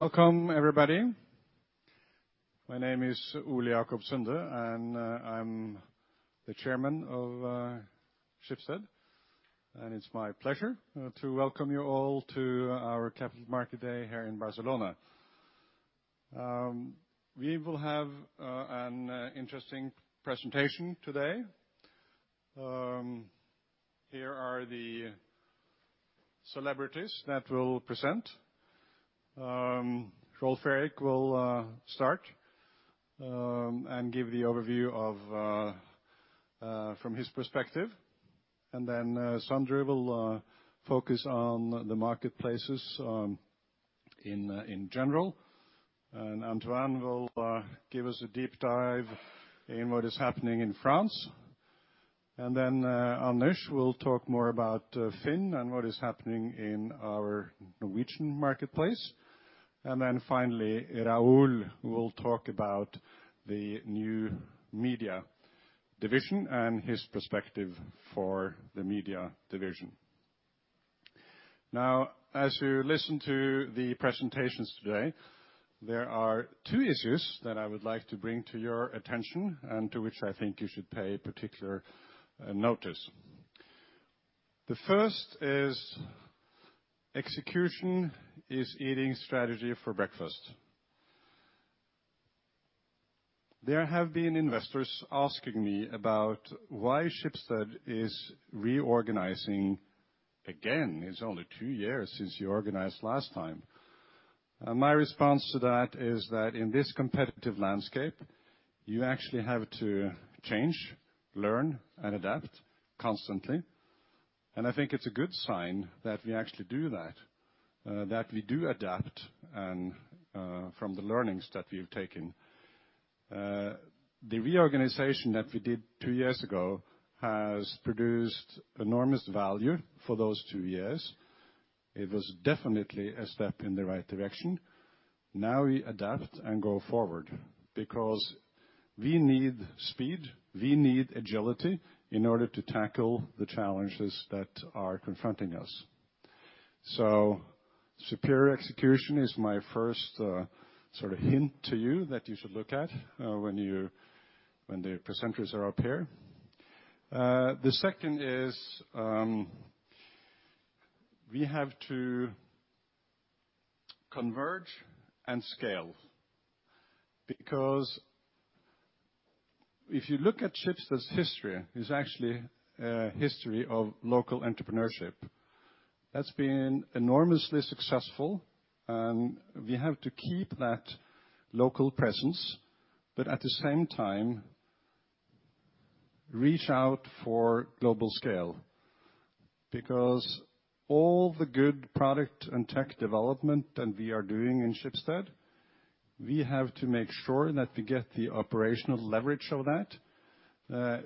Welcome everybody. My name is Ole Jacob Sunde, and I'm the Chairman of Schibsted, and it's my pleasure to welcome you all to our Capital Market Day here in Barcelona. We will have an interesting presentation today. Here are the celebrities that will present. Rolv-Erik will start and give the overview of from his perspective. Sondre will focus on the marketplaces in general, Antoine will give us a deep dive in what is happening in France. Anders will talk more about FINN.no and what is happening in our Norwegian marketplace. Finally, Raoul will talk about the new media division and his perspective for the media division. Now, as you listen to the presentations today, there are two issues that I would like to bring to your attention and to which I think you should pay particular notice. The first is execution is eating strategy for breakfast. There have been investors asking me about why Schibsted is reorganizing again. It's only two years since you organized last time. My response to that is that in this competitive landscape, you actually have to change, learn and adapt constantly. I think it's a good sign that we actually do that we do adapt and from the learnings that we've taken. The reorganization that we did two years ago has produced enormous value for those two years. It was definitely a step in the right direction. Now we adapt and go forward because we need speed, we need agility in order to tackle the challenges that are confronting us. So superior execution is my first sort of hint to you that you should look at when the presenters are up here. The second is, we have to converge and scale because if you look at Schibsted's history is actually a history of local entrepreneurship that's been enormously successful, and we have to keep that local presence, but at the same time reach out for global scale. Because all the good product and tech development that we are doing in Schibsted, we have to make sure that we get the operational leverage of that,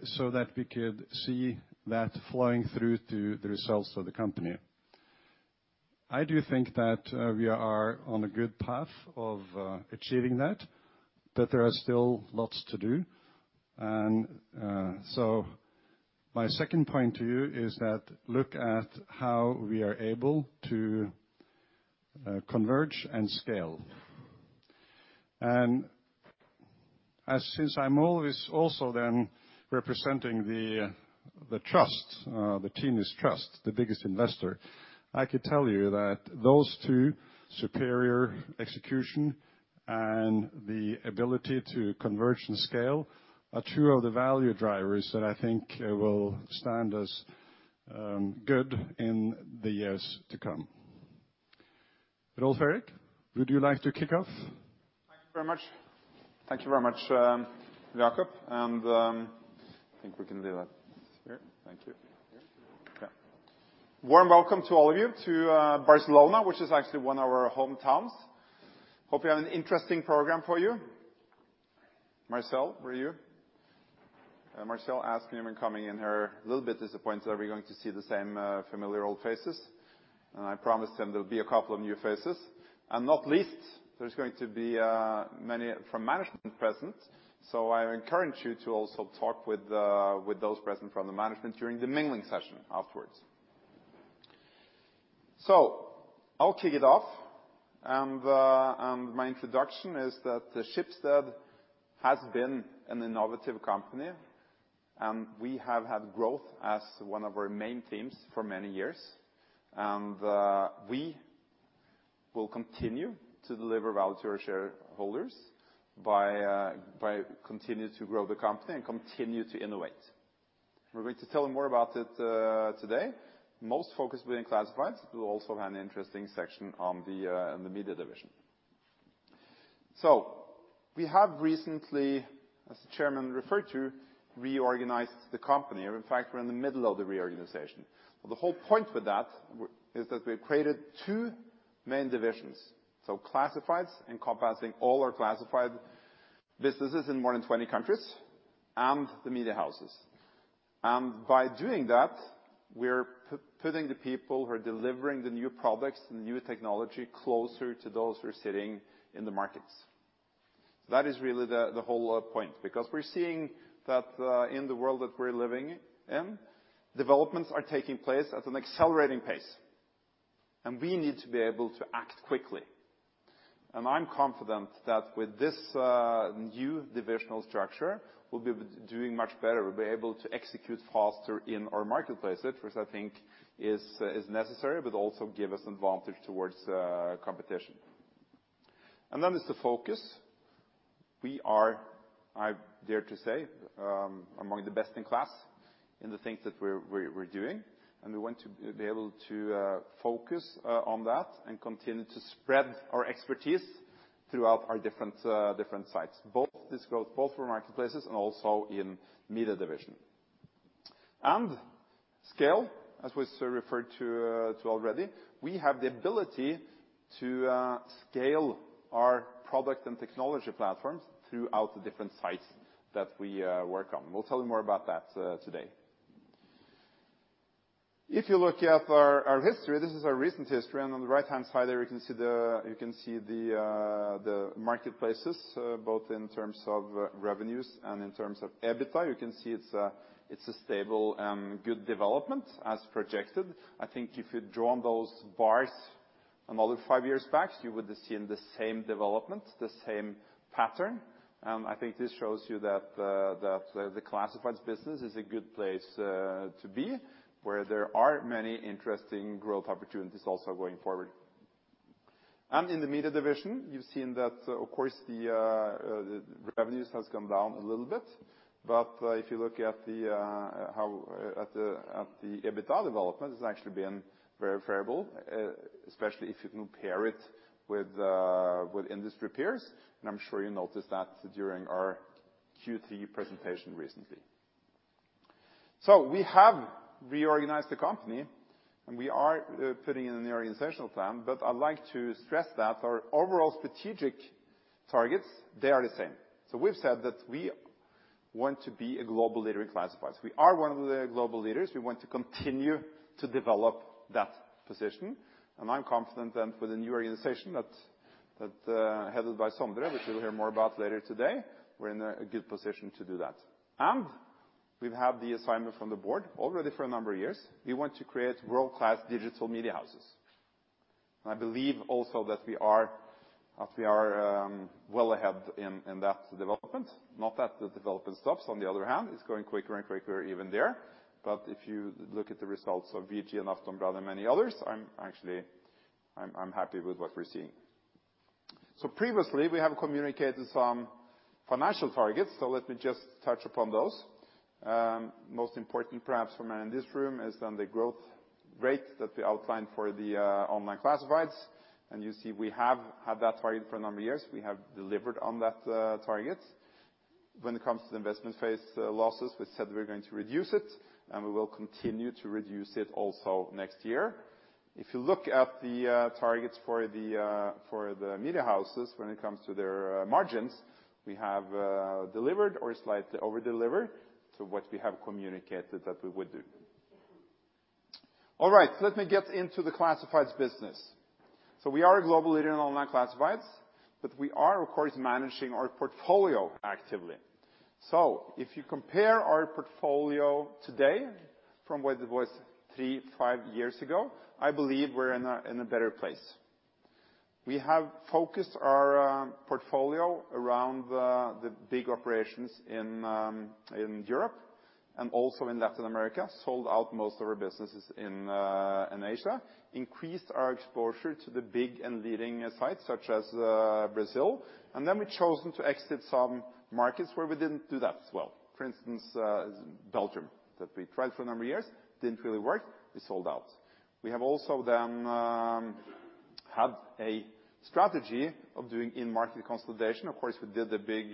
so that we could see that flowing through to the results of the company. I do think that we are on a good path of achieving that, but there are still lots to do. So my second point to you is that look at how we are able to converge and scale. Since I'm always also then representing the trust, the Tinius Trust, the biggest investor, I could tell you that those two superior execution and the ability to converge and scale are two of the value drivers that I think will stand us good in the years to come. Rolv Erik, would you like to kick off? Thank you very much. Thank you very much, Jacob and I think we can do that here. Thank you. Warm welcome to all of you to Barcelona, which is actually one of our hometowns. Hope you have an interesting program for you. Marcel, where are you? Marcel asked me when coming in here, a little bit disappointed that we're going to see the same familiar old faces. I promised him there'll be a couple of new faces. Not least, there's going to be many from management present. I encourage you to also talk with those present from the management during the mingling session afterwards. I'll kick it off. My introduction is that Schibsted has been an innovative company, and we have had growth as one of our main themes for many years. We will continue to deliver value to our shareholders by continue to grow the company and continue to innovate. We're going to tell you more about it today. Most focus will be in classifieds. We'll also have an interesting section on the media division. We have recently, as the Chairman referred to, reorganized the company or in fact, we're in the middle of the reorganization. The whole point with that is that we've created two main divisions. Classifieds encompassing all our classified businesses in more than 20 countries and the media houses. by doing that, we're putting the people who are delivering the new products, the new technology closer to those who are sitting in the markets. That is really the whole point, because we're seeing that in the world that we're living in, developments are taking place at an accelerating pace, and we need to be able to act quickly. I'm confident that with this new divisional structure, we'll be doing much better. We'll be able to execute faster in our marketplaces, which I think is necessary, but also give us advantage towards competition. Then there's the focus. We are, I dare to say, among the best-in-class in the things that we're doing, and we want to be able to focus on that and continue to spread our expertise throughout our different sites, both this growth, both for marketplaces and also in Media division. Scale, as we referred to already, we have the ability to scale our products and technology platforms throughout the different sites that we work on. We'll tell you more about that today. If you look at our history, this is our recent history, on the right-hand side there you can see the marketplaces, both in terms of revenues and in terms of EBITDA. You can see it's a stable, good development as projected. I think if you'd drawn those bars another five years back, you would have seen the same development, the same pattern. I think this shows you that the classifieds business is a good place to be, where there are many interesting growth opportunities also going forward. In the Media division, you've seen that, of course, the revenues has come down a little bit. If you look at the EBITDA development, it's actually been very favorable, especially if you compare it with industry peers. I'm sure you noticed that during our Q3 presentation recently. We have reorganized the company, and we are putting in the organizational plan, but I'd like to stress that our overall strategic targets, they are the same. We've said that we want to be a global leader in classifieds. We are one of the global leaders. We want to continue to develop that position. I'm confident then with the new organization that, headed by Sondre, which you'll hear more about later today, we're in a good position to do that. We've had the assignment from the board already for a number of years. We want to create world-class digital media houses. I believe also that we are well ahead in that development. Not that the development stops, on the other hand, it's going quicker and quicker even there. If you look at the results of VG and Aftenblad and many others, I'm actually happy with what we're seeing. Previously we have communicated some financial targets. Let me just touch upon those. Most important perhaps for many in this room is then the growth rate that we outlined for the online classifieds. You see we have had that target for a number of years. We have delivered on that target. When it comes to the investment phase, losses, we said we're going to reduce it, and we will continue to reduce it also next year. If you look at the targets for the for the media houses, when it comes to their margins, we have delivered or slightly over-delivered to what we have communicated that we would do. Let me get into the classifieds business. We are a global leader in online classifieds, but we are of course managing our portfolio actively. If you compare our portfolio today from what it was three, five years ago, I believe we're in a better place. We have focused our portfolio around the big operations in Europe and also in Latin America, sold out most of our businesses in Asia, increased our exposure to the big and leading sites such as Brazil. We've chosen to exit some markets where we didn't do that as well. For instance, Belgium, that we tried for a number of years, didn't really work, we sold out. We have also then had a strategy of doing in-market consolidation. Of course, we did the big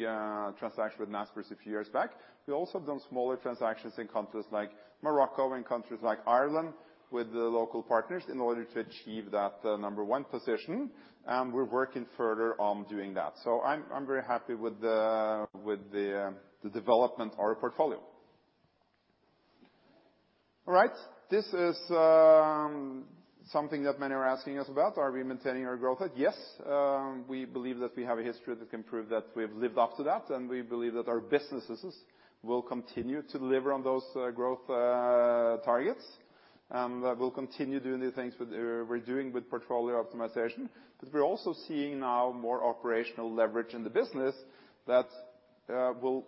transaction with Naspers a few years back. We've also done smaller transactions in countries like Morocco and countries like Ireland with the local partners in order to achieve that, number one position, and we're working further on doing that. I'm very happy with the development of our portfolio. All right. This is something that many are asking us about. Are we maintaining our growth rate? Yes. We believe that we have a history that can prove that we have lived up to that, and we believe that our businesses will continue to deliver on those growth targets. We'll continue doing the things we're doing with portfolio optimization, but we're also seeing now more operational leverage in the business that will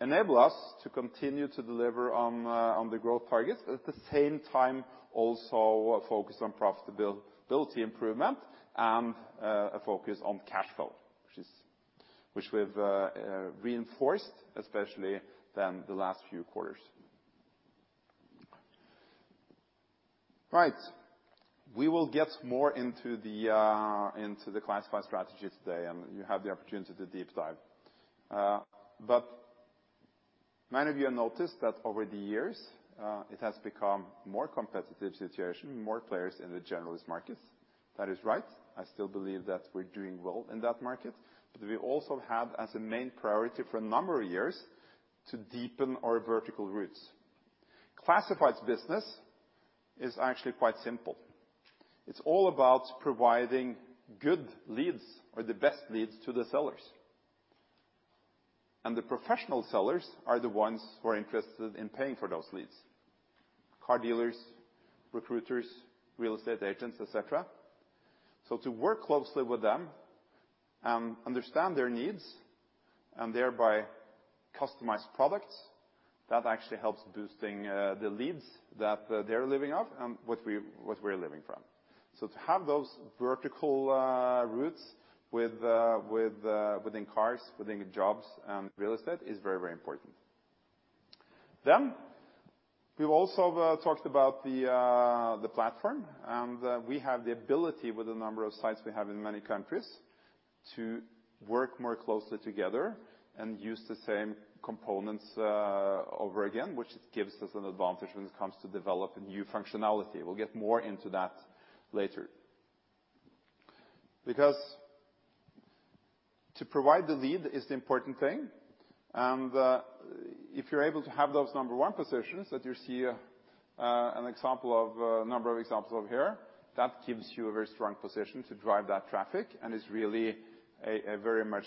enable us to continue to deliver on the growth targets. At the same time, also a focus on profitability improvement and a focus on cash flow, which we've reinforced especially then the last few quarters. Right. We will get more into the classified strategy today, and you have the opportunity to deep dive. But many of you have noticed that over the years, it has become more competitive situation, more players in the generalist markets. That is right. I still believe that we're doing well in that market. But we also have as a main priority for a number of years to deepen our vertical roots. Classified's business is actually quite simple. It's all about providing good leads or the best leads to the sellers. The professional sellers are the ones who are interested in paying for those leads, car dealers, recruiters, real estate agents, et cetera. To work closely with them and understand their needs, and thereby customize products, that actually helps boosting the leads that they're living off and what we're living from. To have those vertical routes within cars, within jobs and real estate is very, very important. We've also talked about the platform, and we have the ability with the number of sites we have in many countries to work more closely together and use the same components over again, which gives us an advantage when it comes to developing new functionality. We'll get more into that later. Because to provide the lead is the important thing, and if you're able to have those number one positions that you see an example of a number of examples over here, that gives you a very strong position to drive that traffic and is really a very much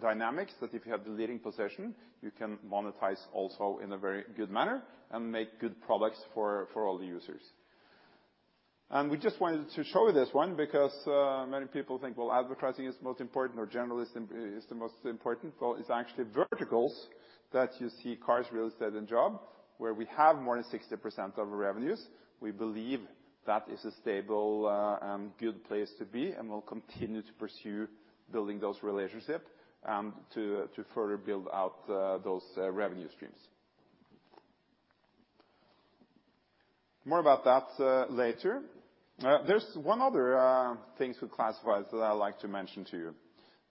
dynamic that if you have the leading position, you can monetize also in a very good manner and make good products for all the users. We just wanted to show you this one because many people think, well, advertising is most important or general is the most important. Well, it's actually verticals that you see cars, real estate and job, where we have more than 60% of our revenues. We believe that is a stable and good place to be, and we'll continue to pursue building those relationships to further build out those revenue streams. More about that later. There's one other things with classifieds that I like to mention to you,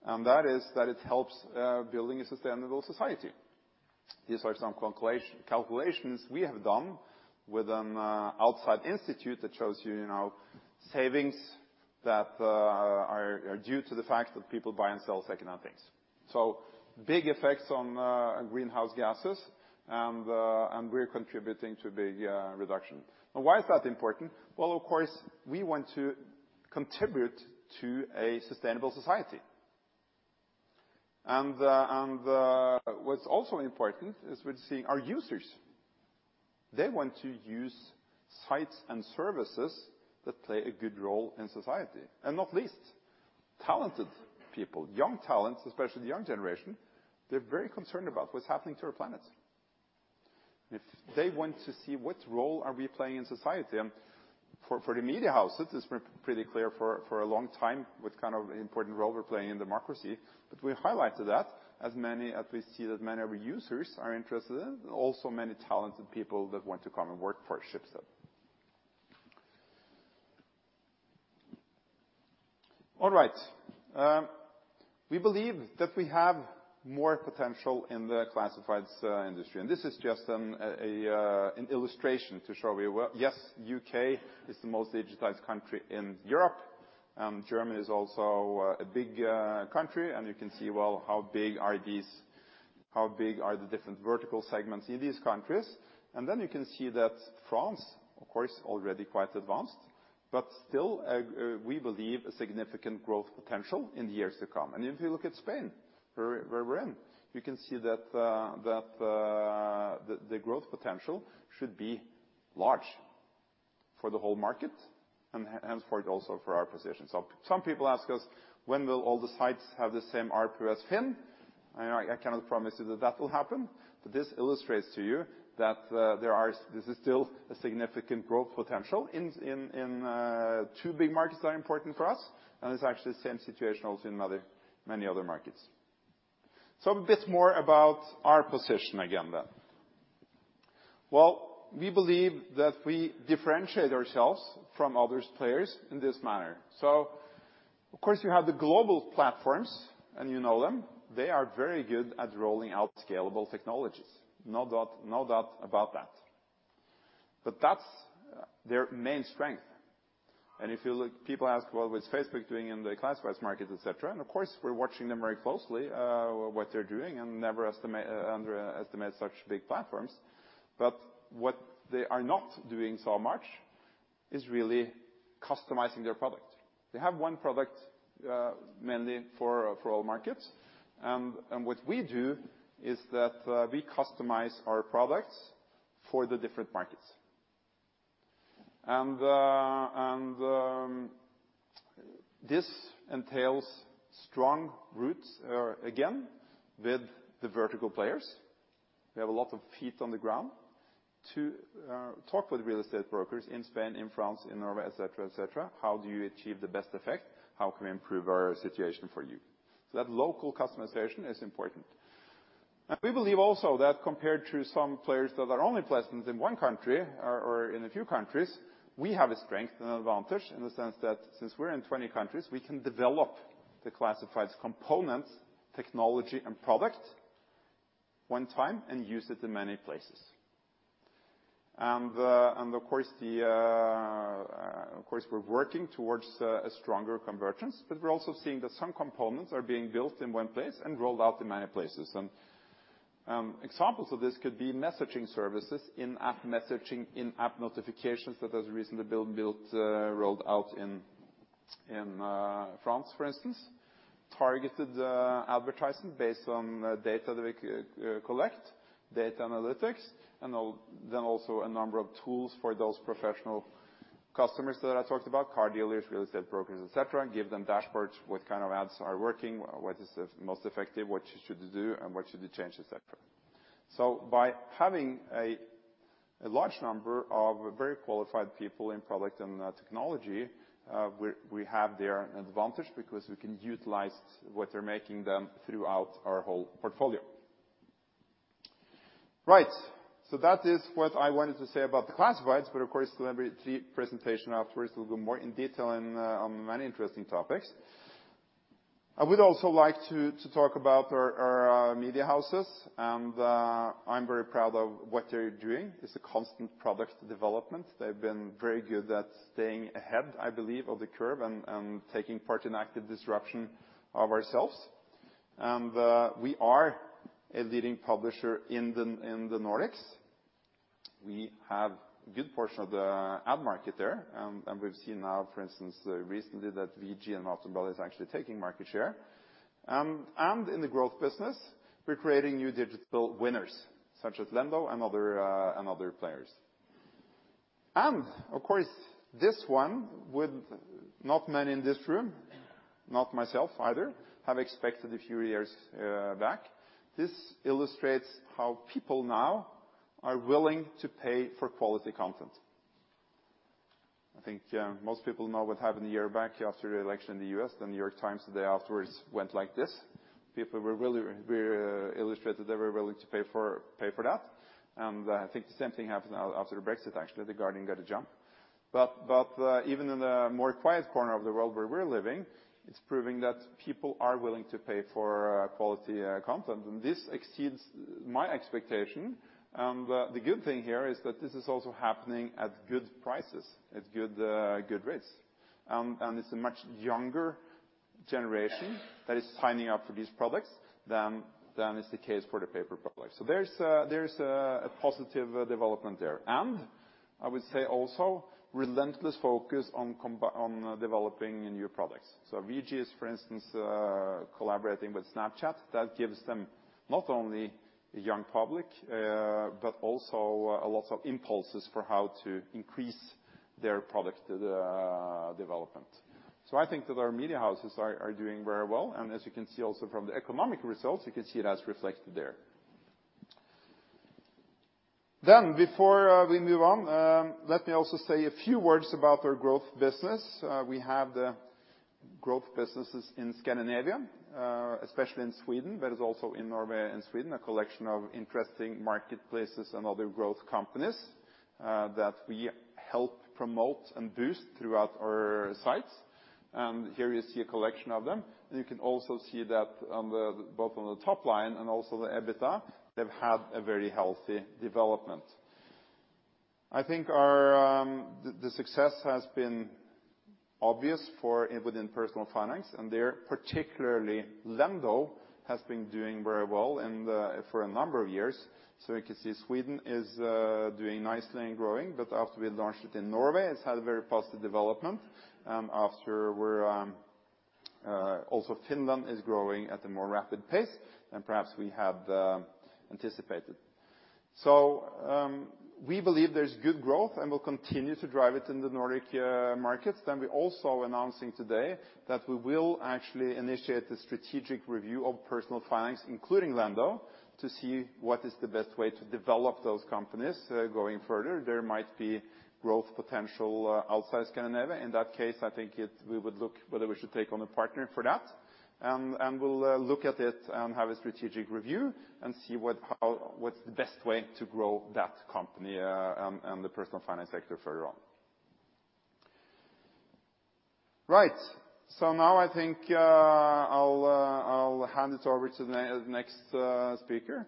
and that is that it helps building a sustainable society. These are some calculations we have done with an outside institute that shows you know, savings that are due to the fact that people buy and sell second-hand things. Big effects on greenhouse gases, and we're contributing to big reduction. Why is that important? Well, of course, we want to contribute to a sustainable society. The... what's also important is we're seeing our users. They want to use sites and services that play a good role in society, and not least, talented people, young talents, especially the young generation, they're very concerned about what's happening to our planet. If they want to see what role are we playing in society, and for the media houses, it's been pretty clear for a long time what kind of important role we're playing in democracy. We highlighted that as many as we see that many of our users are interested in, also many talented people that want to come and work for Schibsted. All right. We believe that we have more potential in the classifieds industry, and this is just an illustration to show. Yes, U.K., is the most digitized country in Europe, and Germany is also a big country. You can see, well, how big are these, how big are the different vertical segments in these countries. You can see that France, of course, already quite advanced, but still, we believe a significant growth potential in the years to come. If you look at Spain, where we're in, you can see that the growth potential should be large for the whole market and hence for it also for our position. Some people ask us, "When will all the sites have the same ARPU as FINN.no?" I cannot promise you that that will happen. This illustrates to you that there is still a significant growth potential in two big markets that are important for us. It's actually the same situation also in other, many other markets. A bit more about our position again then. We believe that we differentiate ourselves from others players in this manner. Of course you have the global platforms and you know them. They are very good at rolling out scalable technologies. No doubt, no doubt about that. But that's their main strength. If you look, people ask, "Well, what's Facebook doing in the classifieds market, et cetera?" Of course, we're watching them very closely what they're doing and never underestimate such big platforms. But what they are not doing so much is really customizing their product. They have one product mainly for all markets. What we do is that we customize our products for the different markets. This entails strong routes again, with the vertical players. We have a lot of feet on the ground to talk with real estate brokers in Spain, in France, in Norway, et cetera, et cetera. How do you achieve the best effect? How can we improve our situation for you? That local customization is important. We believe also that compared to some players that are only present in one country or in a few countries, we have a strength and advantage in the sense that since we're in 20 countries, we can develop the classifieds components, technology and product one time and use it in many places. Of course, the-Of course, we're working towards a stronger convergence, but we're also seeing that some components are being built in one place and rolled out in many places. Examples of this could be messaging services, in-app messaging, in-app notifications that was recently built, rolled out in France, for instance. Targeted advertising based on data that we collect, data analytics and then also a number of tools for those professional customers that I talked about, car dealers, real estate brokers, et cetera, give them dashboards, what kind of ads are working, what is the most effective, what should you do, and what should you change, et cetera. By having a large number of very qualified people in product and technology, we have their advantage because we can utilize what they're making then throughout our whole portfolio. Right. That is what I wanted to say about the classifieds, but of course the laboratory presentation afterwards will go more in detail on many interesting topics. I would also like to talk about our media houses. I'm very proud of what they're doing. It's a constant product development. They've been very good at staying ahead, I believe, of the curve and taking part in active disruption of ourselves. We are a leading publisher in the Nordics. We have a good portion of the ad market there. We've seen now for instance, recently that VG and Aftenposten is actually taking market share. In the growth business, we're creating new digital winners such as Lendo and other players. Of course, this one with not many in this room, not myself either, have expected a few years back. This illustrates how people now are willing to pay for quality content. I think most people know what happened a year back after the election in the U.S., The New York Times, the day afterwards went like this. People were really illustrated they were willing to pay for that. I think the same thing happened now after the Brexit, actually, The Guardian got a jump. Even in the more quiet corner of the world where we're living, it's proving that people are willing to pay for quality content. This exceeds my expectation. The good thing here is that this is also happening at good prices, at good rates. It's a much younger generation that is signing up for these products than is the case for the paper product. There's a positive development there. I would say also relentless focus on developing new products. VG is, for instance, collaborating with Snapchat. That gives them not only a young public, but also a lot of impulses for how to increase their product development. I think that our media houses are doing very well, and as you can see also from the economic results, you can see it as reflected there. Before we move on, let me also say a few words about our growth business. We have the growth businesses in Scandinavia, especially in Sweden, but it's also in Norway and Sweden, a collection of interesting marketplaces and other growth companies that we help promote and boost throughout our sites. Here you see a collection of them, you can also see that on the, both on the top line and also the EBITDA, they've had a very healthy development. I think our the success has been obvious for within personal finance, there particularly Lendo has been doing very well in the, for a number of years. You can see Sweden is doing nicely and growing, after we launched it in Norway, it's had a very positive development, after we're also Finland is growing at a more rapid pace than perhaps we had anticipated. We believe there's good growth, we'll continue to drive it in the Nordic markets. we're also announcing today that we will actually initiate the strategic review of personal finance, including Lendo, to see what is the best way to develop those companies, going further. There might be growth potential, outside Scandinavia. In that case, I think it, we would look whether we should take on a partner for that we'll look at it and have a strategic review and see what, how, what's the best way to grow that company, and the personal finance sector further on. Right. Now I think I'll hand it over to the next speaker.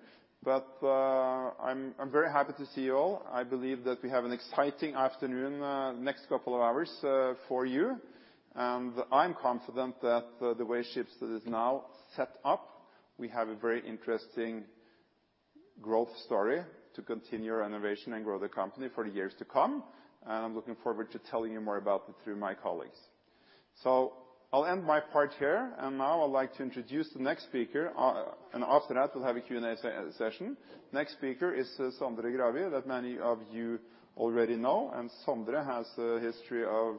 I'm very happy to see you all. I believe that we have an exciting afternoon, next couple of hours, for you. I'm confident that the way Schibsted is now set up, we have a very interesting growth story to continue our innovation and grow the company for years to come, and I'm looking forward to telling you more about it through my colleagues. I'll end my part here, and now I'd like to introduce the next speaker. After that, we'll have a Q&A session. Next speaker is Sondre Gravir that many of you already know, and Sondre has a history of.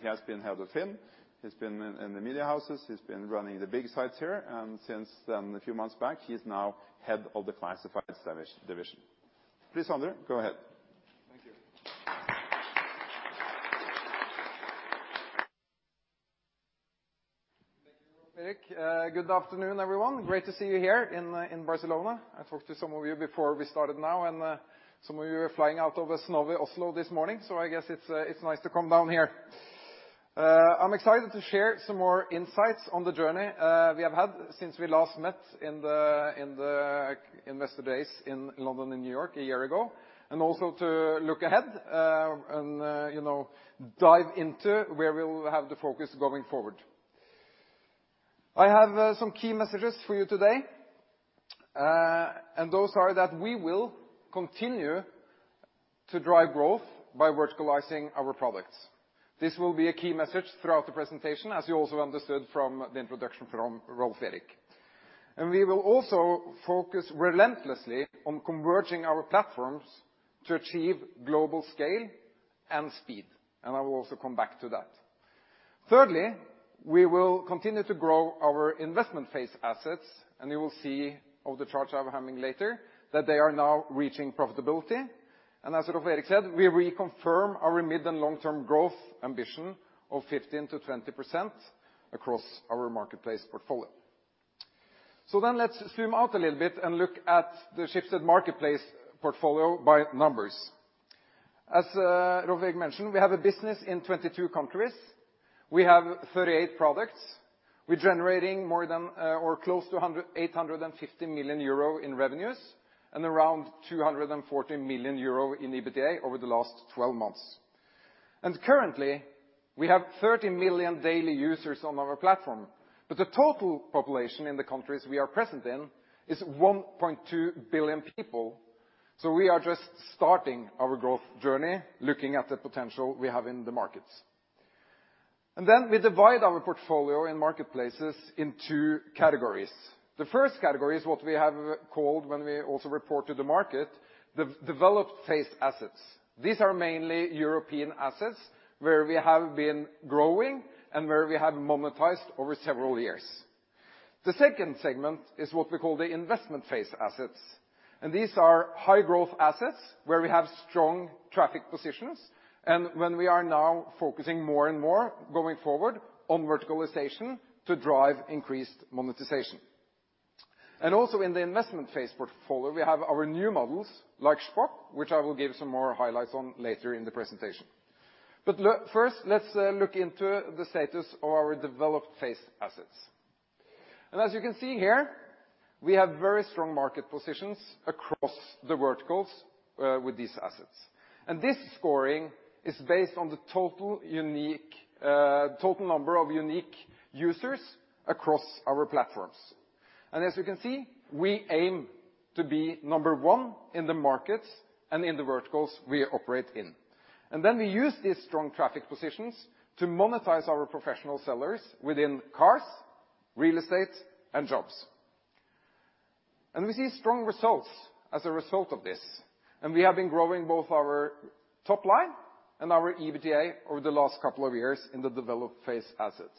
He has been head of FINN, he's been in the media houses, he's been running the big sites here, and since then, a few months back, he's now head of the classifieds division. Please, Sondre, go ahead. Thank you. Thank you, Rolv-Erik. Good afternoon, everyone. Great to see you here in Barcelona. I talked to some of you before we started now, and some of you were flying out of a snowy Oslo this morning, so I guess it's nice to come down here. I'm excited to share some more insights on the journey we have had since we last met in the investor days in London and New York a year ago, and also to look ahead, and, you know, dive into where we'll have the focus going forward. I have some key messages for you today. Those are that we will continue to drive growth by verticalizing our products. This will be a key message throughout the presentation, as you also understood from the introduction from Rolv-Erik. We will also focus relentlessly on converging our platforms to achieve global scale and speed. I will also come back to that. Thirdly, we will continue to grow our investment phase assets, and you will see of the charts I'm having later that they are now reaching profitability. As Rolv-Erik said, we reconfirm our mid and long-term growth ambition of 15%-20% across our marketplace portfolio. Let's zoom out a little bit and look at the Schibsted marketplace portfolio by numbers. As Rolv-Erik mentioned, we have a business in 22 countries. We have 38 products. We're generating more than or close to 850 million euro in revenues and around 240 million euro in EBITDA over the last 12 months. Currently, we have 30 million daily users on our platform, but the total population in the countries we are present in is 1.2 billion people. We are just starting our growth journey, looking at the potential we have in the markets. Then we divide our portfolio in marketplaces in two categories. The first category is what we have called when we also report to the market, the developed phase assets. These are mainly European assets where we have been growing and where we have monetized over several years. The second segment is what we call the investment phase assets. These are high-growth assets where we have strong traffic positions and when we are now focusing more and more going forward on verticalization to drive increased monetization. Also in the investment phase portfolio, we have our new models like Shpock, which I will give some more highlights on later in the presentation. First, let's look into the status of our developed phase assets. As you can see here, we have very strong market positions across the verticals with these assets. This scoring is based on the total unique total number of unique users across our platforms. As you can see, we aim to be number one in the markets and in the verticals we operate in. We use these strong traffic positions to monetize our professional sellers within cars, real estate and jobs. We see strong results as a result of this, and we have been growing both our top line and our EBITDA over the last couple of years in the developed phase assets.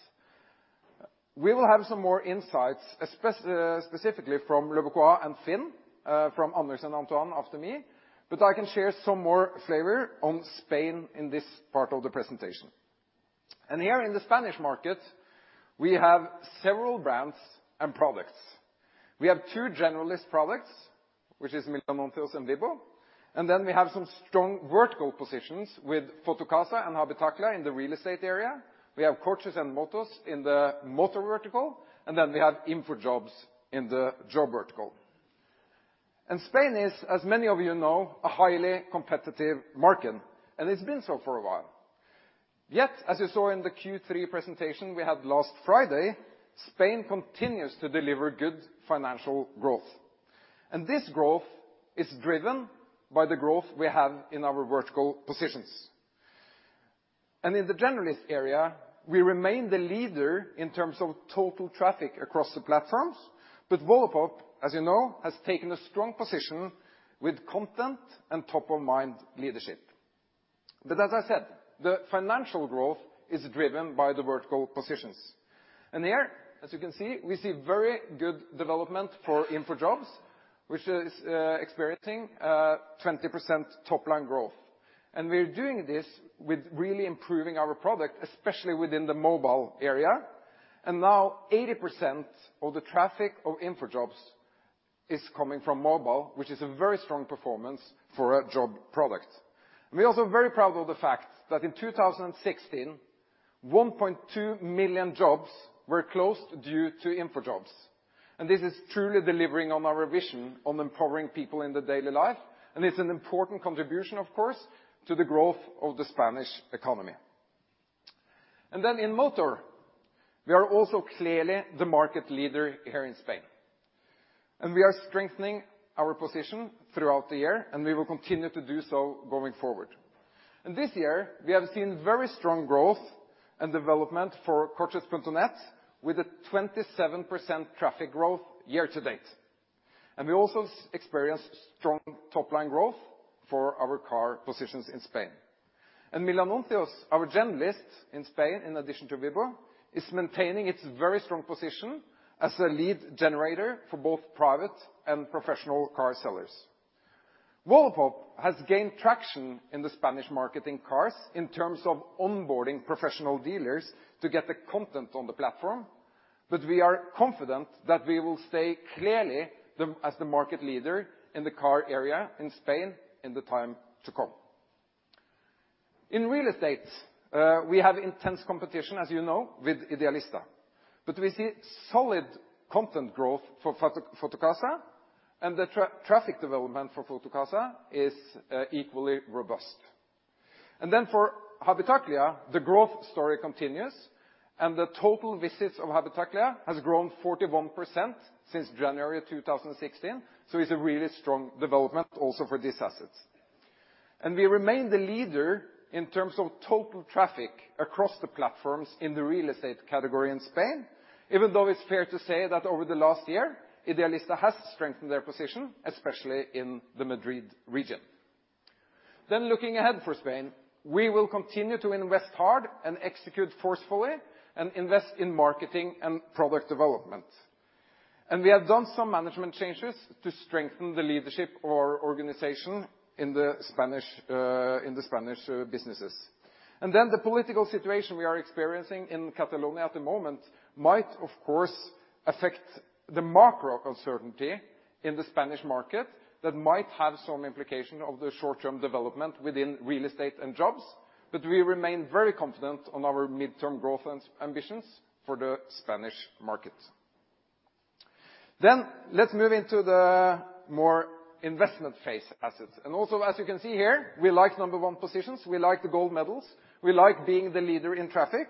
We will have some more insights, specifically from Leboncoin and FINN, from Anders and Antoine after me, but I can share some more flavor on Spain in this part of the presentation. Here in the Spanish market, we have several brands and products. We have two generalist products, which is Milanuncios and Vibbo. And then we have some strong vertical positions with Fotocasa and habitaclia in the real estate area. We have Coches and Motos in the motor vertical, and then we have InfoJobs in the job vertical. Spain is, as many of you know, a highly competitive market, and it's been so for a while. Yet, as you saw in the Q3 presentation we had last Friday, Spain continues to deliver good financial growth, and this growth is driven by the growth we have in our vertical positions. In the generalist area, we remain the leader in terms of total traffic across the platforms, but Wallapop, you know, has taken a strong position with content and top-of-mind leadership. As I said, the financial growth is driven by the vertical positions. Here, as you can see, we see very good development for Infojobs, which is experiencing 20% top-line growth. We're doing this with really improving our product, especially within the mobile area. Now 80% of the traffic of Infojobs is coming from mobile, which is a very strong performance for a job product. We're also very proud of the fact that in 2016, 1.2 million jobs were closed due to Infojobs. This is truly delivering on our vision on empowering people in their daily life. It's an important contribution, of course, to the growth of the Spanish economy. In motor, we are also clearly the market leader here in Spain. We are strengthening our position throughout the year, and we will continue to do so going forward. This year, we have seen very strong growth and development for coches.net with a 27% traffic growth year to date. We also experienced strong top-line growth for our car positions in Spain. Milanuncios, our generalist in Spain, in addition to Vibbo, is maintaining its very strong position as a lead generator for both private and professional car sellers. Wallapop has gained traction in the Spanish market in cars in terms of onboarding professional dealers to get the content on the platform. We are confident that we will stay clearly as the market leader in the car area in Spain in the time to come. In real estate, we have intense competition, as you know, with idealista. We see solid content growth for Fotocasa, and the traffic development for Fotocasa is equally robust. For habitaclia, the growth story continues, and the total visits of habitaclia has grown 41% since January 2016. It's a really strong development also for these assets. We remain the leader in terms of total traffic across the platforms in the real estate category in Spain, even though it's fair to say that over the last year, idealista has strengthened their position, especially in the Madrid region. Looking ahead for Spain, we will continue to invest hard and execute forcefully and invest in marketing and product development. We have done some management changes to strengthen the leadership or organization in the Spanish businesses. The political situation we are experiencing in Catalonia at the moment might, of course, affect the macro uncertainty in the Spanish market that might have some implication of the short-term development within real estate and jobs. We remain very confident on our midterm growth and ambitions for the Spanish market. Let's move into the more investment phase assets. Also, as you can see here, we like number one positions. We like the gold medals. We like being the leader in traffic,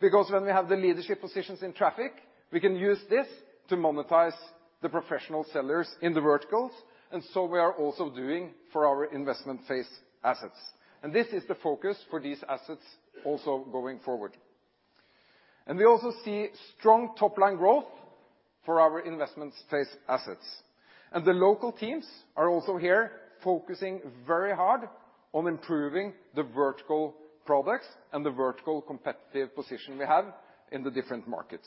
because when we have the leadership positions in traffic, we can use this to monetize the professional sellers in the verticals, and so we are also doing for our investment phase assets. This is the focus for these assets also going forward. We also see strong top line growth for our investment phase assets. The local teams are also here focusing very hard on improving the vertical products and the vertical competitive position we have in the different markets.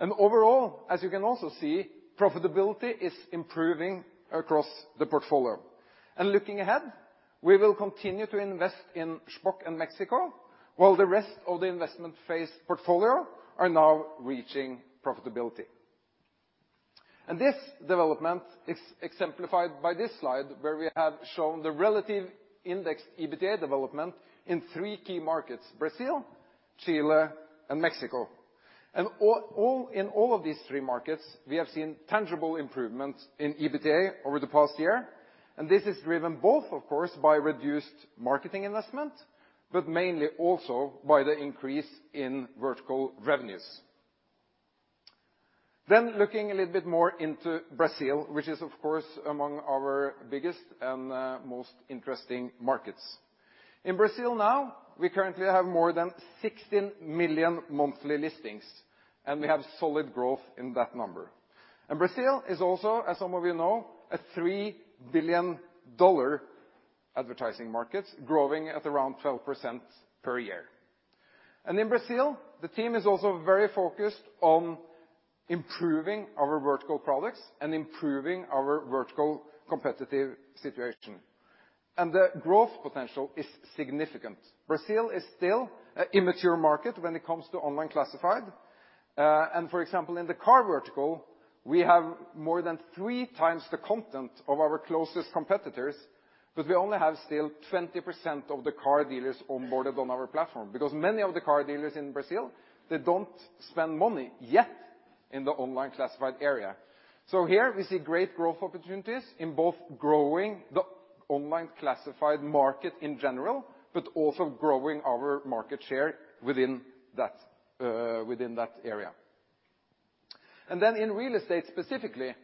Overall, as you can also see, profitability is improving across the portfolio. Looking ahead, we will continue to invest in Shpock and Mexico, while the rest of the investment phase portfolio are now reaching profitability. This development is exemplified by this slide, where we have shown the relative index EBITDA development in three key markets, Brazil, Chile, and Mexico. All in all of these three markets, we have seen tangible improvements in EBITDA over the past year, and this is driven both, of course, by reduced marketing investment, but mainly also by the increase in vertical revenues. Looking a little bit more into Brazil, which is of course among our biggest and most interesting markets. In Brazil now, we currently have more than 16 million monthly listings, and we have solid growth in that number. Brazil is also, as some of you know, a $3 billion advertising market growing at around 12% per year. In Brazil, the team is also very focused on improving our vertical products and improving our vertical competitive situation. The growth potential is significant. Brazil is still an immature market when it comes to online classifieds. For example, in the car vertical, we have more than three times the content of our closest competitors, but we only have still 20% of the car dealers onboarded on our platform, because many of the car dealers in Brazil, they don't spend money yet in the online classifieds area. Here we see great growth opportunities in both growing the online classifieds market in general, but also growing our market share within that area. In real estate specifically,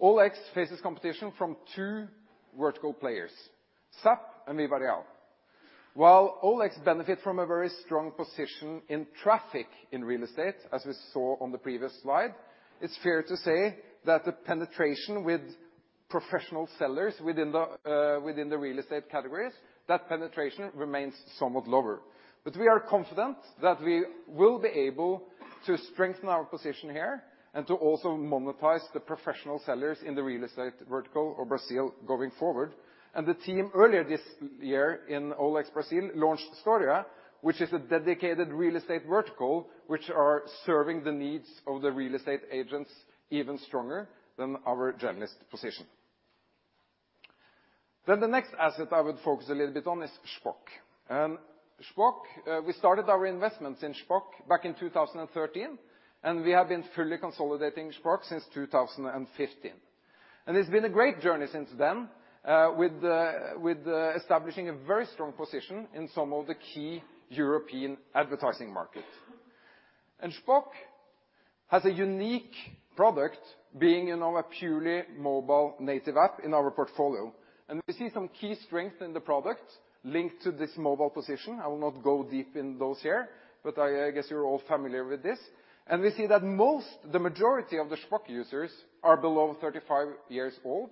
OLX faces competition from two vertical players, ZAP and VivaReal. While OLX benefit from a very strong position in traffic in real estate, as we saw on the previous slide, it's fair to say that the penetration with professional sellers within the within the real estate categories, that penetration remains somewhat lower. We are confident that we will be able to strengthen our position here and to also monetize the professional sellers in the real estate vertical of Brazil going forward. The team earlier this year in OLX Brazil launched Storia, which is a dedicated real estate vertical, which are serving the needs of the real estate agents even stronger than our generalist position. The next asset I would focus a little bit on is Shpock. Shpock, we started our investments in Shpock back in 2013, and we have been fully consolidating Shpock since 2015. It's been a great journey since then, with, establishing a very strong position in some of the key European advertising market. Shpock has a unique product being, you know, a purely mobile native app in our portfolio. We see some key strengths in the product linked to this mobile position. I will not go deep in those here, but I guess you're all familiar with this. We see that most, the majority of the Shpock users are below 35 years old.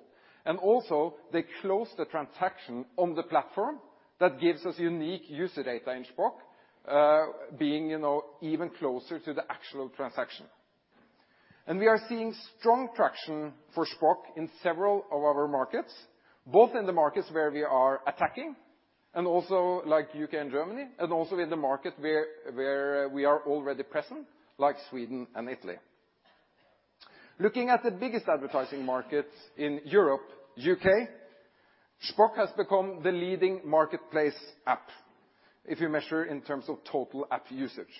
Also, they close the transaction on the platform that gives us unique user data in Shpock, you know, even closer to the actual transaction. We are seeing strong traction for Shpock in several of our markets, both in the markets where we are attacking, and also like U.K. and Germany, and also in the market where we are already present, like Sweden and Italy. Looking at the biggest advertising markets in Europe, U.K., Shpock has become the leading marketplace app, if you measure in terms of total app usage.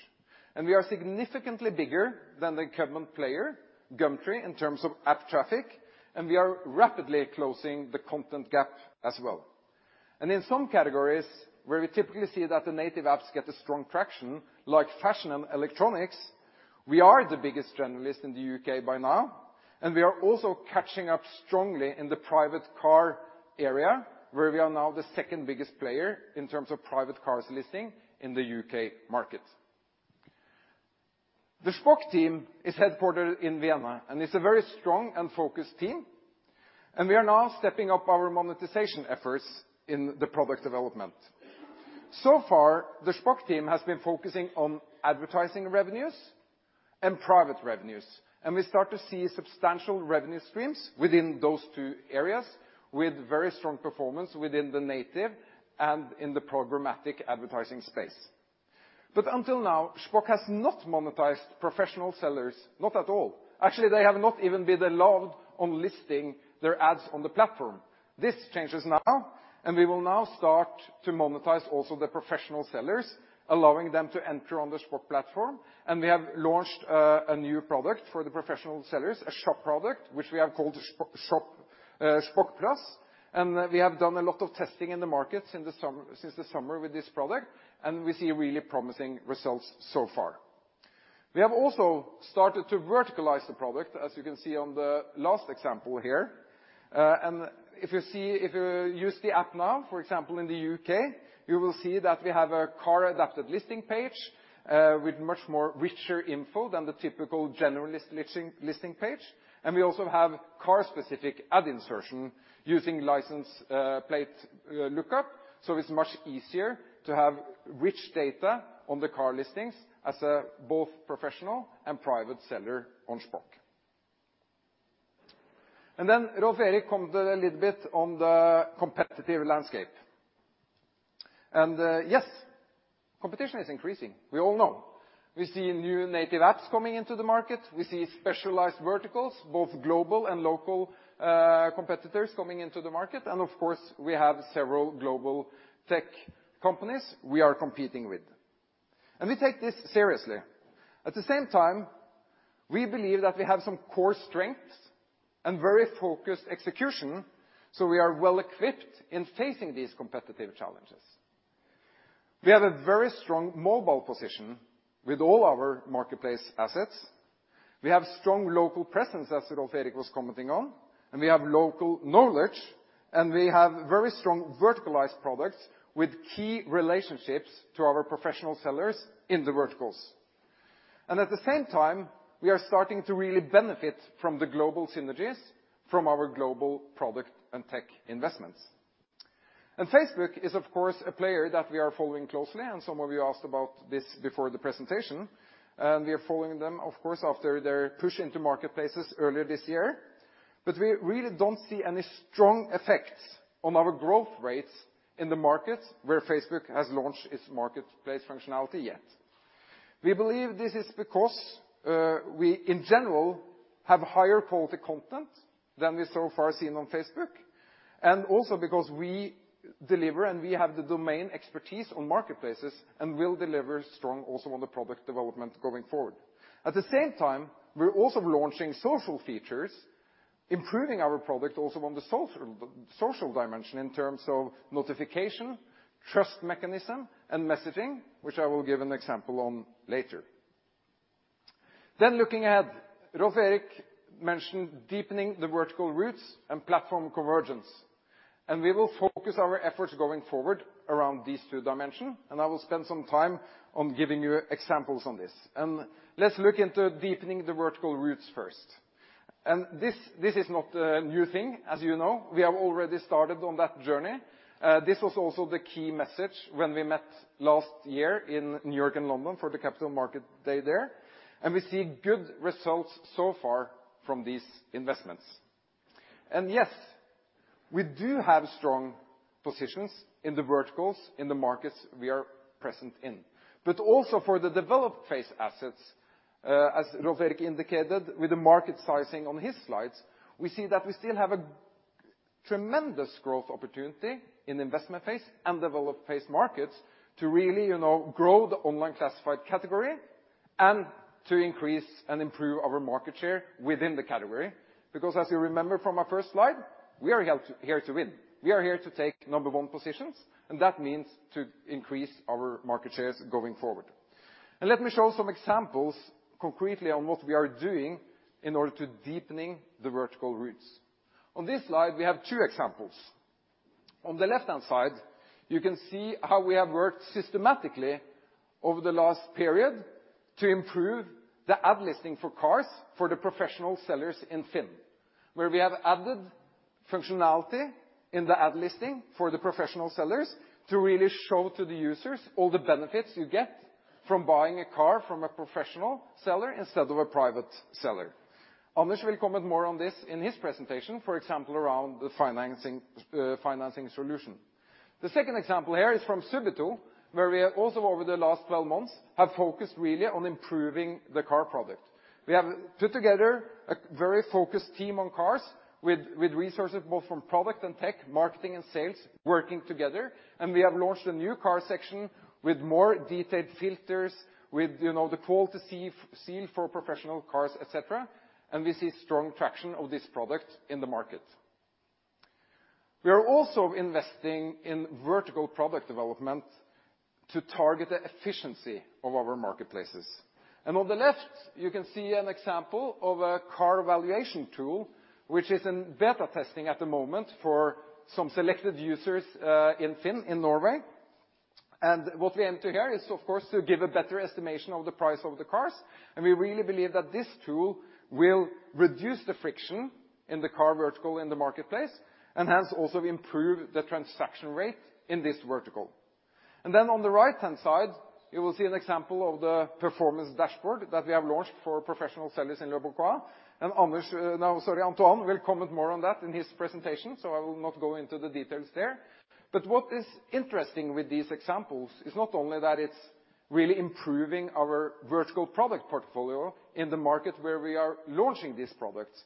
We are significantly bigger than the incumbent player, Gumtree, in terms of app traffic, and we are rapidly closing the content gap as well. In some categories where we typically see that the native apps get a strong traction, like fashion and electronics, we are the biggest generalist in the U.K. by now. We are also catching up strongly in the private car area, where we are now the second biggest player in terms of private cars listing in the UK market. The Shpock team is headquartered in Vienna. It's a very strong and focused team. We are now stepping up our monetization efforts in the product development. So far, the Shpock team has been focusing on advertising revenues and private revenues. We start to see substantial revenue streams within those two areas with very strong performance within the native and in the programmatic advertising space. Until now, Shpock has not monetized professional sellers, not at all. Actually, they have not even been allowed on listing their ads on the platform. This changes now. We will now start to monetize also the professional sellers, allowing them to enter on the Shpock platform. We have launched a new product for the professional sellers, a shop product, which we have called Shpock Shop, Shpock+. We have done a lot of testing in the market since the summer with this product, and we see really promising results so far. We have also started to verticalize the product, as you can see on the last example here. If you see, if you use the app now, for example, in the U.K., you will see that we have a car-adapted listing page with much more richer info than the typical generalist listing page, and we also have car-specific ad insertion using license plate lookup, so it's much easier to have rich data on the car listings as a both professional and private seller on Shpock. Then Rolv-Erik commented a little bit on the competitive landscape. Yes, competition is increasing. We all know. We see new native apps coming into the market. We see specialized verticals, both global and local, competitors coming into the market. Of course, we have several global tech companies we are competing with. We take this seriously. At the same time, we believe that we have some core strengths and very focused execution, we are well equipped in facing these competitive challenges. We have a very strong mobile position with all our marketplace assets. We have strong local presence, as Rolv-Erik was commenting on, and we have local knowledge, and we have very strong verticalized products with key relationships to our professional sellers in the verticals. At the same time, we are starting to really benefit from the global synergies from our global product and tech investments. Facebook is, of course, a player that we are following closely, and some of you asked about this before the presentation. We are following them, of course, after their push into marketplaces earlier this year. We really don't see any strong effects on our growth rates in the markets where Facebook has launched its marketplace functionality yet. We believe this is because we, in general, have higher quality content than we've so far seen on Facebook, and also because we deliver, and we have the domain expertise on marketplaces and will deliver strong also on the product development going forward. At the same time, we're also launching social features, improving our product also on the social dimension in terms of notification, trust mechanism, and messaging, which I will give an example on later. Looking at Rolv-Erik mentioned deepening the vertical roots and platform convergence, we will focus our efforts going forward around these two dimension, I will spend some time on giving you examples on this. Let's look into deepening the vertical roots first. This, this is not a new thing, as you know. We have already started on that journey. This was also the key message when we met last year in New York and London for the Capital Market Day there. We see good results so far from these investments. Yes, we do have strong positions in the verticals in the markets we are present in. Also for the developed phase assets, as Rolv-Erik indicated with the market sizing on his slides, we see that we still have a tremendous growth opportunity in investment phase and developed phase markets to really, you know, grow the online classified category and to increase and improve our market share within the category. As you remember from our first slide, we are here to win. We are here to take number one positions, that means to increase our market shares going forward. Let me show some examples concretely on what we are doing in order to deepening the vertical roots. On this slide, we have two examples. On the left-hand side, you can see how we have worked systematically over the last period to improve the ad listing for cars for the professional sellers in FINN. Where we have added functionality in the ad listing for the professional sellers to really show to the users all the benefits you get from buying a car from a professional seller instead of a private seller. Anders will comment more on this in his presentation, for example, around the financing solution. The second example here is from Subito, where we are also over the last 12 months have focused really on improving the car product. We have put together a very focused team on cars with resources both from product and tech, marketing and sales working together. We have launched a new car section with more detailed filters, with, you know, the quality seal for professional cars, et cetera. We see strong traction of this product in the market. We are also investing in vertical product development to target the efficiency of our marketplaces. On the left, you can see an example of a car valuation tool, which is in beta testing at the moment for some selected users in FINN, in Norway. What we enter here is, of course, to give a better estimation of the price of the cars. We really believe that this tool will reduce the friction in the car vertical in the marketplace, and hence also improve the transaction rate in this vertical. On the right-hand side, you will see an example of the performance dashboard that we have launched for professional sellers in Leboncoin. Anders, Antoine will comment more on that in his presentation, so I will not go into the details there. What is interesting with these examples is not only that it's really improving our vertical product portfolio in the market where we are launching these products,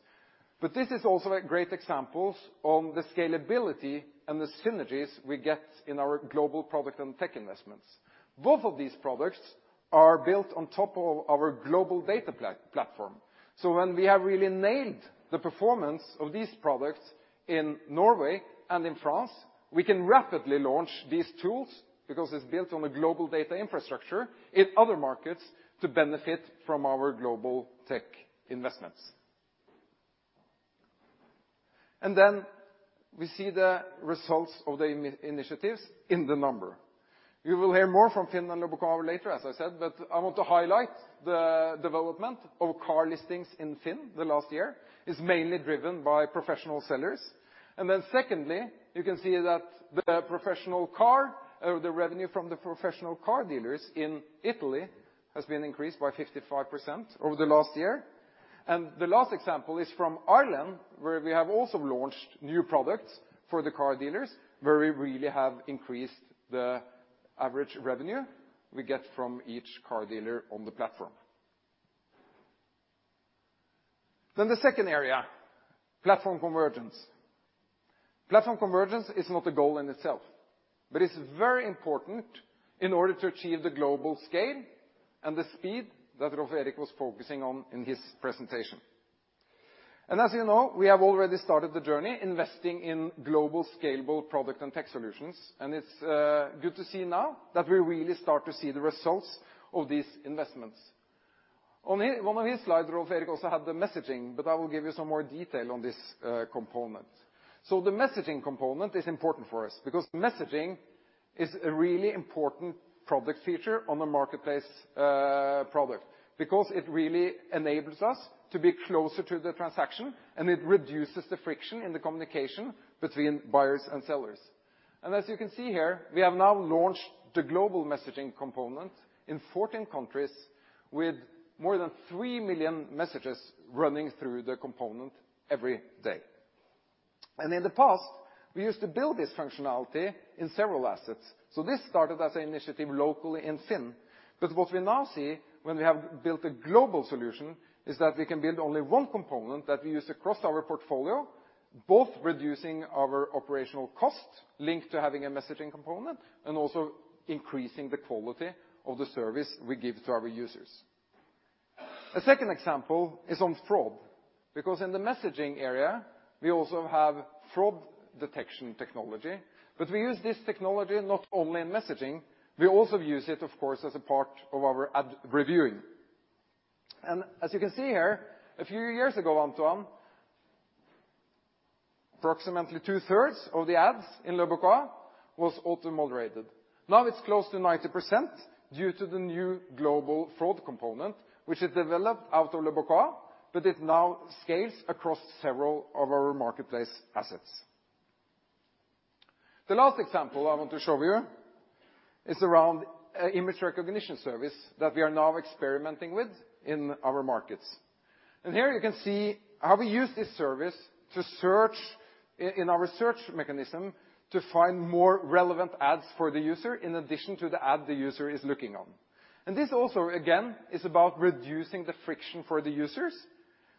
but this is also a great examples on the scalability and the synergies we get in our global data platform. When we have really nailed the performance of these products in Norway and in France, we can rapidly launch these tools because it's built on a global data infrastructure in other markets to benefit from our global tech investments. Then we see the results of the initiatives in the number. You will hear more from FINN and Leboncoin later, as I said, but I want to highlight the development of car listings in FINN the last year is mainly driven by professional sellers. Secondly, you can see that the professional car, or the revenue from the professional car dealers in Italy has been increased by 55% over the last year. The last example is from Ireland, where we have also launched new products for the car dealers, where we really have increased the average revenue we get from each car dealer on the platform. The second area, platform convergence. Platform convergence is not a goal in itself, but it's very important in order to achieve the global scale and the speed that Rolv-Erik was focusing on in his presentation. As you know, we have already started the journey investing in global scalable product and tech solutions, and it's good to see now that we really start to see the results of these investments. On one of his slides, Rolv-Erik also had the messaging, but I will give you some more detail on this component. The messaging component is important for us because messaging is a really important product feature on the marketplace product, because it really enables us to be closer to the transaction, and it reduces the friction in the communication between buyers and sellers. As you can see here, we have now launched the global messaging component in 14 countries with more than three million messages running through the component every day. In the past, we used to build this functionality in several assets. This started as an initiative locally in FINN. What we now see when we have built a global solution is that we can build only one component that we use across our portfolio, both reducing our operational costs linked to having a messaging component and also increasing the quality of the service we give to our users. A second example is on fraud, because in the messaging area, we also have fraud detection technology. We use this technology not only in messaging, we also use it, of course, as a part of our ad reviewing. As you can see here, a few years ago, Antoine, approximately two-thirds of the ads in Leboncoin was auto-moderated. Now it's close to 90% due to the new global fraud component, which is developed out of Leboncoin, but it now scales across several of our marketplace assets. The last example I want to show you is around image recognition service that we are now experimenting with in our markets. Here you can see how we use this service to search in our search mechanism to find more relevant ads for the user in addition to the ad the user is looking on. This also, again, is about reducing the friction for the users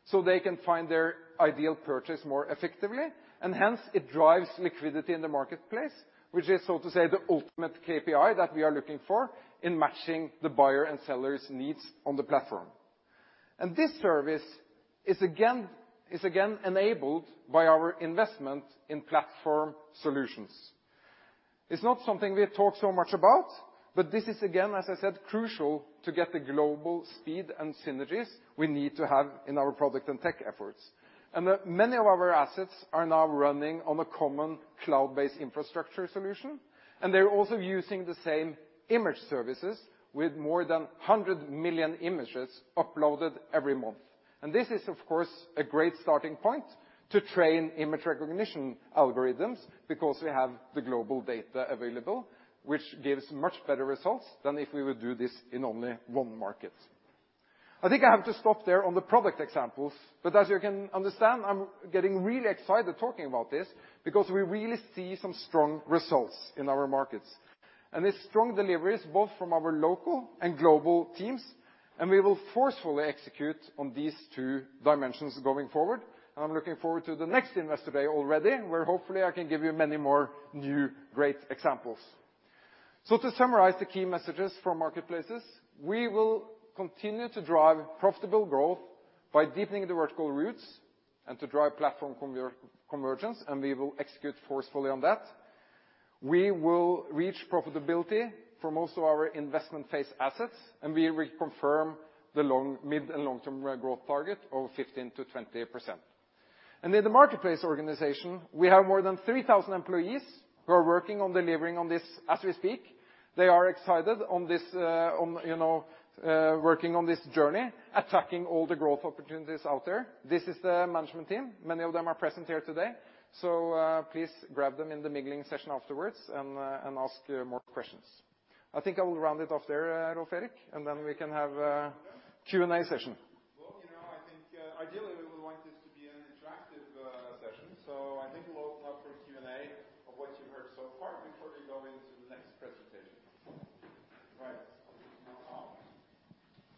so they can find their ideal purchase more effectively, and hence it drives liquidity in the marketplace, which is, so to say, the ultimate KPI that we are looking for in matching the buyer and seller's needs on the platform. This service is again enabled by our investment in platform solutions. It's not something we talk so much about. This is again, as I said, crucial to get the global speed and synergies we need to have in our product and tech efforts. Many of our assets are now running on a common cloud-based infrastructure solution, and they're also using the same image services with more than 100 million images uploaded every month. This is, of course, a great starting point to train image recognition algorithms because we have the global data available, which gives much better results than if we would do this in only one market. I think I have to stop there on the product examples, but as you can understand, I'm getting really excited talking about this because we really see some strong results in our markets. It's strong deliveries both from our local and global teams, and we will forcefully execute on these two dimensions going forward. I'm looking forward to the next Investor Day already, where hopefully I can give you many more new great examples. To summarize the key messages from marketplaces, we will continue to drive profitable growth by deepening the vertical roots and to drive platform convergence, and we will execute forcefully on that. We will reach profitability for most of our investment phase assets, and we reconfirm the mid- and long-term growth target of 15%-20%. In the marketplace organization, we have more than 3,000 employees who are working on delivering on this as we speak. They are excited on this, on, you know, working on this journey, attacking all the growth opportunities out there. This is the management team. Many of them are present here today. Please grab them in the mingling session afterwards and ask more questions. I think I will round it off there, Rolv-Erik, and then we can have a Q&A session. Well, you know, I think ideally we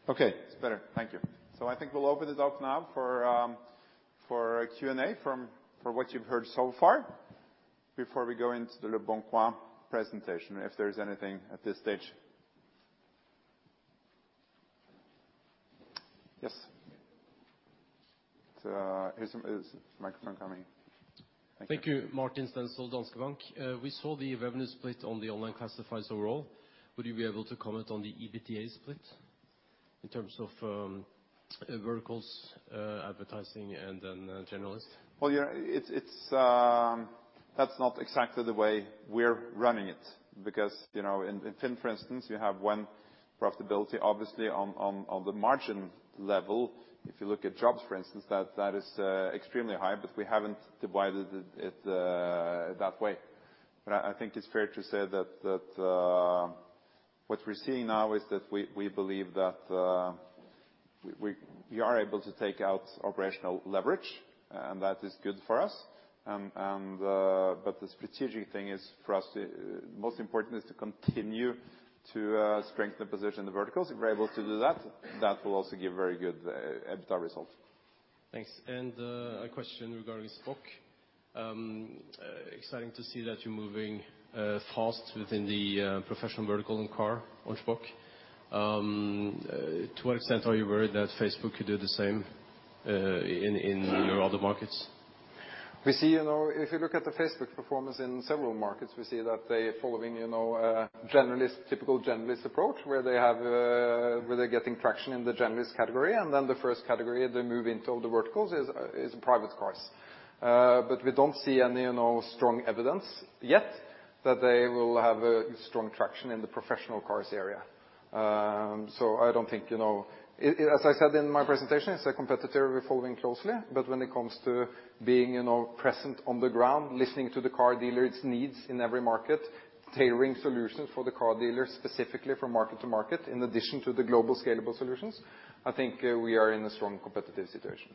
would like this to be an interactive session. I think we'll open up for Q&A of what you heard so far before we go into the next presentation. Right. Now on. Okay, it's better. Thank you. I think we'll open it up now for Q&A for what you've heard so far before we go into the Leboncoin presentation, if there's anything at this stage. Yes. Is microphone coming. Thank you. Thank you. Martin Stenshall, Danske Bank. We saw the revenue split on the online classifieds overall. Would you be able to comment on the EBITDA split in terms of verticals, advertising and then generalist? Yeah, it's, that's not exactly the way we're running it because, you know, in FINN.no, for instance, you have one profitability obviously on, on the margin level. If you look at jobs, for instance, that is extremely high, but we haven't divided it that way. I think it's fair to say that, what we're seeing now is that we believe that, we are able to take out operational leverage, and that is good for us. The strategic thing is for us, most important is to continue to strengthen the position in the verticals. If we're able to do that will also give very good EBITDA results. Thanks. A question regarding Shpock. Exciting to see that you're moving fast within the professional vertical and car on Shpock. To what extent are you worried that Facebook could do the same in your other markets? We see, you know, if you look at the Facebook performance in several markets, we see that they following, you know, generalist typical generalist approach, where they have, where they're getting traction in the generalist category, and then the first category they move into all the verticals is private cars. We don't see any, you know, strong evidence yet that they will have a strong traction in the professional cars area. I don't think, you know. As I said in my presentation, it's a competitor we're following closely. When it comes to being, you know, present on the ground, listening to the car dealers' needs in every market, tailoring solutions for the car dealers specifically from market to market, in addition to the global scalable solutions, I think we are in a strong competitive situation.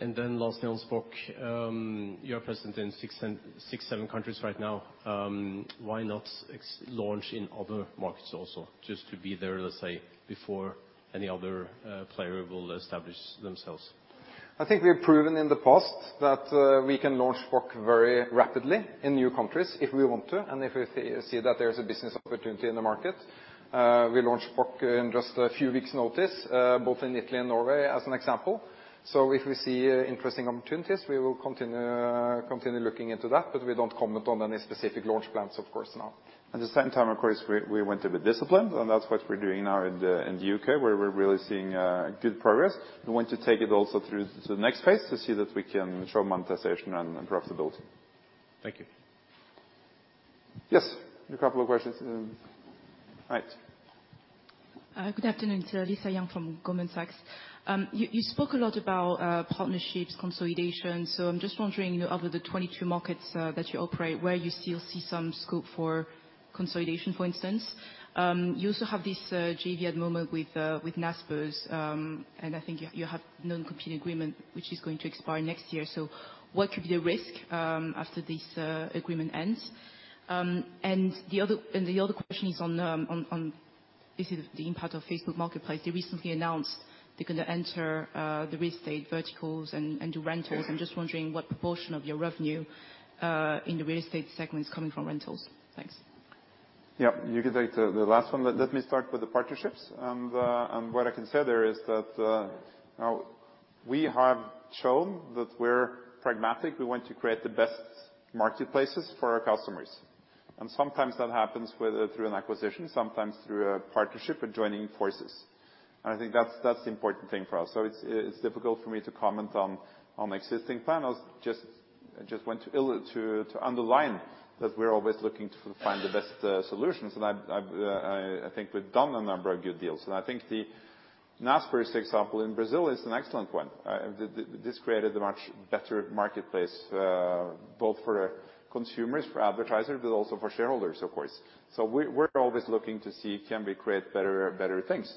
Lastly on Shpock, you are present in six, seven countries right now. Why not launch in other markets also just to be there, let's say, before any other player will establish themselves? I think we've proven in the past that we can launch Shpock very rapidly in new countries if we want to and if we see that there's a business opportunity in the market. We launched Shpock in just a few weeks' notice, both in Italy and Norway, as an example. If we see interesting opportunities, we will continue looking into that, but we don't comment on any specific launch plans, of course, now. At the same time, of course, we want to be disciplined, and that's what we're doing now in the U.K., where we're really seeing good progress. We want to take it also through to the next phase to see that we can show monetization and profitability. Thank you. Yes. A couple of questions. Right. It's Lisa Yang from Goldman Sachs. You spoke a lot about partnerships, consolidation. I'm just wondering, you know, out of the 22 markets that you operate, where you still see some scope for consolidation, for instance. You also have this JV at the moment with Naspers, and I think you have non-compete agreement, which is going to expire next year. So what could be the risk after this agreement ends? And the other question is on the impact of Facebook Marketplace. They recently announced they're going to enter the real estate verticals and do rentals. I'm just wondering what proportion of your revenue in the real estate segment is coming from rentals. Thanks. Yeah. You can take the last one. Let me start with the partnerships. What I can say there is that now we have shown that we're pragmatic. We want to create the best marketplaces for our customers. Sometimes that happens through an acquisition, sometimes through a partnership and joining forces. I think that's the important thing for us. It's, it's difficult for me to comment on existing panels. I just want to underline that we're always looking to find the best solutions. I've, I think we've done a number of good deals. I think the Naspers example in Brazil is an excellent one. This created a much better marketplace, both for consumers, for advertisers, but also for shareholders, of course. We're always looking to see can we create better things.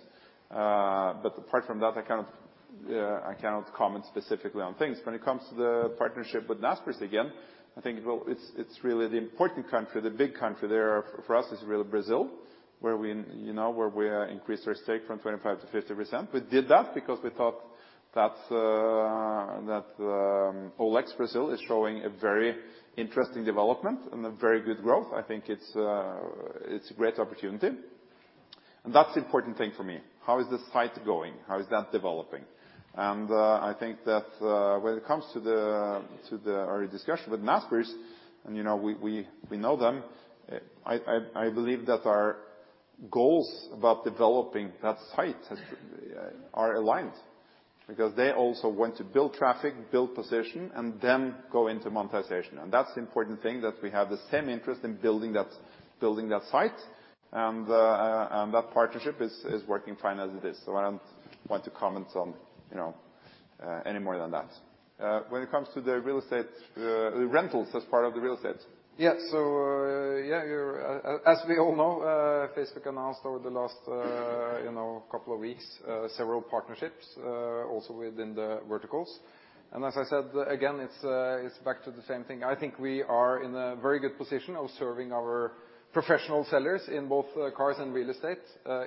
Apart from that, I cannot comment specifically on things. When it comes to the partnership with Naspers again, I think, well, it's really the important country, the big country there for us is really Brazil, where we, you know, where we increased our stake from 25% to 50%. We did that because we thought that OLX Brazil is showing a very interesting development and a very good growth. I think it's a great opportunity. That's the important thing for me. How is the site going? How is that developing? I think that when it comes to the our discussion with Naspers, you know, we know them, I believe that our goals about developing that site has are aligned. They also want to build traffic, build position, and then go into monetization. That's the important thing that we have the same interest in building that site. That partnership is working fine as it is. I don't want to comment on, you know, any more than that. When it comes to the real estate, rentals as part of the real estate. Yeah, As we all know, Facebook announced over the last, you know, couple of weeks, several partnerships, also within the verticals. As I said, again, it's back to the same thing. I think we are in a very good position of serving our professional sellers in both, cars and real estate,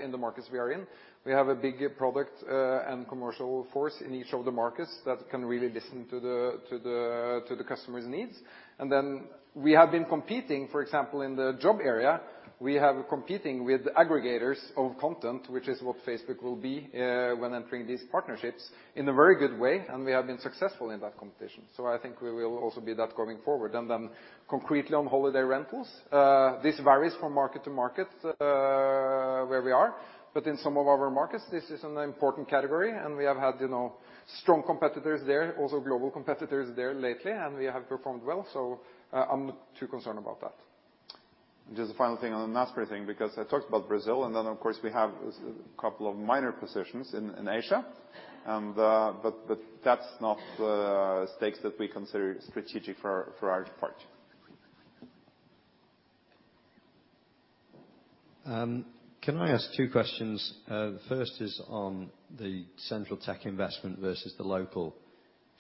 in the markets we are in. We have a big product and commercial force in each of the markets that can really listen to the customers' needs. Then we have been competing, for example, in the job area, we have been competing with aggregators of content, which is what Facebook will be, when entering these partnerships, in a very good way, and we have been successful in that competition. I think we will also be that going forward. Concretely on holiday rentals, this varies from market to market, where we are. In some of our markets, this is an important category, and we have had, you know, strong competitors there, also global competitors there lately, and we have performed well. I'm not too concerned about that. Just a final thing on the Naspers thing, because I talked about Brazil, and then of course, we have a couple of minor positions in Asia. But that's not stakes that we consider strategic for our part. Can I ask two questions? The first is on the central tech investment versus the local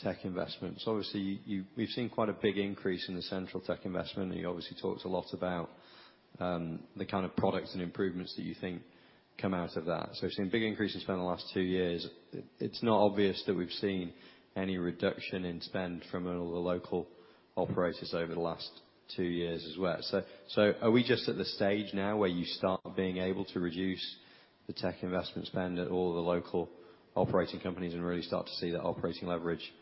tech investments. Obviously, we've seen quite a big increase in the central tech investment. You obviously talked a lot about the kind of products and improvements that you think come out of that. We've seen big increases from the last two years. It's not obvious that we've seen any reduction in spend from all the local operators over the last two years as well. Are we just at the stage now where you start being able to reduce the tech investment spend at all the local operating companies and really start to see that operating leverage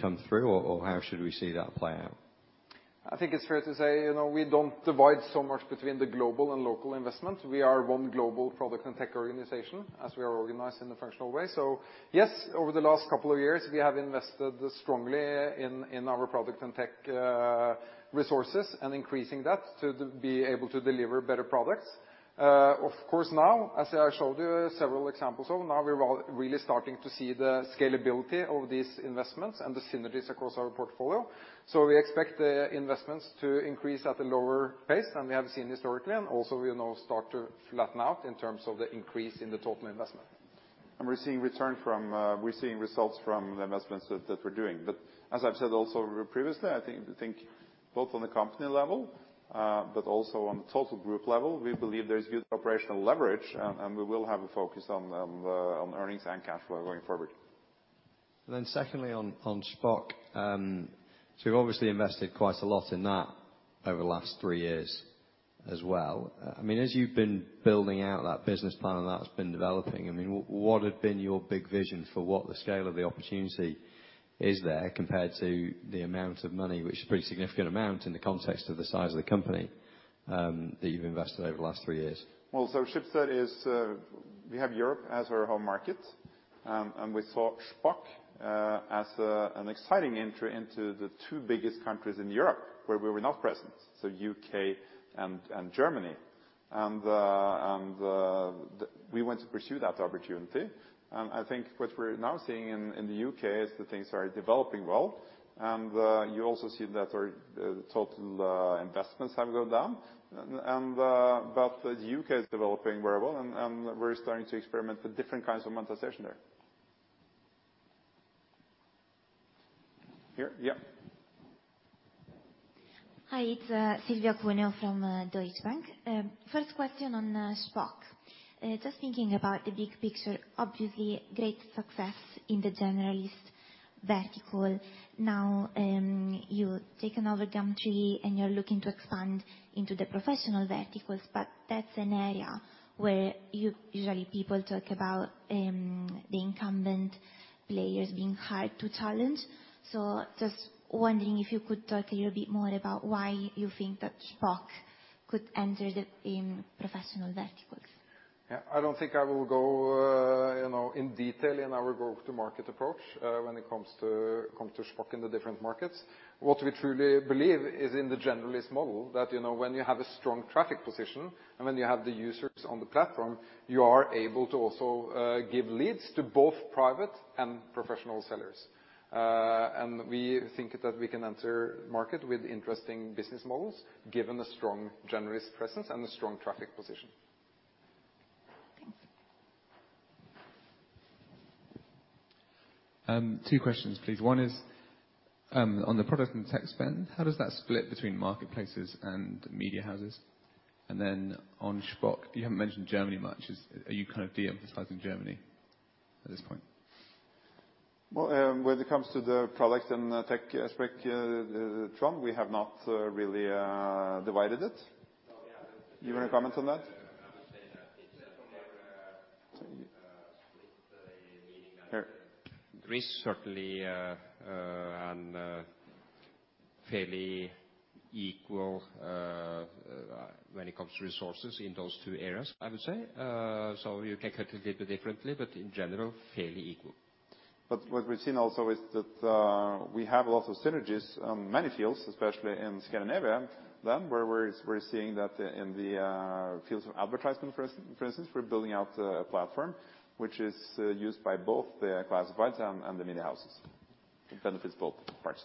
come through? How should we see that play out? I think it's fair to say, you know, we don't divide so much between the global and local investment. We are one global product and tech organization, as we are organized in a functional way. Yes, over the last couple of years, we have invested strongly in our product and tech resources and increasing that to be able to deliver better products. Of course, now, as I showed you several examples of, now we're really starting to see the scalability of these investments and the synergies across our portfolio. We expect the investments to increase at a lower pace than we have seen historically, and also, you know, start to flatten out in terms of the increase in the total investment. We're seeing return from, we're seeing results from the investments that we're doing. As I've said also previously, I think both on the company level, but also on the total group level, we believe there's good operational leverage, and we will have a focus on earnings and cash flow going forward. Secondly, on Shpock. You've obviously invested quite a lot in that over the last three years as well. I mean, as you've been building out that business plan and that's been developing, I mean, what had been your big vision for what the scale of the opportunity is there compared to the amount of money, which is a pretty significant amount in the context of the size of the company, that you've invested over the last three years? Schibsted is, we have Europe as our home market, and we saw Shpock as an exciting entry into the two biggest countries in Europe where we were not present, so U.K. and Germany. We want to pursue that opportunity. I think what we're now seeing in the U.K. is that things are developing well. You also see that our total investments have gone down. But the U.K. is developing very well and we're starting to experiment with different kinds of monetization there. Here, yeah. Hi, it's Silvia Cuneo from Deutsche Bank. First question on Shpock. Just thinking about the big picture, obviously great success in the generalist vertical. You've taken over Gumtree and you're looking to expand into the professional verticals, that's an area where usually people talk about the incumbent players being hard to challenge. Just wondering if you could talk a little bit more about why you think that Shpock could enter the professional verticals. I don't think I will go, you know, in detail in our go-to-market approach, when it comes to Shpock in the different markets. What we truly believe is in the generalist model, that, you know, when you have a strong traffic position and when you have the users on the platform, you are able to also give leads to both private and professional sellers. We think that we can enter market with interesting business models given the strong generalist presence and the strong traffic position. Two questions, please. One is, on the product and tech spend, how does that split between marketplaces and media houses? On Shpock, you haven't mentioned Germany much. Are you kind of de-emphasizing Germany at this point? Well, when it comes to the product and the tech aspect, we have not really divided it. Oh, yeah. You want to comment on that? I would say that it's a fair split, meaning that there is certainly and fairly equal when it comes to resources in those two areas, I would say. You can cut it little differently, but in general, fairly equal. What we've seen also is that we have a lot of synergies on many fields, especially in Scandinavia, then where we're seeing that in the fields of advertisement, for instance, we're building out a platform which is used by both the classifieds and the media houses. It benefits both parts.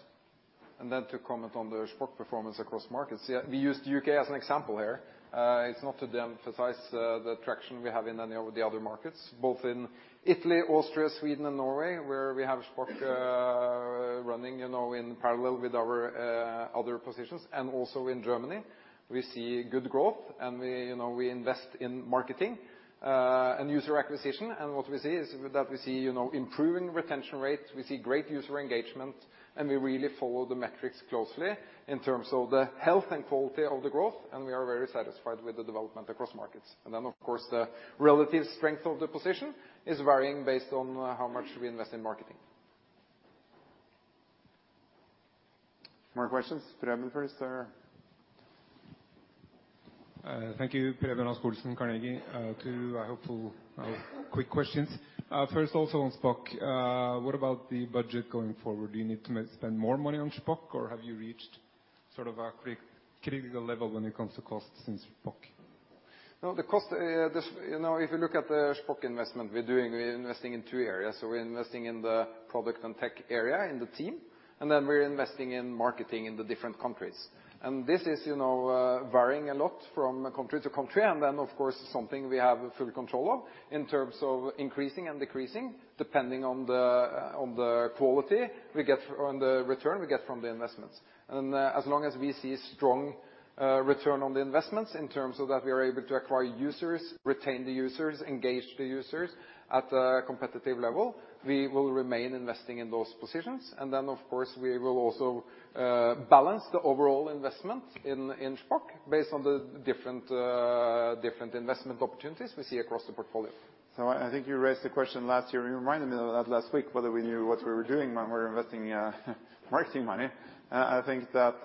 Then to comment on the Shpock performance across markets. Yeah, we used U.K. as an example here. It's not to de-emphasize the traction we have in any of the other markets, both in Italy, Austria, Sweden and Norway, where we have Shpock running, you know, in parallel with our other positions and also in Germany. We see good growth, and we, you know, we invest in marketing and user acquisition. What we see is that we see, you know, improving retention rates, we see great user engagement, and we really follow the metrics closely in terms of the health and quality of the growth, and we are very satisfied with the development across markets. Then, of course, the relative strength of the position is varying based on how much we invest in marketing. More questions. Preben first, sir. Thank you. Preben Rasch-Olsen, Carnegie. Two, I hope quick questions. First also on Shpock, what about the budget going forward? Do you need to spend more money on Shpock, or have you reached sort of a critical level when it comes to costs in Shpock? No, the cost, this, you know, if you look at the Shpock investment, we're investing in two areas. We're investing in the product and tech area in the team, we're investing in marketing in the different countries. This is, you know, varying a lot from country to country, of course, something we have full control of in terms of increasing and decreasing, depending on the quality we get on the return we get from the investments. As long as we see strong return on the investments in terms of that we are able to acquire users, retain the users, engage the users at a competitive level, we will remain investing in those positions. Of course, we will also balance the overall investment in Shpock based on the different investment opportunities we see across the portfolio. I think you raised the question last year, and you reminded me of that last week, whether we knew what we were doing when we're investing marketing money. I think that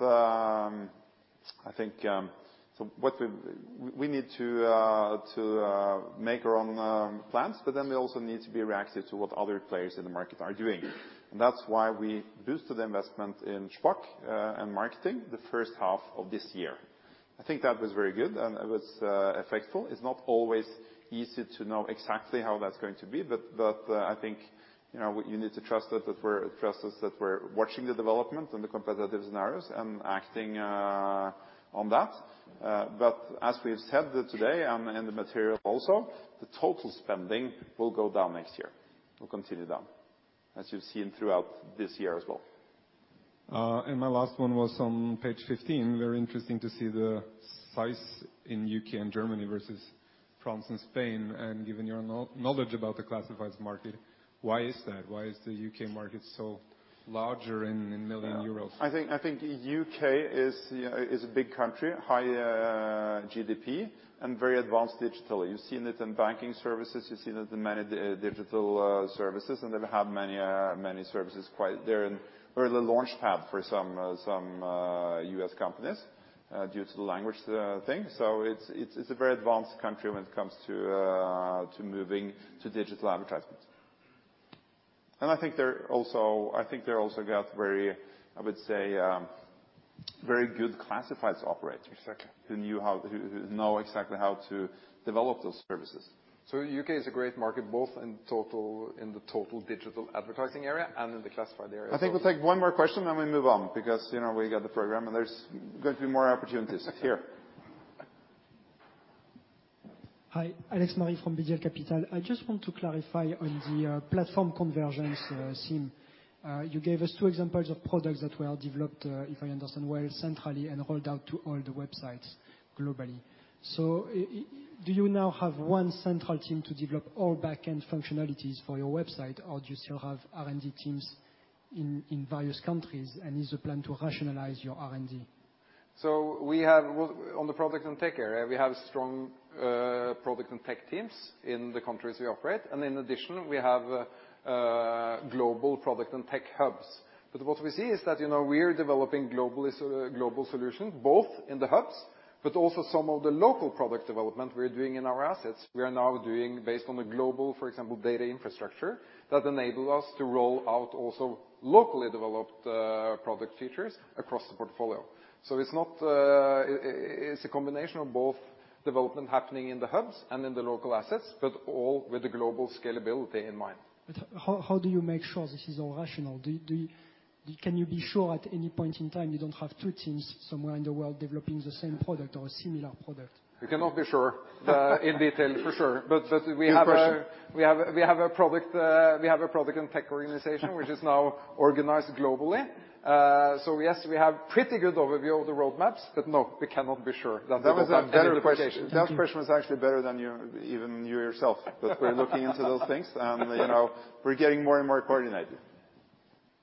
We need to make our own plans, we also need to be reactive to what other players in the market are doing. That's why we boosted the investment in Shpock and marketing the first half of this year. I think that was very good, and it was effective. It's not always easy to know exactly how that's going to be, but, I think, you know, you need to trust us, that we're watching the development and the competitive scenarios and acting on that. As we've said today, and in the material also, the total spending will go down next year. We'll continue down, as you've seen throughout this year as well. My last one was on page 15. Very interesting to see the size in U.K., and Germany versus France and Spain. Given your know-knowledge about the classifieds market, why is that? Why is the U.K., market so larger in million euros? I think U.K. is a big country, high GDP, very advanced digital. You've seen it in banking services, you've seen it in many digital services, they've had many services quite. They were the launch pad for some U.S. companies, due to the language thing. It's a very advanced country when it comes to moving to digital advertisements. I think they're also got very, I would say, very good classifieds operators. Exactly who know exactly how to develop those services. U.K., is a great market, both in total, in the total digital advertising area and in the classified area. I think we'll take one more question, then we move on because, you know, we got the program and there's going to be more opportunities here. Okay. Hi. Alex Marie from BDL Capital. I just want to clarify on the platform convergence team. You gave us two examples of products that were developed, if I understand well, centrally and rolled out to all the websites globally. Do you now have one central team to develop all backend functionalities for your website, or do you still have R&D teams in various countries, and is the plan to rationalize your R&D? On the product and tech area, we have strong product and tech teams in the countries we operate, and in addition, we have global product and tech hubs. What we see is that, you know, we are developing global solutions, both in the hubs. Also some of the local product development we're doing in our assets, we are now doing based on the global, for example, data infrastructure that enable us to roll out also locally developed product features across the portfolio. It's not. It's a combination of both development happening in the hubs and in the local assets, but all with the global scalability in mind. How do you make sure this is all rational? Can you be sure at any point in time you don't have two teams somewhere in the world developing the same product or a similar product? We cannot be sure, in detail, for sure. We have Good question. We have a product and tech organization which is now organized globally. Yes, we have pretty good overview of the roadmaps. No, we cannot be sure that we don't have any duplication. That was a better question. That question was actually better than your, even you yourself. We're looking into those things and, you know, we're getting more and more coordinated.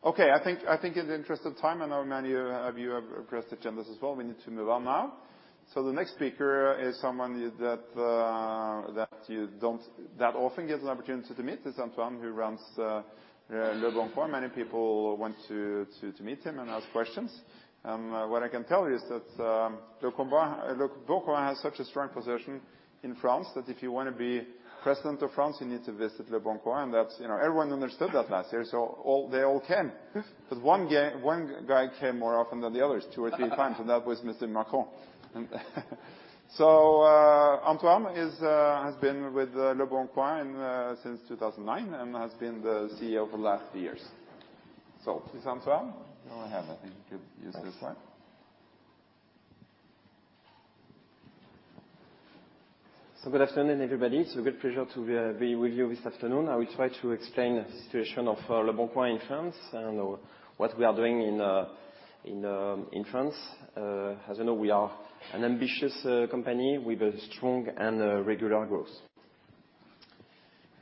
Okay. I think in the interest of time, I know many of you have pressed agendas as well, we need to move on now. The next speaker is someone that you don't that often get an opportunity to meet. It's Antoine, who runs Leboncoin. Many people want to meet him and ask questions. What I can tell you is that Leboncoin has such a strong position in France that if you wanna be president of France, you need to visit Leboncoin. That's, you know, everyone understood that last year, so they all came. One guy, one guy came more often than the others, two or three times, and that was Mr. Macron. Antoine is, has been with Leboncoin in since 2009 and has been the CEO for the last years. Please, Antoine, go ahead. I think you could use the slide. Thanks. Good afternoon, everybody. It's a great pleasure to be with you this afternoon. I will try to explain the situation of Leboncoin in France and what we are doing in France. As you know, we are an ambitious company with a strong and regular growth.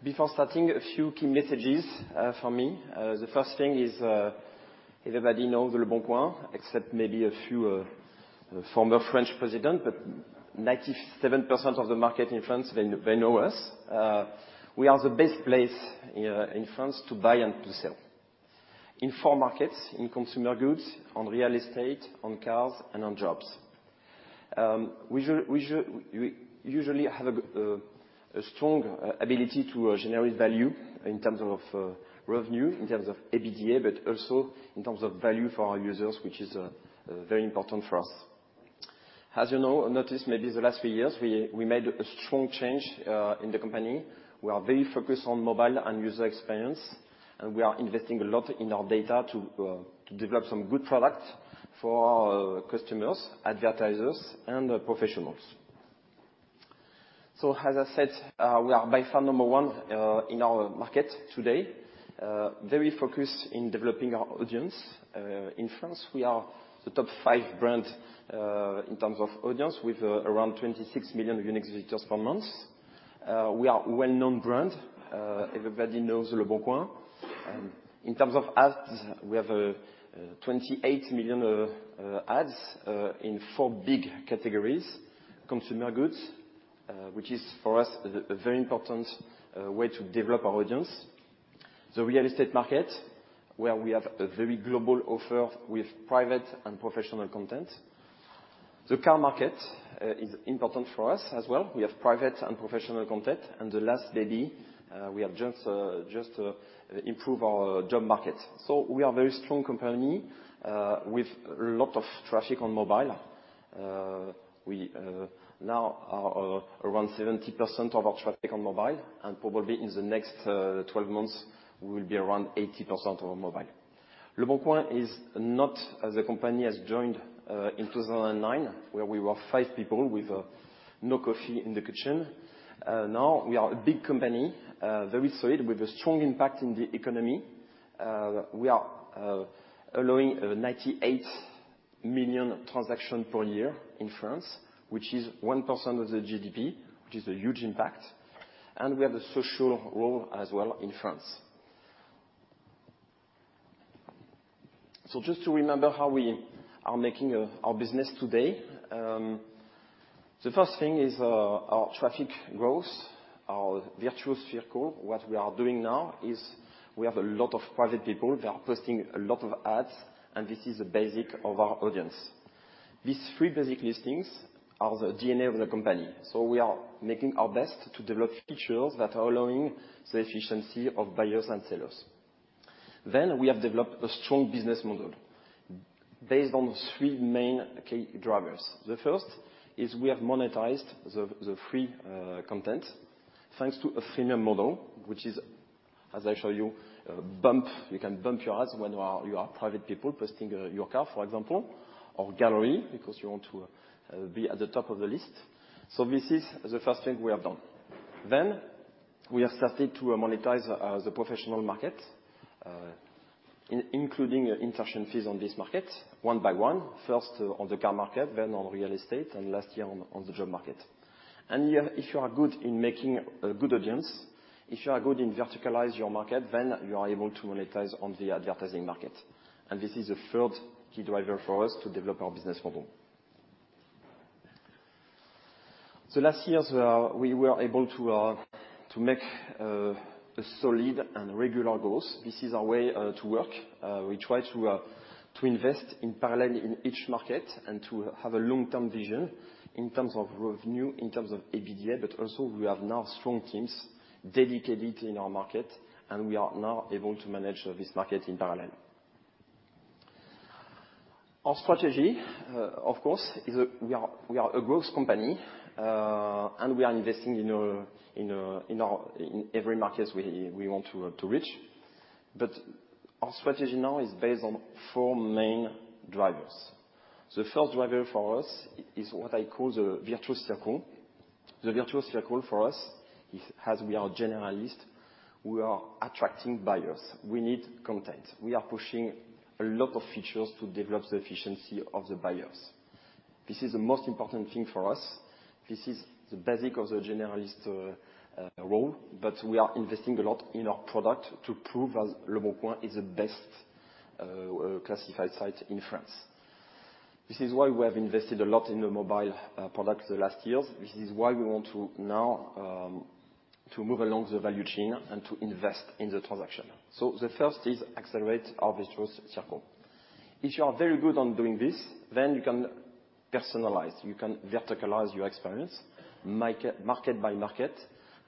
Before starting, a few key messages from me. The first thing is, everybody know the Leboncoin, except maybe a few former French president. 97% of the market in France, they know us. We are the best place here in France to buy and to sell. In four markets, in consumer goods, on real estate, on cars, and on jobs. We usually have a strong ability to generate value in terms of revenue, in terms of EBITDA, but also in terms of value for our users, which is very important for us. As you know, notice maybe the last few years, we made a strong change in the company. We are very focused on mobile and user experience, and we are investing a lot in our data to develop some good product for our customers, advertisers, and professionals. As I said, we are by far number one in our market today, very focused in developing our audience. In France, we are the top five brand in terms of audience with around 26 million unique visitors per month. We are well-known brand, everybody knows Leboncoin. In terms of ads, we have 28 million ads in four big categories. Consumer goods, which is for us a very important way to develop our audience. The real estate market, where we have a very global offer with private and professional content. The car market is important for us as well. We have private and professional content. The last baby, we have just improve our job market. We are a very strong company with lot of traffic on mobile. We now are around 70% of our traffic on mobile and probably in the next 12 months, we will be around 80% on mobile. Leboncoin is not as a company as joined in 2009, where we were five people with no coffee in the kitchen. Now we are a big company, very solid, with a strong impact in the economy. We are allowing 98 million transaction per year in France, which is 1% of the GDP, which is a huge impact. We have a social role as well in France. Just to remember how we are making our business today. The first thing is our traffic growth, our virtuous circle. What we are doing now is we have a lot of private people. They are posting a lot of ads, and this is the basic of our audience. These three basic listings are the DNA of the company. We are making our best to develop features that are allowing the efficiency of buyers and sellers. We have developed a strong business model based on three main key drivers. The first is we have monetized the free content thanks to a premium model, which is, as I show you, a bump. You can bump your ads when you are private people posting your car, for example, or gallery because you want to be at the top of the list. This is the first thing we have done. We have started to monetize the professional market, including interaction fees on this market one by one, first on the car market, then on real estate, and last year on the job market. If you are good in making a good audience, if you are good in verticalize your market, then you are able to monetize on the advertising market. This is the third key driver for us to develop our business model. Last years, we were able to make a solid and regular goals. This is our way to work. We try to invest in parallel in each market and to have a long-term vision in terms of revenue, in terms of EBITDA. Also, we have now strong teams dedicated in our market. We are now able to manage this market in parallel. Our strategy, of course, is we are a growth company. We are investing in every markets we want to reach. Our strategy now is based on four main drivers. The first driver for us is what I call the virtuous circle. The virtuous circle for us is, as we are generalist, we are attracting buyers. We need content. We are pushing a lot of features to develop the efficiency of the buyers. This is the most important thing for us. This is the basic of the generalist role, but we are investing a lot in our product to prove that Leboncoin is the best classified site in France. This is why we have invested a lot in the mobile product the last years. This is why we want to now to move along the value chain and to invest in the transaction. The first is accelerate our virtuous circle. If you are very good on doing this, then you can personalize, you can verticalize your experience market by market.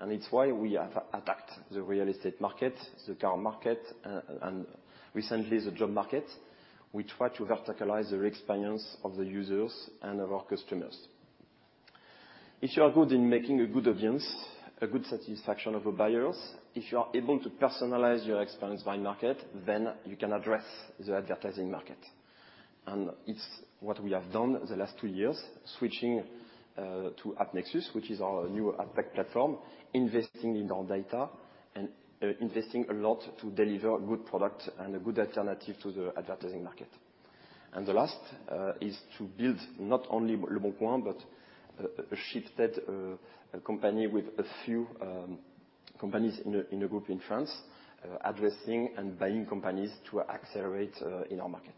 It's why we have attacked the real estate market, the car market, and recently the job market. We try to verticalize the experience of the users and of our customers. If you are good in making a good audience, a good satisfaction of the buyers, if you are able to personalize your experience by market, then you can address the advertising market. It's what we have done the last two years, switching to AppNexus, which is our new ad tech platform, investing in our data and investing a lot to deliver good product and a good alternative to the advertising market. The last is to build not only Leboncoin, but a shifted company with a few companies in a group in France, addressing and buying companies to accelerate in our market.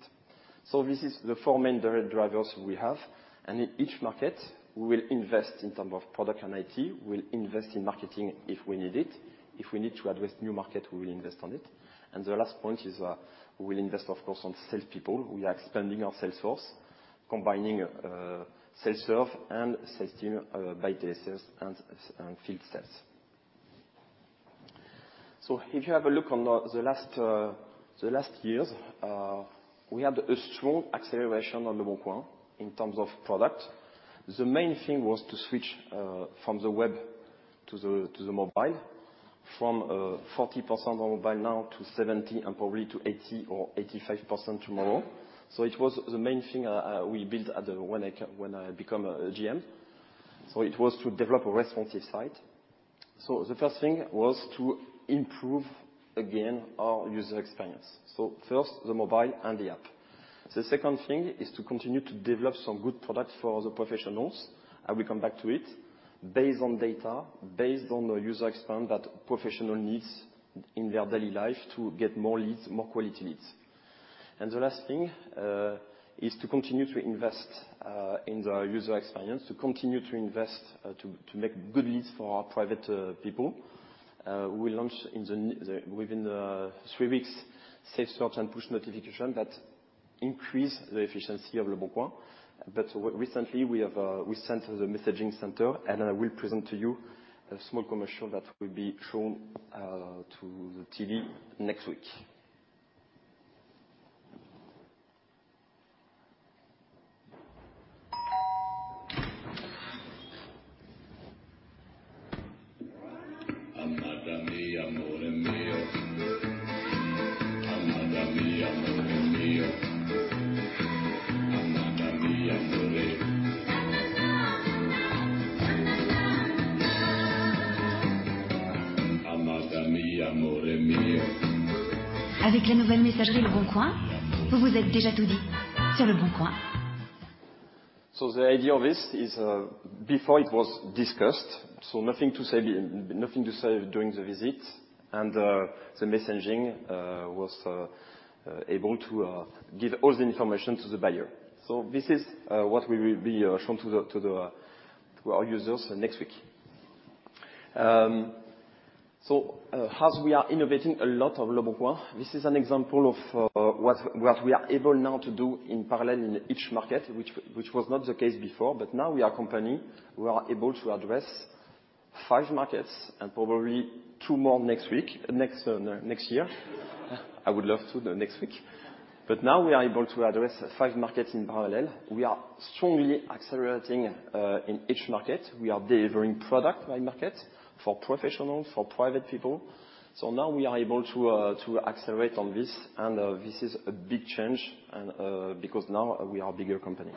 This is the four main drivers we have. In each market, we will invest in term of product and IT. We'll invest in marketing if we need it. If we need to address new market, we will invest on it. The last point is, we'll invest, of course, on sales people. We are expanding our sales force, combining sales serve and sales team by DSS and field sales. If you have a look on the last years, we had a strong acceleration on Leboncoin in terms of product. The main thing was to switch from the web to the mobile from 40% mobile now to 70% and probably to 80% or 85% tomorrow. It was the main thing we built when I become GM. It was to develop a responsive site. The first thing was to improve again our user experience. First, the mobile and the app. The second thing is to continue to develop some good product for the professionals, I will come back to it, based on data, based on the user experience that professional needs in their daily life to get more leads, more quality leads. The last thing is to continue to invest in the user experience, to continue to invest to make good leads for our private people. We launch within three weeks, safe search and push notification that increase the efficiency of Leboncoin. Recently, we have, we sent the messaging center, and I will present to you a small commercial that will be shown to the TV next week. The idea of this is, before it was discussed, nothing to say during the visit and, the messaging was able to give all the information to the buyer. This is what we will be shown to our users next week. As we are innovating a lot of Leboncoin, this is an example of what we are able now to do in parallel in each market, which was not the case before. Now we are company, we are able to address five markets and probably two more next week, next year. I would love to the next week. Now we are able to address five markets in parallel. We are strongly accelerating in each market. We are delivering product by market for professionals, for private people. Now we are able to accelerate on this, and this is a big change and because now we are bigger company.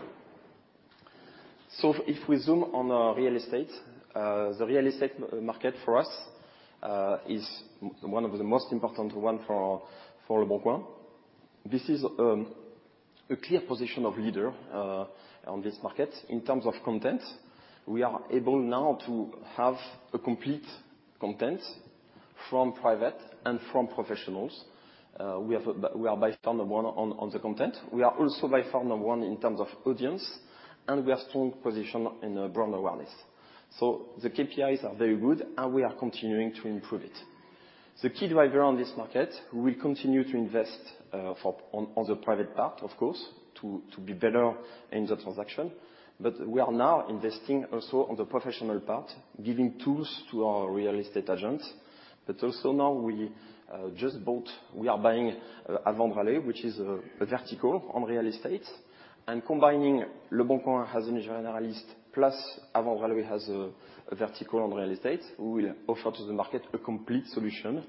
If we zoom on real estate, the real estate market for us is one of the most important one for Leboncoin. This is a clear position of leader on this market. In terms of content, we are able now to have a complete content from private and from professionals. We are by far number one on the content. We are also by far number one in terms of audience, and we are strong position in brand awareness. The KPIs are very good, and we are continuing to improve it. The key driver on this market, we continue to invest for on the private part of course, to be better in the transaction. We are now investing also on the professional part, giving tools to our real estate agents. Also now we are buying Avant Relais, which is a vertical on real estate. Combining Leboncoin as a generalist plus Avant Relais as a vertical on real estate, we will offer to the market a complete solution.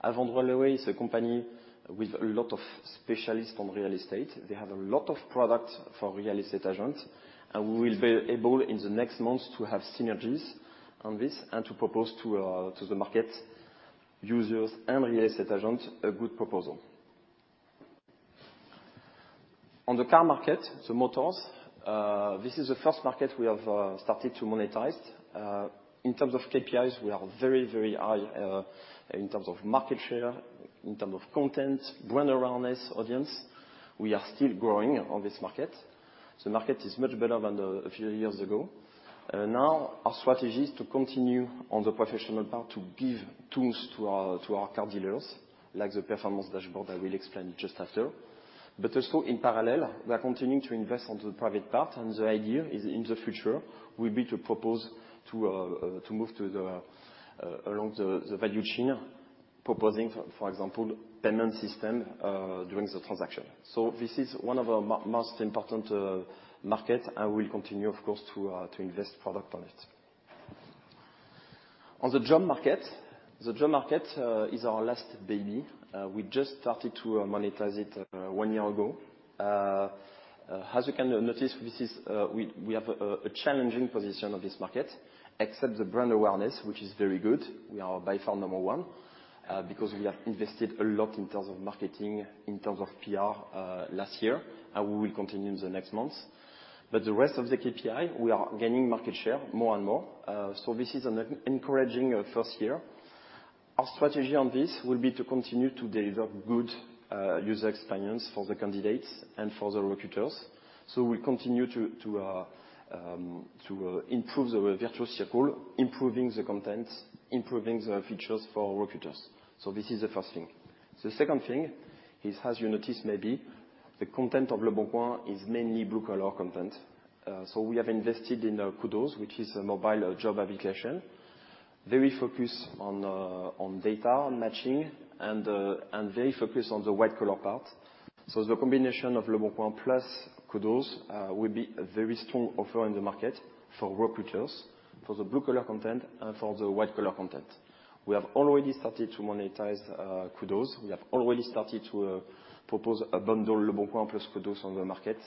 Avant Relais is a company with a lot of specialists on real estate. They have a lot of product for real estate agents. We will be able in the next months to have synergies on this and to propose to the market users and real estate agents a good proposal. On the car market, the motors, this is the first market we have started to monetize. In terms of KPIs, we are very, very high in terms of market share, in terms of content, brand awareness, audience. We are still growing on this market. The market is much better than a few years ago. Now our strategy is to continue on the professional part, to give tools to our car dealers, like the performance dashboard, I will explain it just after. Also in parallel, we are continuing to invest on the private part, and the idea is in the future will be to propose to move along the value chain, proposing, for example, payment system during the transaction. This is one of our most important market, and we'll continue of course to invest product on it. On the job market. The job market is our last baby. We just started to monetize it one year ago. As you can notice, this is we have a challenging position on this market, except the brand awareness, which is very good. We are by far number one, because we have invested a lot in terms of marketing, in terms of PR, last year, and we will continue in the next months. The rest of the KPI, we are gaining market share more and more. This is an encouraging first year. Our strategy on this will be to continue to develop good user experience for the candidates and for the recruiters. We continue to improve the virtual circle, improving the content, improving the features for recruiters. This is the first thing. The second thing is, as you noticed maybe, the content of Leboncoin is mainly blue-collar content. We have invested in Kudoz, which is a mobile job application, very focused on data and matching and very focused on the white-collar part. The combination of Leboncoin plus Kudoz will be a very strong offer in the market for recruiters, for the blue-collar content and for the white-collar content. We have already started to monetize Kudoz. We have already started to propose a bundle Leboncoin plus Kudoz on the market.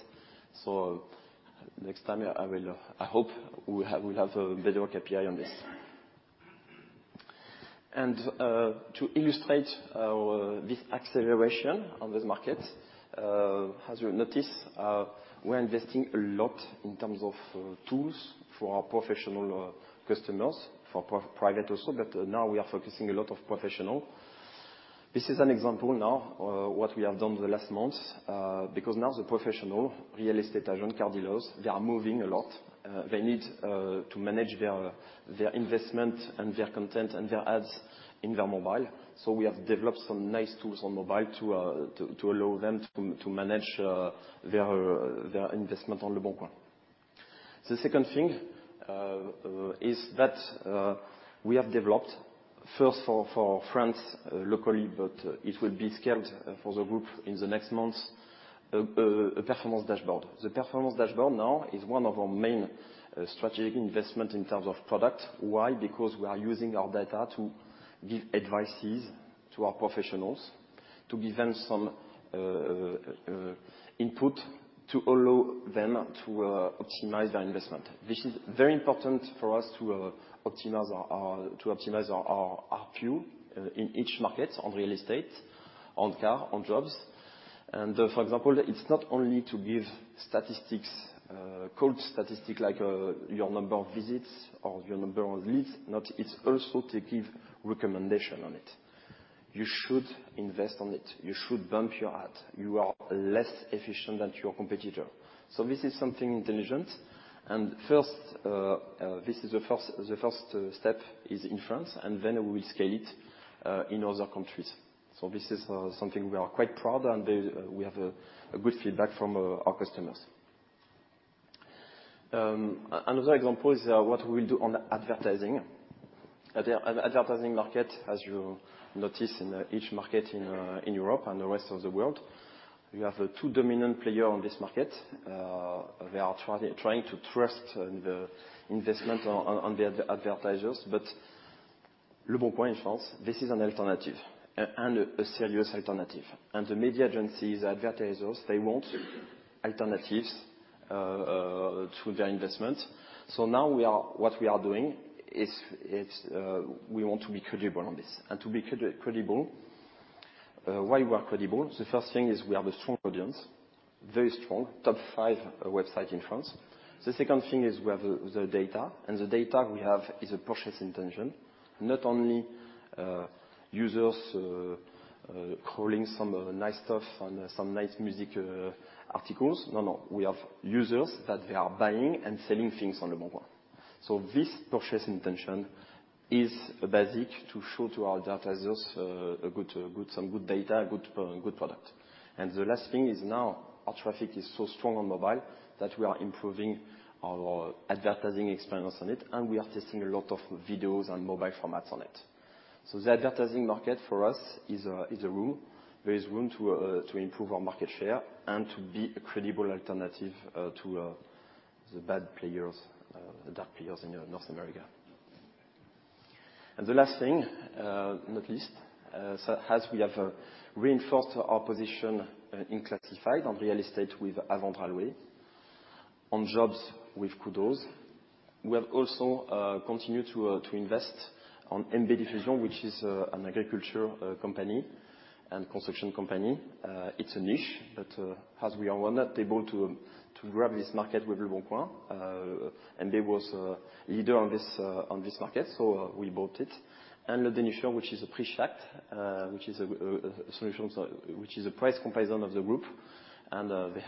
Next time, I hope we will have a better KPI on this. To illustrate this acceleration on this market, as you have noticed, we're investing a lot in terms of tools for our professional customers, for private also, but now we are focusing a lot of professional. This is an example now, what we have done the last months, because now the professional real estate agent, car dealers, they are moving a lot. They need to manage their investment and their content and their ads in their mobile. We have developed some nice tools on mobile to allow them to manage their investment on Leboncoin. The second thing is that we have developed first for France locally, but it will be scaled for the group in the next months, a performance dashboard. The performance dashboard now is one of our main strategic investment in terms of product. Why? Because we are using our data to give advices to our professionals, to give them some input to allow them to optimize their investment. This is very important for us to optimize our ARPU in each market, on real estate, on car, on jobs. For example, it's not only to give statistics, cold statistic like your number of visits or your number of leads. It's also to give recommendation on it. You should invest on it. You should bump your ad. You are less efficient than your competitor. This is something intelligent. First, this is the first step is in France, then we scale it in other countries. This is something we are quite proud, and we have a good feedback from our customers. Another example is what we do on advertising. Advertising market, as you notice in each market in Europe and the rest of the world, you have two dominant player on this market. They are trying to trust in the investment on the advertisers. Leboncoin in France, this is an alternative and a serious alternative. The media agencies, advertisers, they want alternatives to their investment. Now what we are doing is we want to be credible on this. To be credible, why we are credible? The first thing is we are the strong audience, very strong, top five website in France. The second thing is we have the data, and the data we have is a purchase intention, not only users calling some nice stuff and some nice music articles. No, no. We have users that they are buying and selling things on Leboncoin. This purchase intention is a basic to show to our advertisers a good, some good data, a good product. The last thing is now our traffic is so strong on mobile that we are improving our advertising experience on it, and we are testing a lot of videos and mobile formats on it. The advertising market for us is a room. There is room to improve our market share and to be a credible alternative to the bad players, the dark players in North America. The last thing, not least, so as we have reinforced our position in classified, on real estate with A Vendre A Louer, on jobs with Kudoz, we have also continued to invest on MB Diffusion, which is an agriculture company and construction company. it's a niche, but as we are not able to grab this market with Leboncoin, MB was a leader on this market, so we bought it. leDénicheur, which is a Prisjakt, which is a solutions, which is a price comparison of the group. We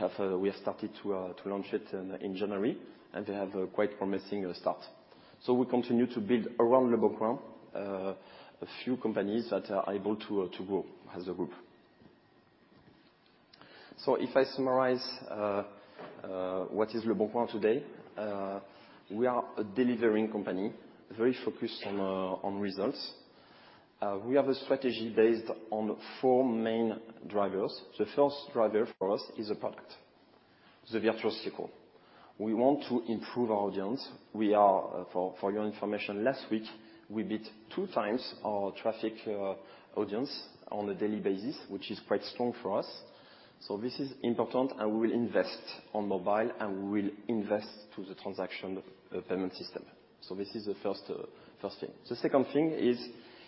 have started to launch it in January, and they have a quite promising start. We continue to build around Leboncoin a few companies that are able to grow as a group. If I summarize what is Leboncoin today, we are a delivering company, very focused on results. We have a strategy based on four main drivers. The first driver for us is a product, the virtuous circle. We want to improve our audience. We are, for your information, last week, we beat 2 times our traffic audience on a daily basis, which is quite strong for us. This is important, and we will invest on mobile, and we will invest to the transaction payment system. This is the first thing. The second thing is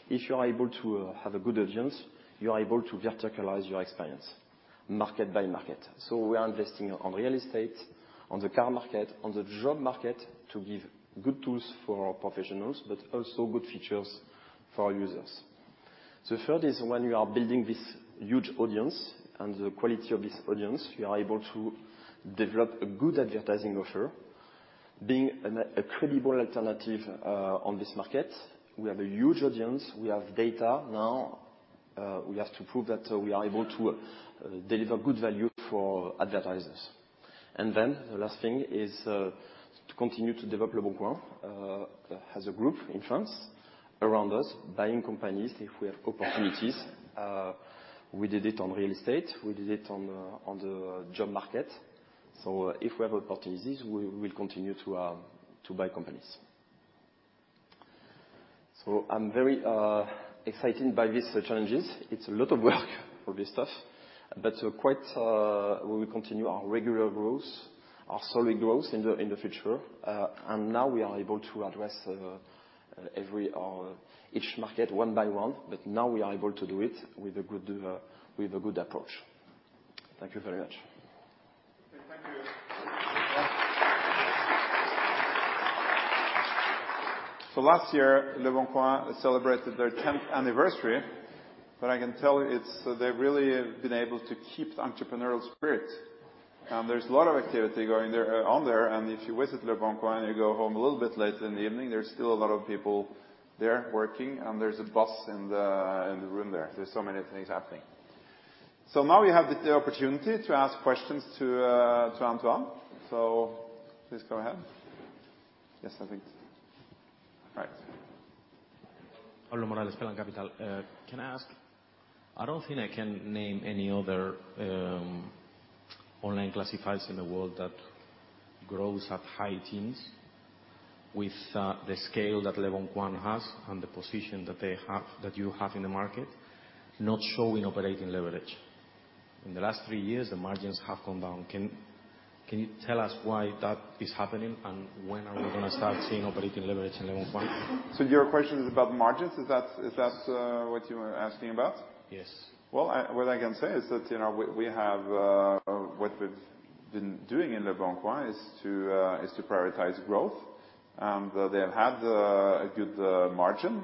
if you are able to have a good audience, you are able to verticalize your experience market by market. We are investing on real estate, on the car market, on the job market to give good tools for our professionals, but also good features for our users. The third is when you are building this huge audience and the quality of this audience, you are able to develop a good advertising offer. Being a credible alternative on this market, we have a huge audience. We have data now. We have to prove that we are able to deliver good value for advertisers. The last thing is to continue to develop Leboncoin as a group in France around us, buying companies if we have opportunities. We did it on real estate. We did it on the job market. If we have opportunities, we will continue to buy companies. I'm very excited by these challenges. It's a lot of work for this stuff, but quite, we will continue our regular growth, our solid growth in the future. Now we are able to address every or each market one by one, but now we are able to do it with a good with a good approach. Thank you very much. Okay. Thank you. Last year, Leboncoin celebrated their tenth anniversary. They really have been able to keep the entrepreneurial spirit. There's a lot of activity going there on there. If you visit Leboncoin and you go home a little bit late in the evening, there's still a lot of people there working, there's a buzz in the room there. There's so many things happening. Now we have the opportunity to ask questions to Antoine. Please go ahead. Yes, I think. All right. Pablo Morales, Pelham Capital. Can I ask, I don't think I can name any other online classifieds in the world that grows at high teens with the scale that Leboncoin has and the position that they have, that you have in the market, not showing operating leverage. In the last three years, the margins have come down. Can you tell us why that is happening, and when are we gonna start seeing operating leverage in Leboncoin? Your question is about margins. Is that what you are asking about? Yes. Well, what I can say is that, you know, we have, what we've been doing in Leboncoin is to prioritize growth. They've had a good margin.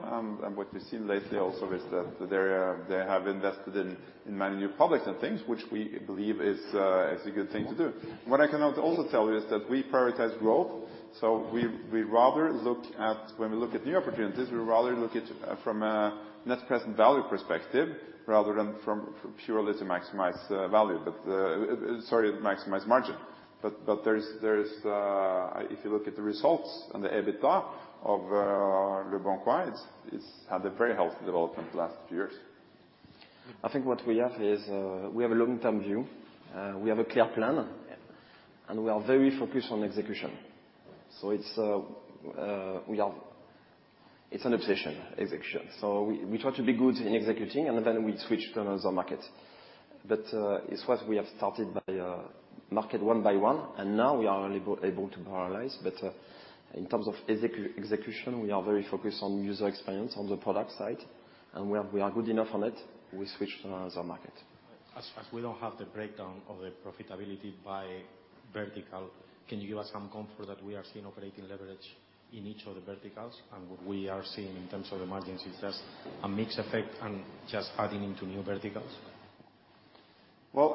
What we've seen lately also is that they have invested in many new products and things, which we believe is a good thing to do. What I can also tell you is that we prioritize growth. When we look at new opportunities, we rather look at from a net present value perspective rather than from purely to maximize value. Sorry, maximize margin. There is, if you look at the results and the EBITDA of Leboncoin, it's had a very healthy development the last few years. I think what we have is, we have a long-term view, we have a clear plan-. Yeah. We are very focused on execution. It's an obsession, execution. We try to be good in executing, and then we switch to another market. It's what we have started by market one by one, and now we are only able to prioritize. In terms of execution, we are very focused on user experience on the product side, and when we are good enough on it, we switch to another market. As we don't have the breakdown of the profitability by vertical, can you give us some comfort that we are seeing operating leverage in each of the verticals? What we are seeing in terms of the margins, is just a mixed effect and just adding into new verticals? Well,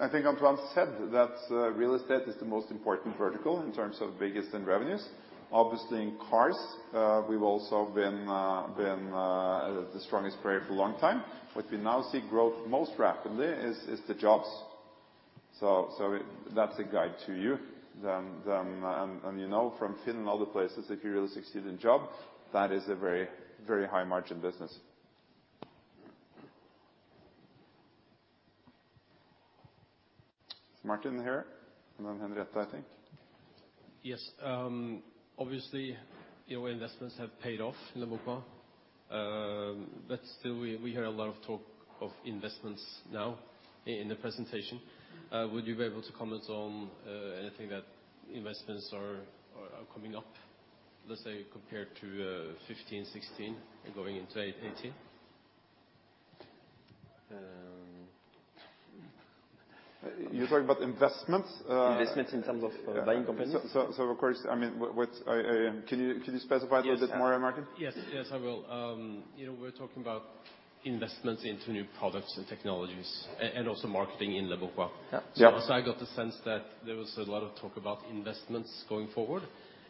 I think Antoine said that real estate is the most important vertical in terms of biggest in revenues. Obviously, in cars, we've also been the strongest player for a long time. What we now see growth most rapidly is the jobs. That's a guide to you. Then... you know from Finland and other places, if you really succeed in job, that is a very, very high margin business. Martin here, and then Henriette, I think. Yes. obviously, your investments have paid off in Leboncoin. Still, we hear a lot of talk of investments now in the presentation. Would you be able to comment on anything that investments are coming up, let's say, compared to 2015, 2016 and going into 2018? You're talking about investments? Investments in terms of buying companies. Of course, I mean, Can you specify a little bit more, Martin? Yes. Yes. Yes, I will. you know, we're talking about investments into new products and technologies and also marketing in Leboncoin. Yeah. I got the sense that there was a lot of talk about investments going forward.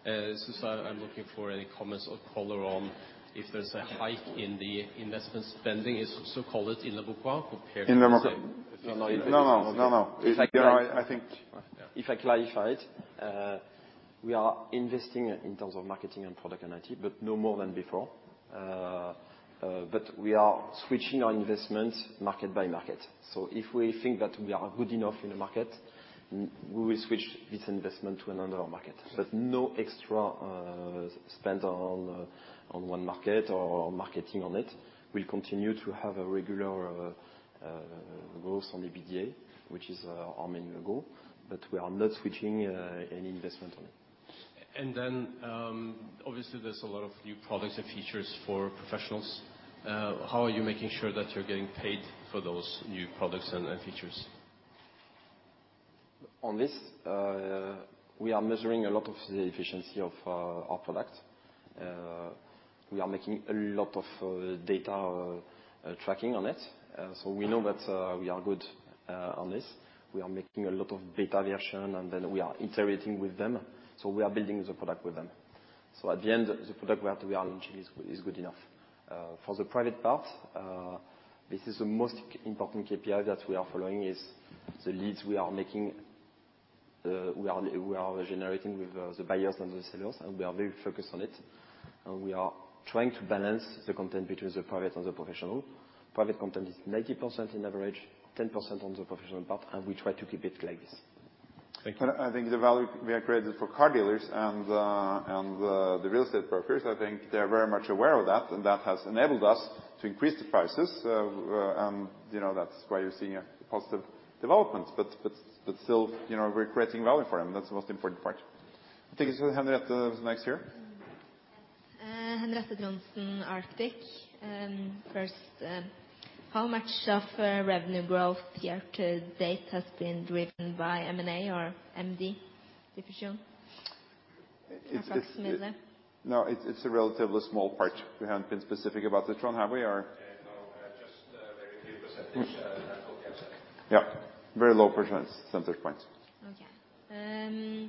I'm looking for any comments or color on if there's a hike in the investment spending so-called in Leboncoin compared to. In the market. No, no. No, no. No, no. If I- You know, I. If I clarify it, we are investing in terms of marketing and product and IT, no more than before. We are switching our investments market by market. If we think that we are good enough in the market, we will switch this investment to another market. No extra spend on one market or marketing on it. We continue to have a regular growth on EBITDA, which is our main goal, but we are not switching any investment on it. Obviously there's a lot of new products and features for professionals. How are you making sure that you're getting paid for those new products and features? On this, we are measuring a lot of the efficiency of our product. We are making a lot of data tracking on it. We know that we are good on this. We are making a lot of beta version, we are iterating with them, we are building the product with them. At the end, the product we are launching is good enough. For the private part, this is the most important KPI that we are following is the leads we are making, we are generating with the buyers and the sellers, we are very focused on it. We are trying to balance the content between the private and the professional. Private content is 90% in average, 10% on the professional part, and we try to keep it like this. Thank you. I think the value we have created for car dealers and the real estate brokers, I think they are very much aware of that, and that has enabled us to increase the prices. You know, that's why you're seeing a positive development. Still, you know, we're creating value for them. That's the most important part. I think it's Henriette who's next here. Henriette Trondsen, Arctic Securities. First, how much of revenue growth year to date has been driven by M&A or MB Diffusion? It's. sorry, similar. No, it's a relatively small part. We haven't been specific about it, John, have we? Or... No, just a very few percentage, that's all I can say. Yeah. Very low percentage points. Okay.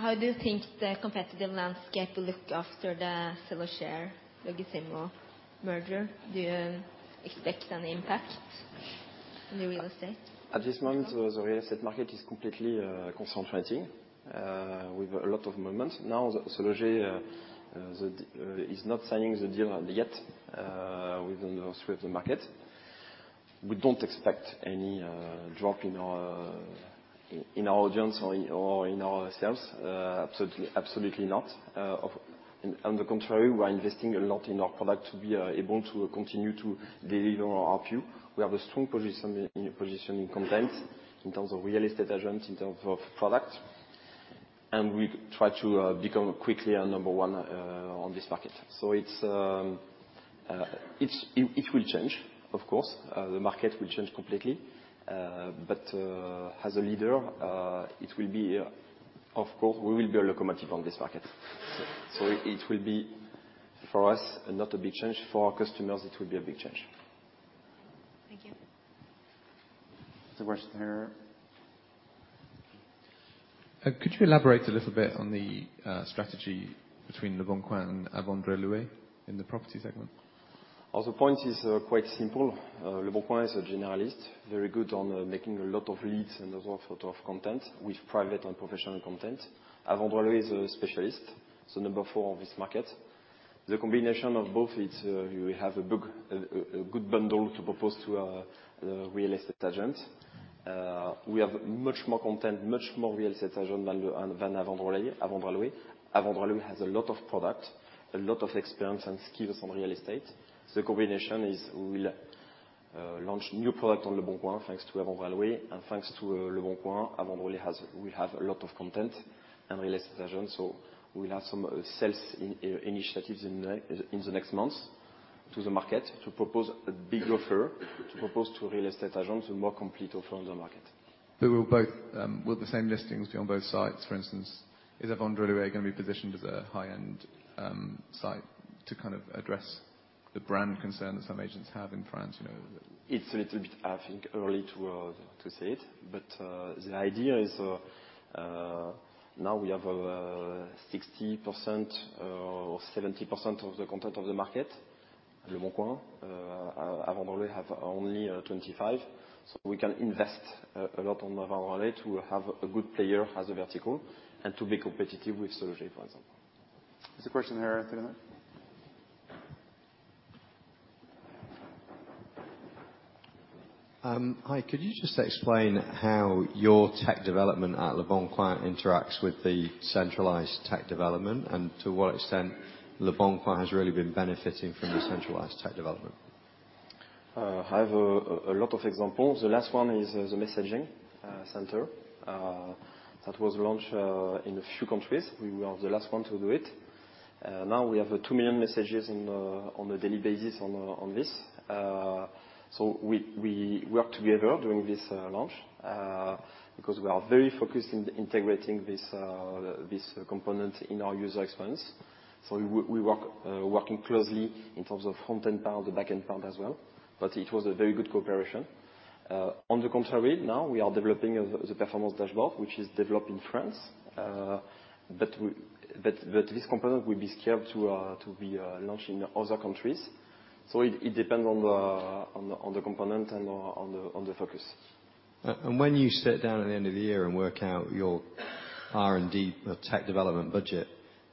How do you think the competitive landscape will look after the SeLoger, Logic-Immo merger? Do you expect any impact in the real estate? At this moment, the real estate market is completely concentrating with a lot of movements. SeLoger is not signing the deal yet with the rest of the market. We don't expect any drop in our audience or in our sales. Absolutely not. On the contrary, we are investing a lot in our product to be able to continue to deliver our view. We have a strong position in content in terms of real estate agents, in terms of product, and we try to become quickly a number one on this market. It will change, of course. The market will change completely. As a leader, it will be, of course, we will be a locomotive on this market. It will be for us, not a big change. For our customers, it will be a big change. Thank you. There's a question here. Could you elaborate a little bit on the strategy between Leboncoin and A Vendre A Louer in the property segment? The point is, quite simple. Leboncoin is a generalist, very good on making a lot of leads and a lot of content with private and professional content. A Vendre A Louer is a specialist, so number four on this market. The combination of both, it's, you have a good bundle to propose to real estate agents. We have much more content, much more real estate agent than A Vendre A Louer. A Vendre A Louer has a lot of product, a lot of experience and skills on real estate. The combination is we'll launch new product on Leboncoin, thanks to A Vendre A Louer and thanks to Leboncoin, we have a lot of content and real estate agents. We'll have some sales initiatives in the next months to the market to propose a bigger offer, to propose to real estate agents a more complete offer on the market. Will the same listings be on both sites? For instance, is A Vendre A Louer gonna be positioned as a high-end site to kind of address the brand concerns some agents have in France, you know? It's a little bit, I think, early to say it. The idea is, now we have, 60% or 70% of the content of the market at Leboncoin. A Vendre A Louer have only, 25. We can invest a lot on A Vendre A Louer to have a good player as a vertical and to be competitive with 0G, for example. There's a question here. Hi, could you just explain how your tech development at Leboncoin interacts with the centralized tech development? To what extent Leboncoin has really been benefiting from the centralized tech development? I have a lot of examples. The last one is the messaging center that was launched in a few countries. We were the last one to do it. Now we have two million messages in on a daily basis on on this. So we worked together during this launch because we are very focused in integrating this component in our user experience. So we work working closely in terms of front-end part, the back-end part as well. It was a very good cooperation. On the contrary, now we are developing the performance dashboard, which is developed in France. but this component will be scaled to be launched in other countries. It depend on the component and on the focus. When you sit down at the end of the year and work out your R&D or tech development budget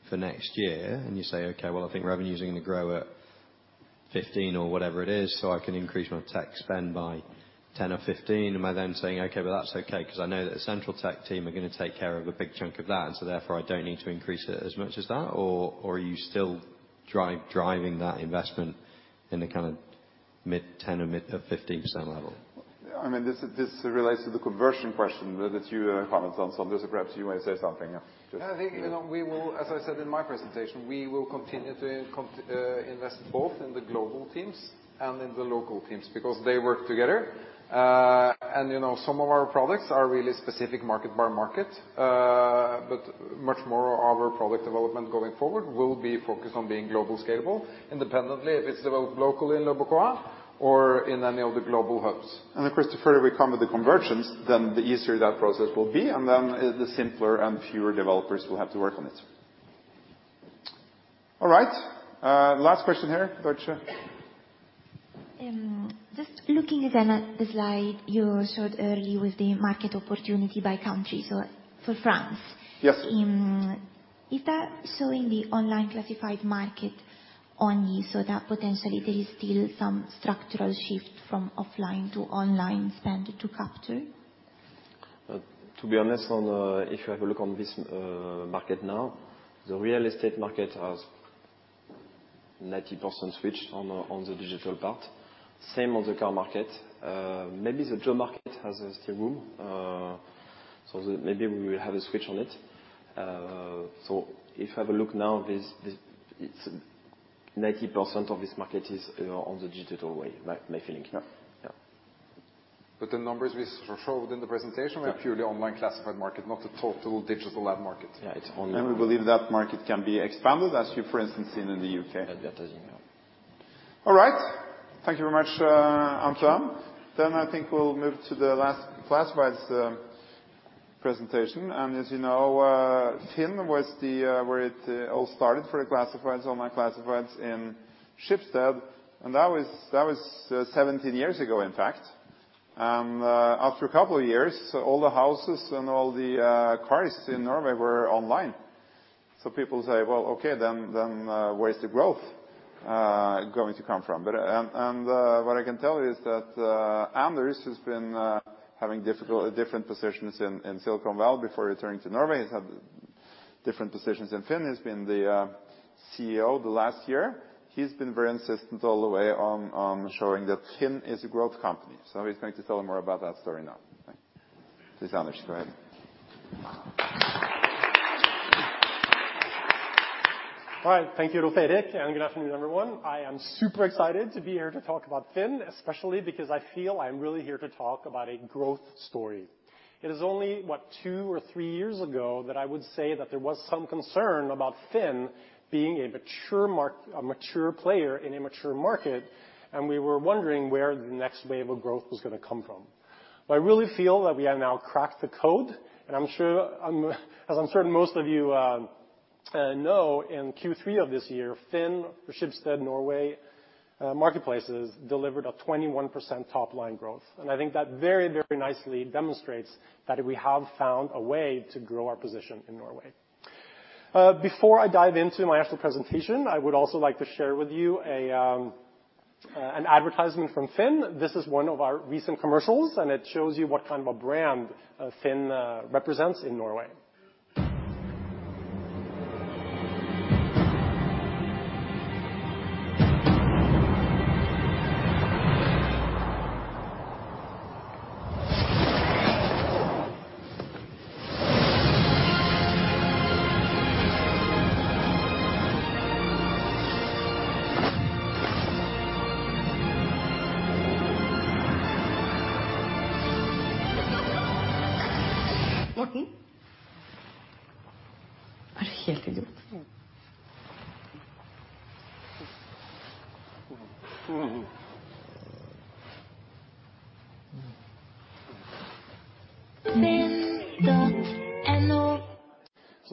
for next year, and you say, "Okay, well, I think revenue's gonna grow at 15% or whatever it is, so I can increase my tech spend by 10% or 15%." Am I then saying, "Okay, well, that's okay, 'cause I know that the central tech team are gonna take care of a big chunk of that, and so therefore I don't need to increase it as much as that?" Are you still driving that investment in the kind of mid-10% or mid to 15% level? I mean, this relates to the conversion question that you commented on, so perhaps you want to say something. Yeah. I think, you know, we will, as I said in my presentation, we will continue to invest both in the global teams and in the local teams because they work together. You know, some of our products are really specific market by market. Much more of our product development going forward will be focused on being global scalable, independently if it's developed locally in Leboncoin or in any of the global hubs. Of course, the further we come with the conversions, then the easier that process will be, and then the simpler and fewer developers will have to work on it. All right, last question here. Go ahead. Just looking at a slide you showed earlier with the market opportunity by country for France. Yes. Is that showing the online classified market only so that potentially there is still some structural shift from offline to online spend to capture? To be honest, on if you have a look on this market now, the real estate market has 90% switched on the digital part. Same on the car market. Maybe the job market has still room. Maybe we will have a switch on it. If you have a look now, this, it's 90% of this market is, you know, on the digital way. My feeling. Yeah. Yeah. The numbers we showed in the presentation were purely online classified market, not the total digital ad market. Yeah, it's online. We believe that market can be expanded as you, for instance, seen in the U.K. Advertising, yeah. All right. Thank you very much, Antoine. I think we'll move to the last classifieds presentation. As you know, FINN.no was the where it all started for the classifieds, online classifieds in Schibsted, that was 17 years ago, in fact. After a couple of years, all the houses and all the cars in Norway were online. People say, "Well, okay, then, where's the growth going to come from?" What I can tell you is that Anders has been having different positions in Silicon Valley before returning to Norway. He's had different positions, and FINN.no has been the CEO the last year. He's been very insistent all the way on showing that FINN.no is a growth company. He's going to tell more about that story now. Thanks. Please, Anders, go ahead. All right. Thank you, Rolv-Erik, and good afternoon, everyone. I am super excited to be here to talk about Finn, especially because I feel I'm really here to talk about a growth story. It is only, what, two or three years ago that I would say that there was some concern about Finn being a mature player in a mature market, and we were wondering where the next wave of growth was gonna come from. I really feel that we have now cracked the code, and as I'm certain most of you know, in Q3 of this year, Finn or Schibsted Norway marketplaces delivered a 21% top-line growth. I think that very, very nicely demonstrates that we have found a way to grow our position in Norway. Before I dive into my actual presentation, I would also like to share with you an advertisement from FINN. This is one of our recent commercials, and it shows you what kind of a brand FINN represents in Norway.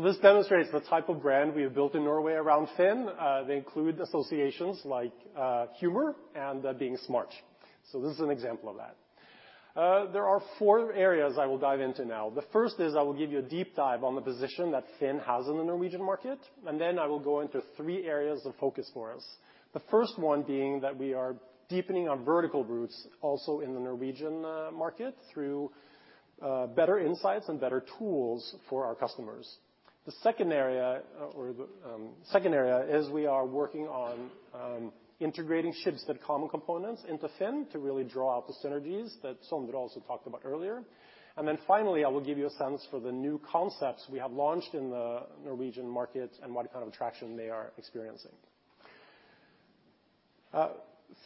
This demonstrates the type of brand we have built in Norway around FINN. They include associations like humor and being smart. This is an example of that. There are four areas I will dive into now. The first is I will give you a deep dive on the position that FINN has in the Norwegian market, and then I will go into three areas of focus for us. The first one being that we are deepening our vertical roots also in the Norwegian market through better insights and better tools for our customers. The second area, or the second area is we are working on integrating Schibsted common components into Finn to really draw out the synergies that Sondre also talked about earlier. Finally, I will give you a sense for the new concepts we have launched in the Norwegian market and what kind of traction they are experiencing.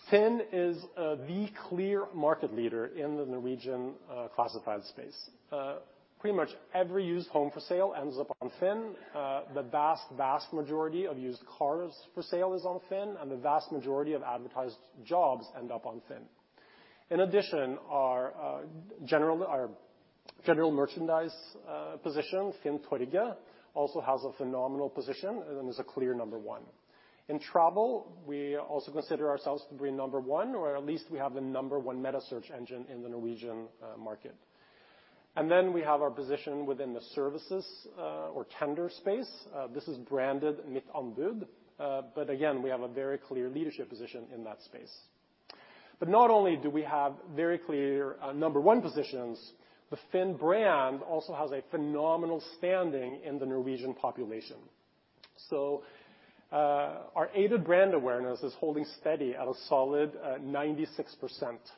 Finn is the clear market leader in the Norwegian classified space. Pretty much every used home for sale ends up on Finn. The vast majority of used cars for sale is on Finn, and the vast majority of advertised jobs end up on Finn. In addition, our general merchandise position, FINN Torget, also has a phenomenal position and is a clear number one. In travel, we also consider ourselves to be number one, or at least we have the number one meta search engine in the Norwegian market. Then we have our position within the services or tender space. This is branded Mittanbud. But again, we have a very clear leadership position in that space. Not only do we have very clear number one positions, the FINN brand also has a phenomenal standing in the Norwegian population. Our aided brand awareness is holding steady at a solid 96%.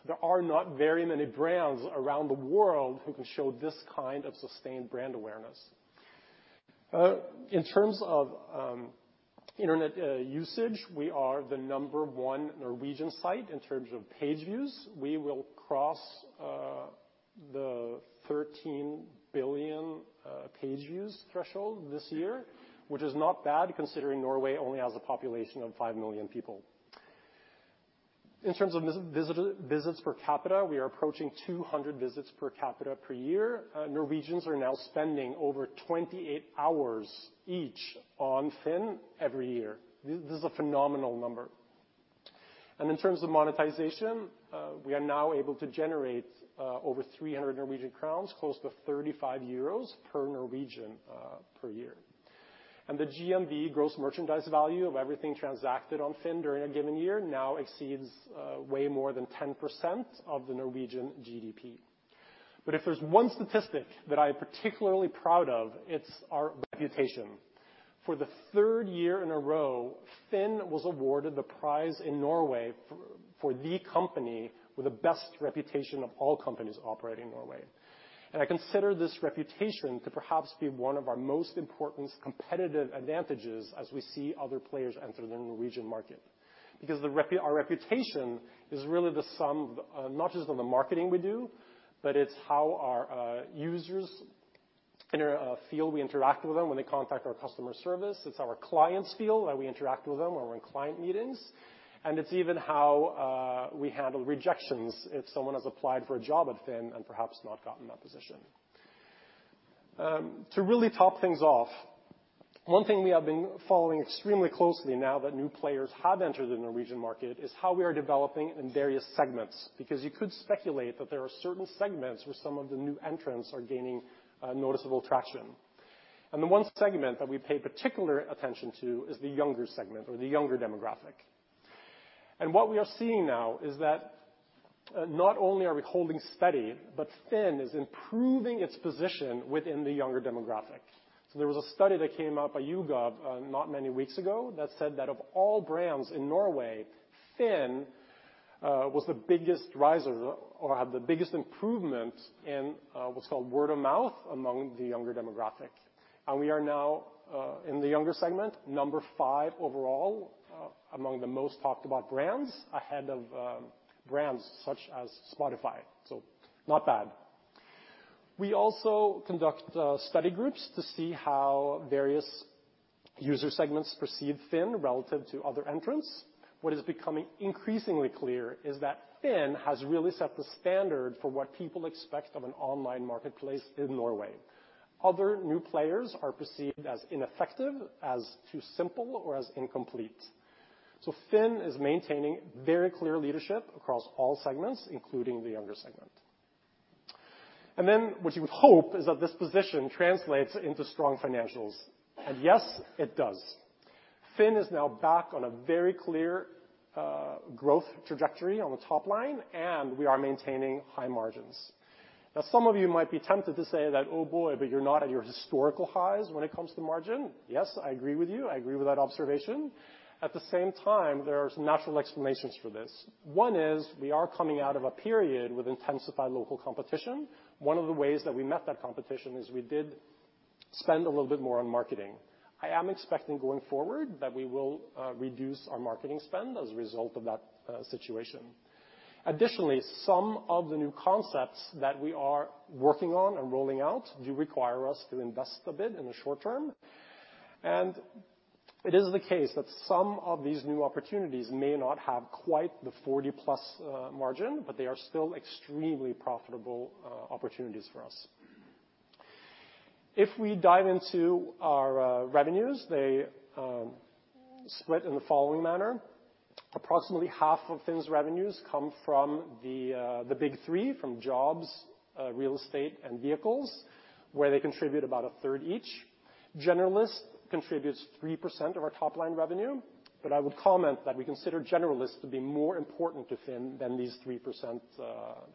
There are not very many brands around the world who can show this kind of sustained brand awareness. In terms of internet usage, we are the number one Norwegian site in terms of page views. We will cross the 13 billion page views threshold this year, which is not bad considering Norway only has a population of five million people. In terms of visits per capita, we are approaching 200 visits per capita per year. Norwegians are now spending over 28 hours each on FINN every year. This is a phenomenal number. In terms of monetization, we are now able to generate over 300 Norwegian crowns, close to 35 euros per Norwegian per year. The GMV, gross merchandise value, of everything transacted on FINN during a given year now exceeds way more than 10% of the Norwegian GDP. If there's one statistic that I'm particularly proud of, it's our reputation. For the third year in a row, FINN was awarded the prize in Norway for the company with the best reputation of all companies operating in Norway. I consider this reputation to perhaps be one of our most important competitive advantages as we see other players enter the Norwegian market. Our reputation is really the sum of not just on the marketing we do, but it's how our users feel we interact with them when they contact our customer service. It's how our clients feel how we interact with them when we're in client meetings, and it's even how we handle rejections if someone has applied for a job at FINN and perhaps not gotten that position. To really top things off, one thing we have been following extremely closely now that new players have entered the Norwegian market is how we are developing in various segments, because you could speculate that there are certain segments where some of the new entrants are gaining noticeable traction. The one segment that we pay particular attention to is the younger segment or the younger demographic. What we are seeing now is that not only are we holding steady, but FINN is improving its position within the younger demographic. There was a study that came out by YouGov not many weeks ago that said that of all brands in Norway, FINN was the biggest riser or had the biggest improvement in what's called word of mouth among the younger demographic. We are now in the younger segment, number five overall, among the most talked about brands, ahead of brands such as Spotify. Not bad. We also conduct study groups to see how various user segments perceive FINN relative to other entrants. What is becoming increasingly clear is that FINN has really set the standard for what people expect of an online marketplace in Norway. Other new players are perceived as ineffective, as too simple, or as incomplete. FINN is maintaining very clear leadership across all segments, including the younger segment. Then what you would hope is that this position translates into strong financials. Yes, it does. FINN is now back on a very clear growth trajectory on the top line, and we are maintaining high margins. Some of you might be tempted to say that, "Oh, boy, but you're not at your historical highs when it comes to margin." Yes, I agree with you. I agree with that observation. There are some natural explanations for this. One is we are coming out of a period with intensified local competition. One of the ways that we met that competition is we did spend a little bit more on marketing. I am expecting going forward that we will reduce our marketing spend as a result of that situation. Additionally, some of the new concepts that we are working on and rolling out do require us to invest a bit in the short term. It is the case that some of these new opportunities may not have quite the 40-plus margin, but they are still extremely profitable opportunities for us. If we dive into our revenues, they split in the following manner. Approximately half of FINN's revenues come from the big three, from jobs, real estate, and vehicles, where they contribute about a third each. Generalist contributes 3% of our top line revenue, but I would comment that we consider generalist to be more important to FINN than these 3%,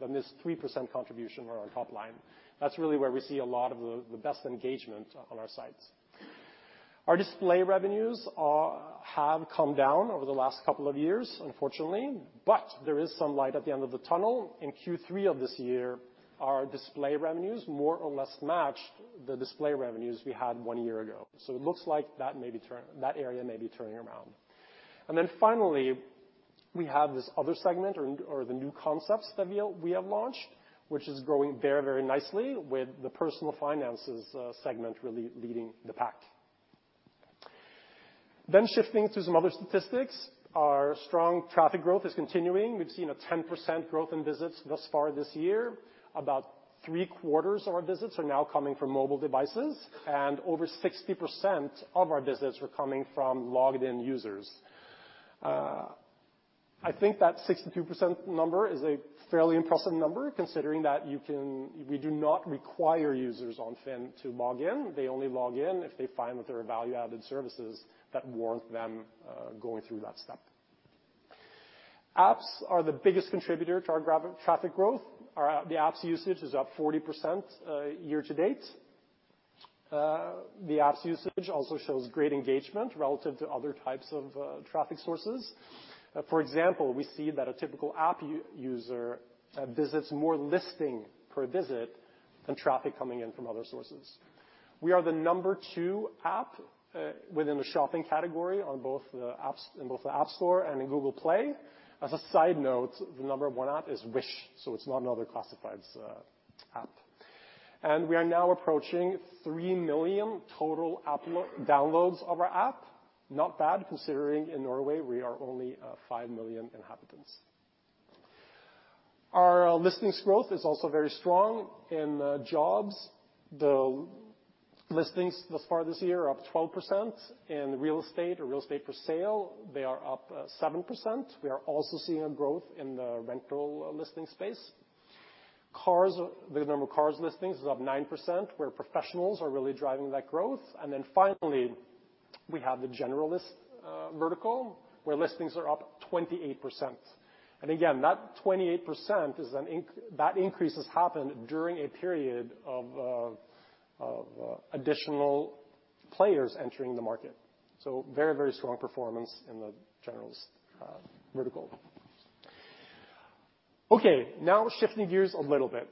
than this 3% contribution on our top line. That's really where we see a lot of the best engagement on our sites. Our display revenues have come down over the last couple of years, unfortunately. There is some light at the end of the tunnel. In Q3 of this year, our display revenues more or less matched the display revenues we had one year ago. It looks like that area may be turning around. Finally, we have this other segment or the new concepts that we have launched, which is growing very, very nicely with the personal finances segment really leading the pack. Shifting to some other statistics. Our strong traffic growth is continuing. We've seen a 10% growth in visits thus far this year. About three-quarters of our visits are now coming from mobile devices, and over 60% of our visits are coming from logged in users. I think that 62% number is a fairly impressive number considering that We do not require users on FINN to log in. They only log in if they find that there are value-added services that warrant them going through that step. Apps are the biggest contributor to our traffic growth. The apps usage is up 40% year to date. The apps usage also shows great engagement relative to other types of traffic sources. For example, we see that a typical app user visits more listing per visit than traffic coming in from other sources. We are the number two app within the shopping category on both the apps, in both the App Store and in Google Play. As a side note, the number one app is Wish, it's not another classifieds app. We are now approaching three million total downloads of our app. Not bad considering in Norway we are only five million inhabitants. Our listings growth is also very strong in jobs. The listings thus far this year are up 12%. In real estate or real estate for sale, they are up 7%. We are also seeing a growth in the rental listings space. Cars, the number of cars listings is up 9%, where professionals are really driving that growth. Finally, we have the generalist vertical, where listings are up 28%. Again, that 28% is that increase has happened during a period of additional players entering the market. Very strong performance in the generalist vertical. Now shifting gears a little bit.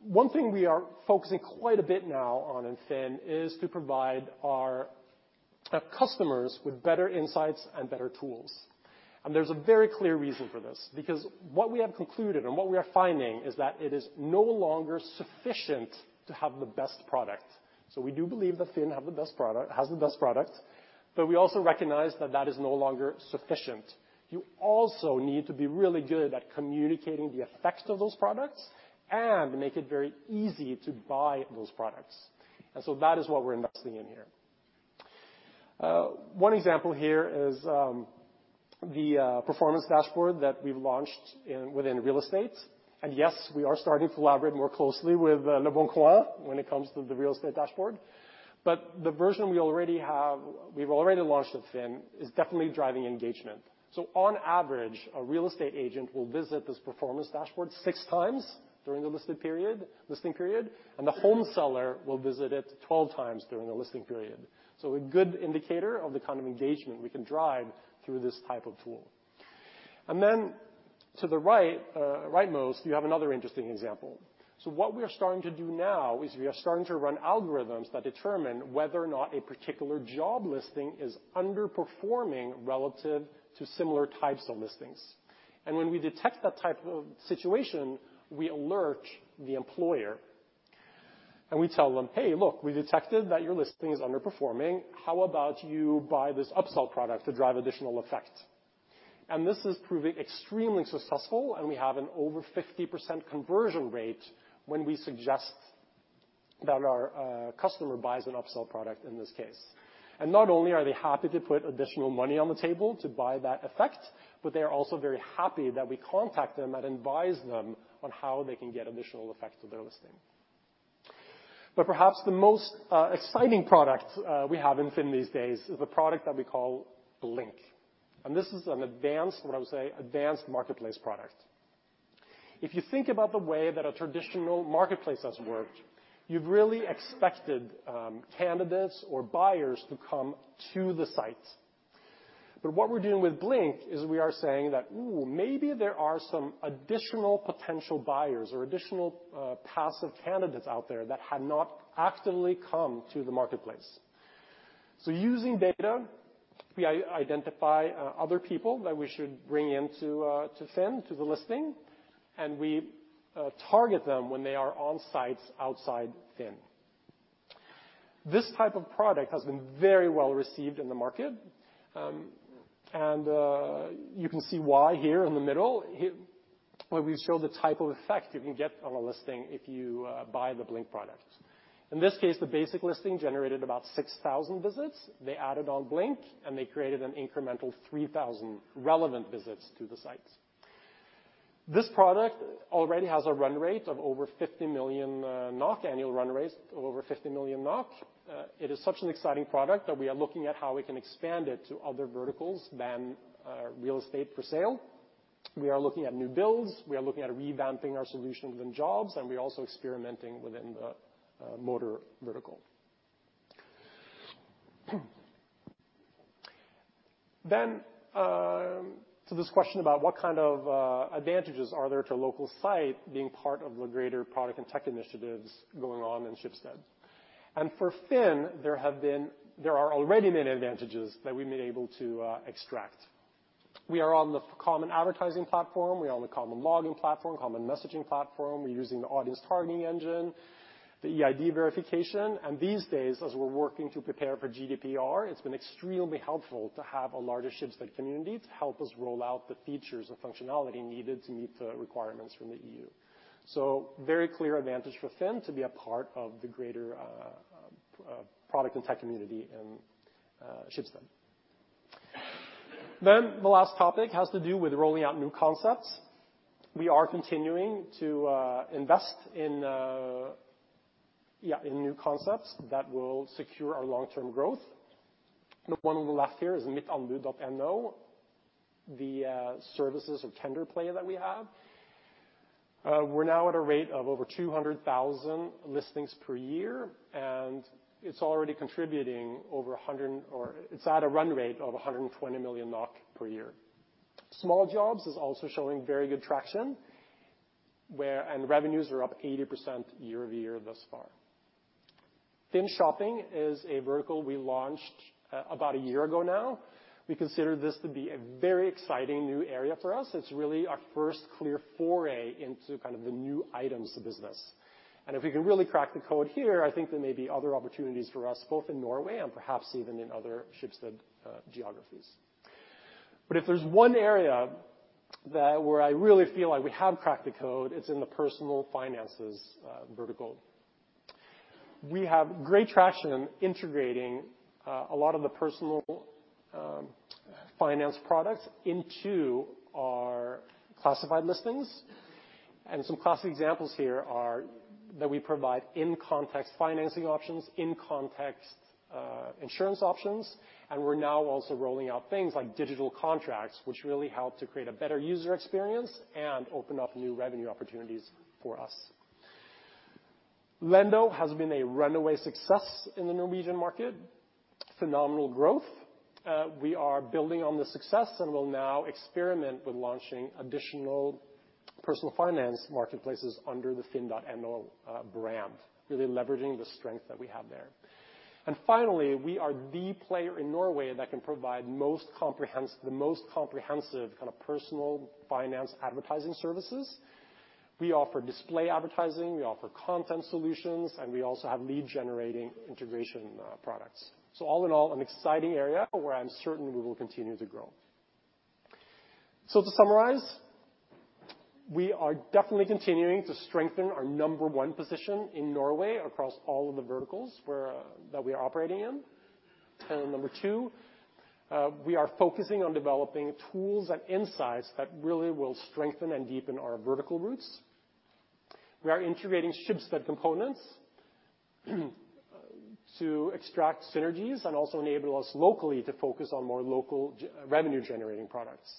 One thing we are focusing quite a bit now on in FINN is to provide our customers with better insights and better tools. There's a very clear reason for this, because what we have concluded and what we are finding is that it is no longer sufficient to have the best product. We do believe that FINN have the best product, has the best product, but we also recognize that that is no longer sufficient. You also need to be really good at communicating the effects of those products and make it very easy to buy those products. That is what we're investing in here. One example here is the performance dashboard that we've launched in, within real estate. Yes, we are starting to collaborate more closely with Leboncoin when it comes to the real estate dashboard. The version we already have, we've already launched at FINN, is definitely driving engagement. On average, a real estate agent will visit this performance dashboard six times during the listing period, and the home seller will visit it 12 times during the listing period. A good indicator of the kind of engagement we can drive through this type of tool. To the right, rightmost, you have another interesting example. What we are starting to do now is we are starting to run algorithms that determine whether or not a particular job listing is underperforming relative to similar types of listings. When we detect that type of situation, we alert the employer, and we tell them, "Hey, look, we detected that your listing is underperforming. How about you buy this upsell product to drive additional effect? This is proving extremely successful, and we have an over 50% conversion rate when we suggest that our customer buys an upsell product in this case. Not only are they happy to put additional money on the table to buy that effect, but they're also very happy that we contact them and advise them on how they can get additional effect to their listing. Perhaps the most exciting product we have in FINN these days is a product that we call Blink. This is an advanced, what I would say, advanced marketplace product. If you think about the way that a traditional marketplace has worked, you've really expected candidates or buyers to come to the site. What we're doing with Blink is we are saying that, "Ooh, maybe there are some additional potential buyers or additional passive candidates out there that had not actively come to the marketplace." Using data, we identify other people that we should bring into Finn, to the listing, and we target them when they are on sites outside Finn. This type of product has been very well received in the market. You can see why here in the middle where we show the type of effect you can get on a listing if you buy the Blink product. In this case, the basic listing generated about 6,000 visits. They added on Blink, and they created an incremental 3,000 relevant visits to the sites. This product already has a run rate of over 50 million NOK, annual run rates of over 50 million NOK. It is such an exciting product that we are looking at how we can expand it to other verticals than real estate for sale. We are looking at new builds, we are looking at revamping our solution within jobs, and we're also experimenting within the motor vertical. To this question about what kind of advantages are there to local site being part of the greater product and tech initiatives going on in Schibsted. For FINN, there are already many advantages that we've been able to extract. We are on the common advertising platform, we're on the common login platform, common messaging platform. We're using the audience targeting engine, the eID verification. These days, as we're working to prepare for GDPR, it's been extremely helpful to have a larger Schibsted community to help us roll out the features and functionality needed to meet the requirements from the EU. Very clear advantage for FINN to be a part of the greater product and tech community in Schibsted. The last topic has to do with rolling out new concepts. We are continuing to invest in new concepts that will secure our long-term growth. The one on the left here is Mittanbud.no, the services or tender play that we have. We're now at a rate of over 200,000 listings per year, and it's already contributing over a hundred or it's at a run rate of 120 million NOK per year. Small Jobs is also showing very good traction, and revenues are up 80% year-over-year thus far. FINN Shopping is a vertical we launched, about a year ago now. We consider this to be a very exciting new area for us. It's really our first clear foray into kind of the new items business. If we can really crack the code here, I think there may be other opportunities for us both in Norway and perhaps even in other Schibsted geographies. If there's one area where I really feel like we have cracked the code, it's in the personal finances vertical. We have great traction in integrating a lot of the personal finance products into our classified listings. Some classic examples here are that we provide in-context financing options, in-context, insurance options, and we're now also rolling out things like digital contracts, which really help to create a better user experience and open up new revenue opportunities for us. Lendo has been a runaway success in the Norwegian market, phenomenal growth. We are building on the success and will now experiment with launching additional personal finance marketplaces under the FINN.no brand, really leveraging the strength that we have there. Finally, we are the player in Norway that can provide the most comprehensive kind of personal finance advertising services. We offer display advertising, we offer content solutions, and we also have lead-generating integration products. All in all, an exciting area where I'm certain we will continue to grow. To summarize, we are definitely continuing to strengthen our number one position in Norway across all of the verticals where that we are operating in. Number two, we are focusing on developing tools and insights that really will strengthen and deepen our vertical roots. We are integrating Schibsted components to extract synergies and also enable us locally to focus on more local revenue-generating products.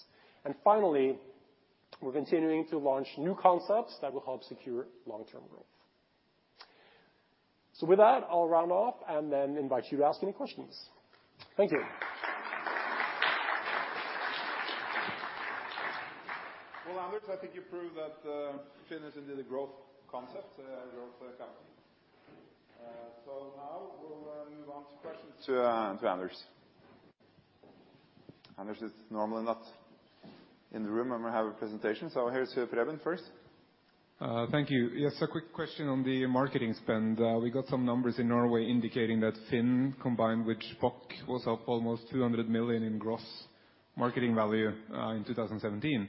Finally, we're continuing to launch new concepts that will help secure long-term growth. With that, I'll round off and then invite you to ask any questions. Thank you. Anders, I think you proved that FINN.no is indeed a growth concept, growth company. Now we'll move on to questions to Anders. Anders is normally not in the room when we have a presentation. Here's Preben first. Thank you. A quick question on the marketing spend. We got some numbers in Norway indicating that FINN.no combined with Blocket was up almost 200 million in gross-marketing value, in 2017.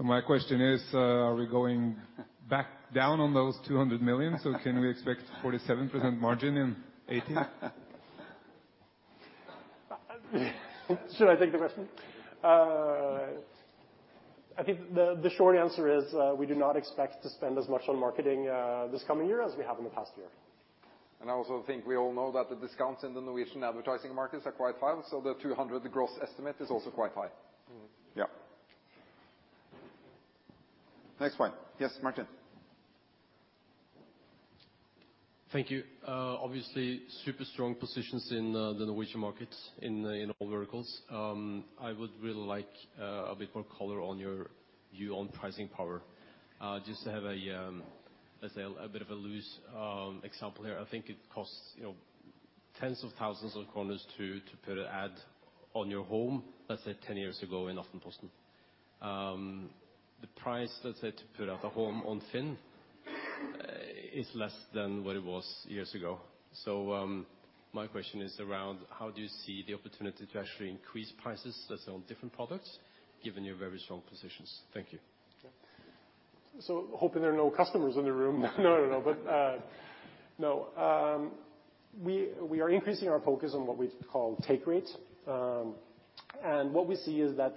My question is, are we going back down on those 200 million? Can we expect 47% margin in 2018? Should I take the question? I think the short answer is, we do not expect to spend as much on marketing this coming year as we have in the past year. I also think we all know that the discounts in the Norwegian advertising markets are quite high, so the 200 gross estimate is also quite high. Mm-hmm. Yeah. Next one. Yes, Martin. Thank you. obviously super strong positions in the Norwegian markets in all verticals. I would really like a bit more color on your view on pricing power. just to have a let's say a bit of a loose example here. I think it costs, you know, tens of thousands of NOK to put an ad on your home, let's say 10 years ago in Aftenposten. The price, let's say, to put out a home on FINN.no is less than what it was years ago. My question is around how do you see the opportunity to actually increase prices, let's say on different products, given your very strong positions? Thank you. Sure. Hoping there are no customers in the room. No, no. No, we are increasing our focus on what we call take rate. What we see is that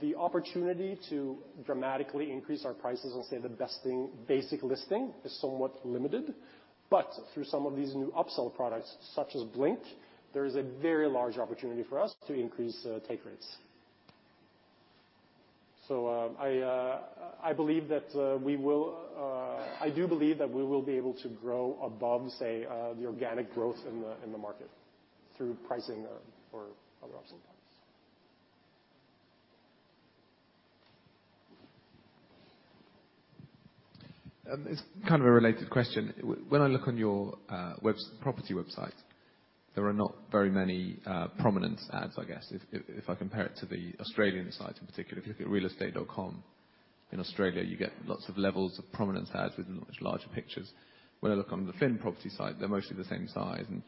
the opportunity to dramatically increase our prices on, say, the basic listing is somewhat limited. Through some of these new upsell products, such as Blink, there is a very large opportunity for us to increase take rates. I believe that we will I do believe that we will be able to grow above, say, the organic growth in the market through pricing or other upsell products. It's kind of a related question. When I look on your property website, there are not very many prominent ads, I guess. If I compare it to the Australian sites in particular, if you look at realestate.com.au in Australia, you get lots of levels of prominence ads with much larger pictures. When I look on the FINN.no property site, they're mostly the same size, and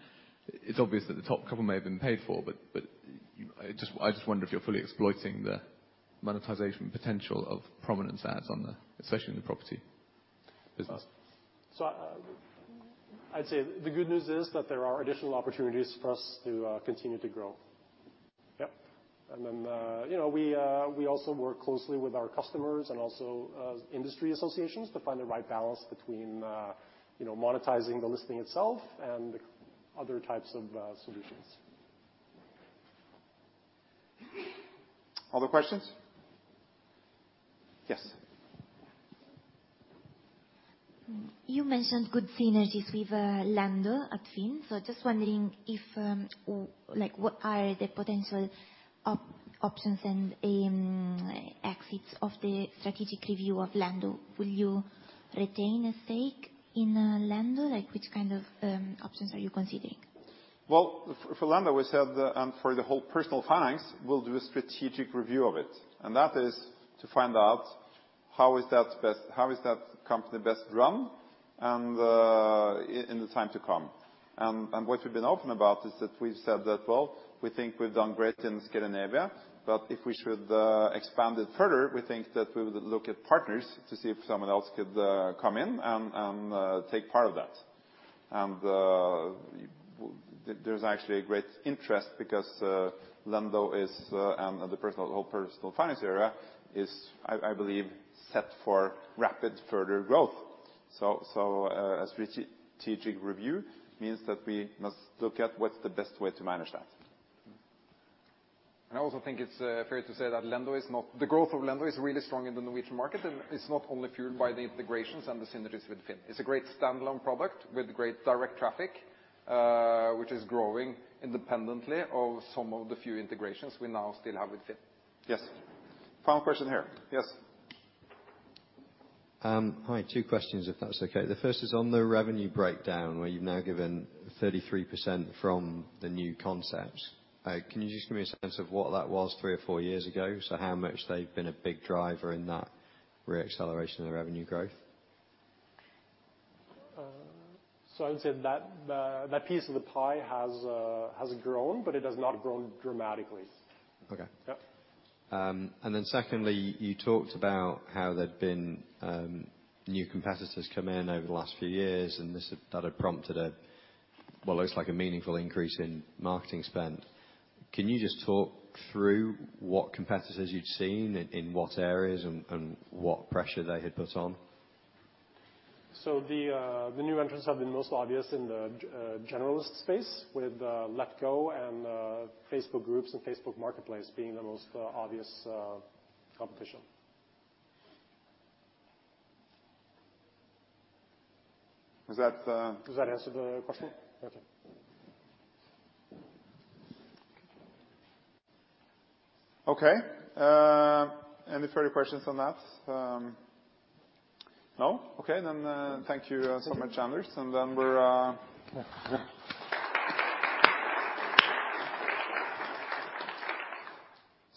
it's obvious that the top couple may have been paid for, but I just wonder if you're fully exploiting the monetization potential of prominence ads on the, especially in the property business. I'd say the good news is that there are additional opportunities for us to continue to grow. Yep. You know, we also work closely with our customers and also industry associations to find the right balance between, you know, monetizing the listing itself and other types of solutions. Other questions? Yes. You mentioned good synergies with Lendo at FINN.no. Just wondering if or like what are the potential options and exits of the strategic review of Lendo? Will you retain a stake in Lendo? Like, which kind of options are you considering? Well, for Lendo, we said, for the whole personal finance, we'll do a strategic review of it. That is to find out how is that best, how is that company best run and in the time to come. What we've been open about is that we've said that, well, we think we've done great in Scandinavia, but if we should expand it further, we think that we would look at partners to see if someone else could come in and take part of that. There's actually a great interest because Lendo is and the personal, whole personal finance area is, I believe, set for rapid further growth. A strategic review means that we must look at what's the best way to manage that. I also think it's fair to say that the growth of Lendo is really strong in the Norwegian market, and it's not only fueled by the integrations and the synergies with FINN.no. It's a great standalone product with great direct traffic, which is growing independently of some of the few integrations we now still have with FINN.no. Yes. Final question here. Yes. Hi. Two questions, if that's okay. The first is on the revenue breakdown, where you've now given 33% from the new concepts. Can you just give me a sense of what that was three or four years ago? How much they've been a big driver in that re-acceleration of the revenue growth? I would say that piece of the pie has grown, but it has not grown dramatically. Okay. Yep. Secondly, you talked about how there'd been new competitors come in over the last few years. That had prompted a, what looks like a meaningful increase in marketing spend. Can you just talk through what competitors you'd seen in what areas and what pressure they had put on? The new entrants have been most obvious in the generalist space with Letgo and Facebook Groups and Facebook Marketplace being the most obvious competition. Is that? Does that answer the question? Yeah. Okay. Okay. Any further questions on that? No? Thank you so much, Anders. Yeah.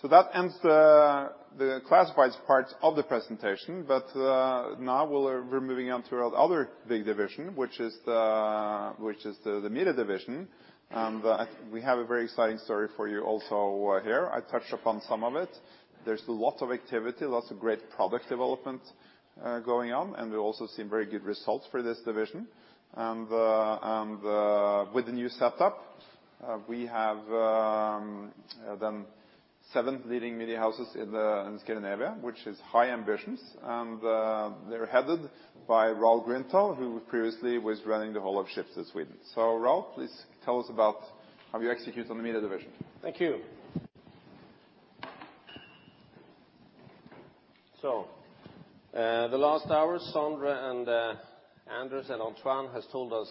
That ends the Classifieds part of the presentation, but now we're moving on to our other big division, which is the Media division. We have a very exciting story for you also here. I touch upon some of it. There's a lot of activity, lots of great product development going on, and we also see very good results for this division. With the new setup, we have them seven leading media houses in Scandinavia, which is high ambitions. They're headed by Raoul Grünthal, who previously was running the whole of Schibsted Sverige. Raoul, please tell us about how you execute on the Media division. Thank you. The last hour, Sondre and Anders and Antoine has told us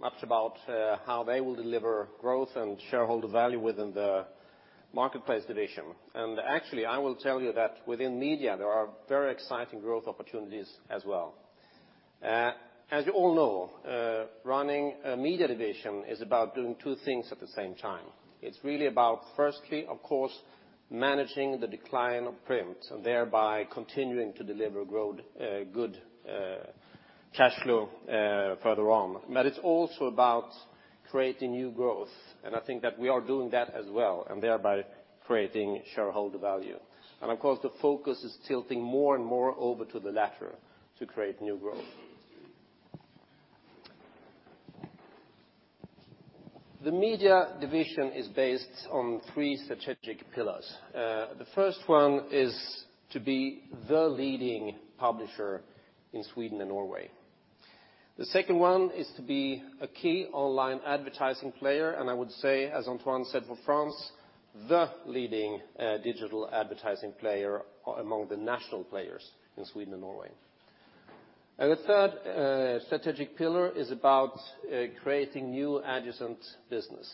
much about how they will deliver growth and shareholder value within the Marketplace division. Actually, I will tell you that within Media, there are very exciting growth opportunities as well. As you all know, running a media division is about doing two things at the same time. It's really about firstly, of course, managing the decline of print, and thereby continuing to deliver growth, good cash flow further on. It's also about creating new growth. I think that we are doing that as well, and thereby creating shareholder value. Of course, the focus is tilting more and more over to the latter to create new growth. The Media division is based on three strategic pillars. The first one is to be the leading publisher in Sweden and Norway. The second one is to be a key online advertising player, and I would say, as Antoine said for France, the leading digital advertising player among the national players in Sweden and Norway. The third strategic pillar is about creating new adjacent business.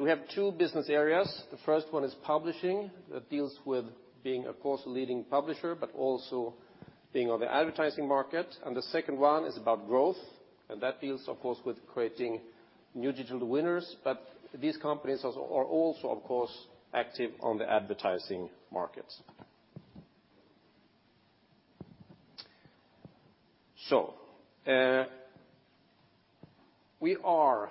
We have two business areas. The first one is publishing. That deals with being, of course, a leading publisher, but also being on the advertising market. The second one is about growth, and that deals, of course, with creating new digital winners, but these companies are also, of course, active on the advertising market. We are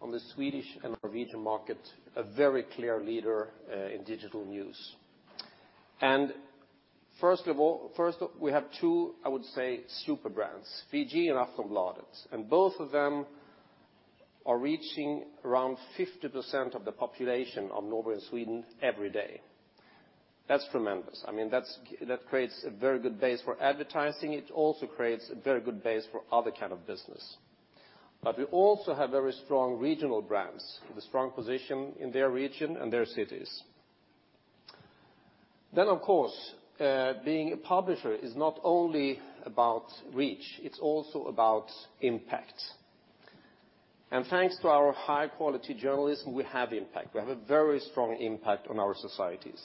on the Swedish and Norwegian market, a very clear leader in digital news. First of all, first, we have two, I would say, super brands, VG and Aftonbladet, and both of them are reaching around 50% of the population of Norway and Sweden every day. That's tremendous. I mean, that creates a very good base for advertising. It also creates a very good base for other kind of business. We also have very strong regional brands with a strong position in their region and their cities. Of course, being a publisher is not only about reach, it's also about impact. Thanks to our high-quality journalism, we have impact. We have a very strong impact on our societies.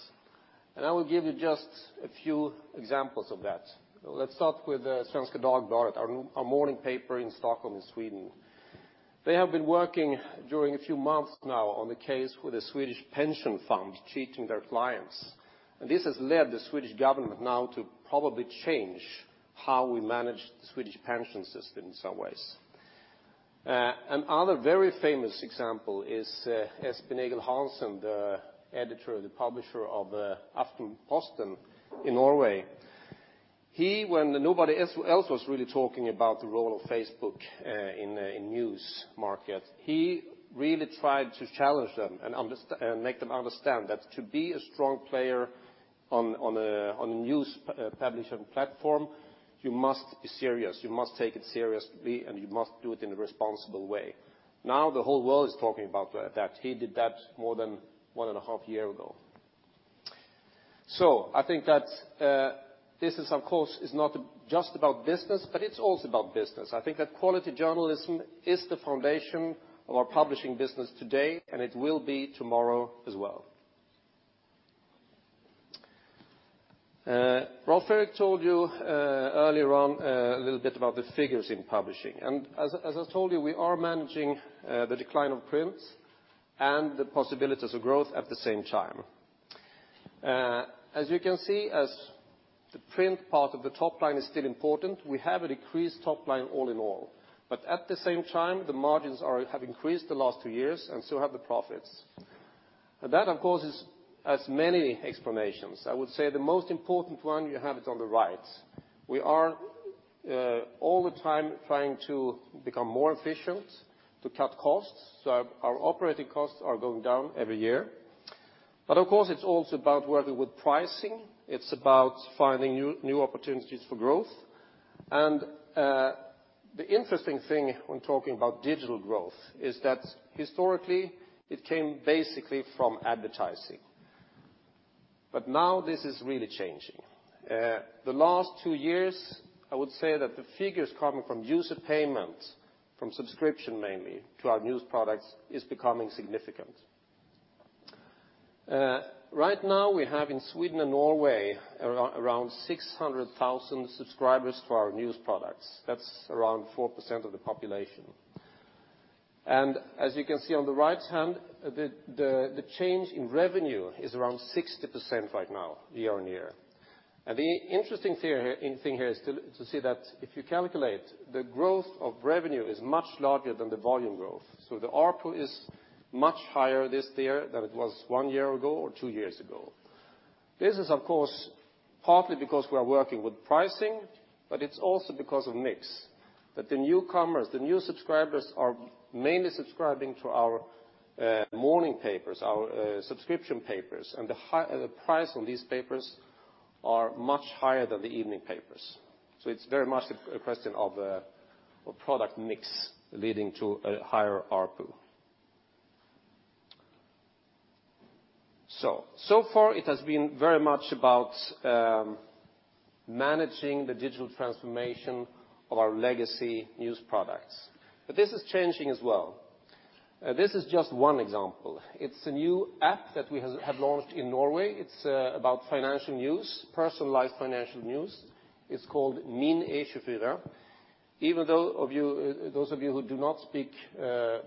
I will give you just a few examples of that. Let's start with Svenska Dagbladet, our morning paper in Stockholm, in Sweden. They have been working during a few months now on the case with the Swedish pension fund cheating their clients. This has led the Swedish government now to probably change how we manage the Swedish pension system in some ways. Another very famous example is Espen Egil Hansen, the editor, the publisher of Aftenposten in Norway. He, when nobody else was really talking about the role of Facebook in a news market, he really tried to challenge them and make them understand that to be a strong player on a news publishing platform, you must be serious. You must take it seriously, and you must do it in a responsible way. The whole world is talking about that. He did that more than 1.5 year ago. I think that, this is, of course, is not just about business, but it's also about business. I think that quality journalism is the foundation of our publishing business today, and it will be tomorrow as well. Rolv-Erik told you, earlier on, a little bit about the figures in publishing. As I told you, we are managing the decline of print and the possibilities of growth at the same time. As you can see, as the print part of the top line is still important, we have a decreased top line all in all. At the same time, the margins have increased the last 2 years, and so have the profits. That, of course, has many explanations. I would say the most important one you have it on the right. We are all the time trying to become more efficient, to cut costs, so our operating costs are going down every year. Of course, it's also about working with pricing. It's about finding new opportunities for growth. The interesting thing when talking about digital growth is that historically, it came basically from advertising. Now this is really changing. The last 2 years, I would say that the figures coming from user payment, from subscription mainly, to our news products, is becoming significant. Right now, we have in Sweden and Norway around 600,000 subscribers to our news products. That's around 4% of the population. As you can see on the right hand, the change in revenue is around 60% right now year-on-year. The interesting theory here, thing here is to see that if you calculate the growth of revenue is much larger than the volume growth. The ARPU is much higher this year than it was 1 year ago or 2 years ago. This is of course, partly because we are working with pricing, but it's also because of mix. That the newcomers, the new subscribers are mainly subscribing to our morning papers, our subscription papers, and the high price on these papers are much higher than the evening papers. It's very much a question of a product mix leading to a higher ARPU. So far it has been very much about managing the digital transformation of our legacy news products. This is changing as well. This is just one example. It's a new app that we have launched in Norway. It's about financial news, personalized financial news. It's called Min E24. Those of you who do not speak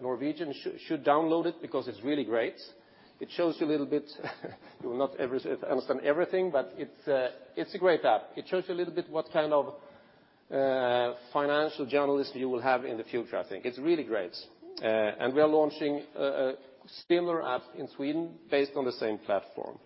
Norwegian should download it because it's really great. It shows you a little bit, you will not ever understand everything, but it's a great app. It shows you a little bit what kind of financial journalists you will have in the future, I think. It's really great. We are launching a similar app in Sweden based on the same platform.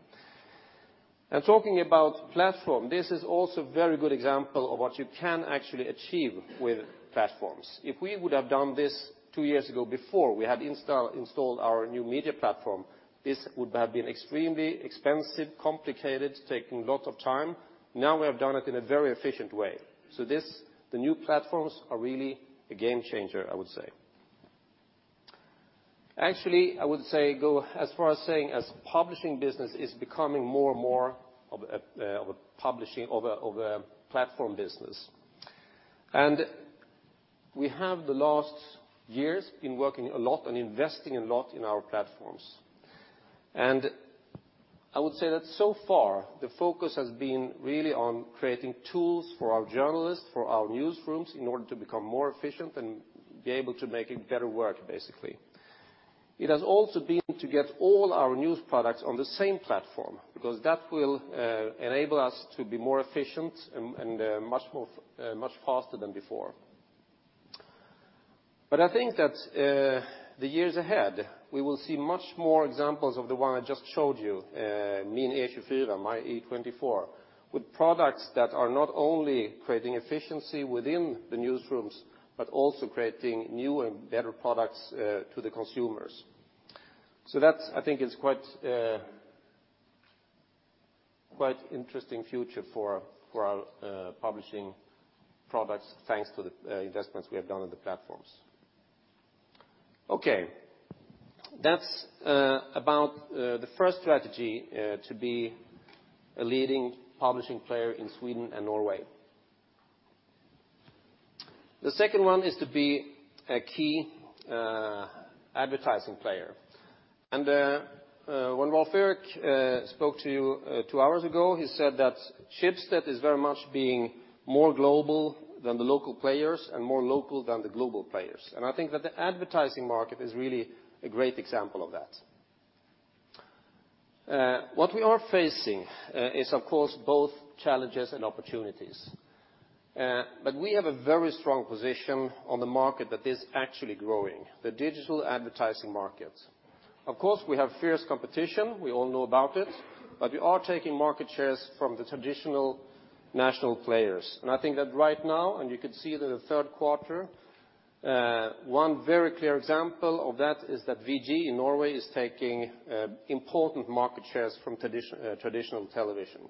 Talking about platform, this is also very good example of what you can actually achieve with platforms. If we would have done this 2 years ago before we had installed our new media platform, this would have been extremely expensive, complicated, taking lots of time. Now we have done it in a very efficient way. This, the new platforms are really a game changer, I would say. Actually, I would say, go as far as saying as publishing business is becoming more and more of a, of a publishing, of a, of a platform business. We have the last years been working a lot and investing a lot in our platforms. I would say that so far, the focus has been really on creating tools for our journalists, for our newsrooms, in order to become more efficient and be able to make it better work, basically. It has also been to get all our news products on the same platform, because that will enable us to be more efficient and much more, much faster than before. I think that the years ahead, we will see much more examples of the one I just showed you, Min E24, with products that are not only creating efficiency within the newsrooms, but also creating new and better products to the consumers. I think is quite interesting future for our publishing products, thanks to the investments we have done on the platforms. Okay. That's about the first strategy to be a leading publishing player in Sweden and Norway. The second one is to be a key advertising player. When Rolv-Erik spoke to you two hours ago, he said that Schibsted is very much being more global than the local players and more local than the global players. I think that the advertising market is really a great example of that. What we are facing is of course both challenges and opportunities. But we have a very strong position on the market that is actually growing, the digital advertising markets. Of course, we have fierce competition, we all know about it, but we are taking market shares from the traditional national players. I think that right now, and you can see that the third quarter, one very clear example of that is that VG in Norway is taking important market shares from traditional television.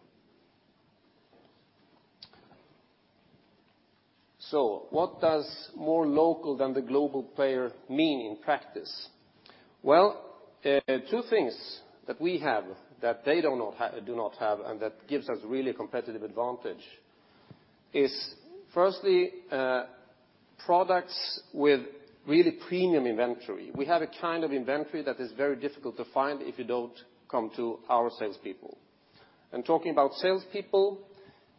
What does more local than the global player mean in practice? Well, two things that we have that they do not have, and that gives us really a competitive advantage is firstly, products with really premium inventory. We have a kind of inventory that is very difficult to find if you don't come to our salespeople. Talking about salespeople,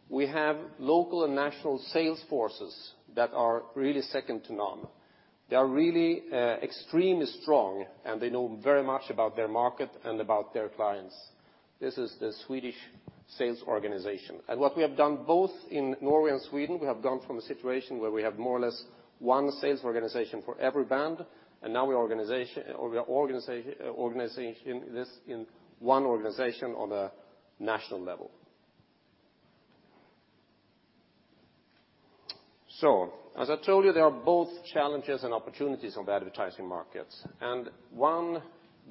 we have local and national sales forces that are really second to none. They are really extremely strong, and they know very much about their market and about their clients. This is the Swedish sales organization. What we have done both in Norway and Sweden, we have gone from a situation where we have more or less one sales organization for every brand, and or we are organization this in one organization on a national level. As I told you, there are both challenges and opportunities on the advertising markets. One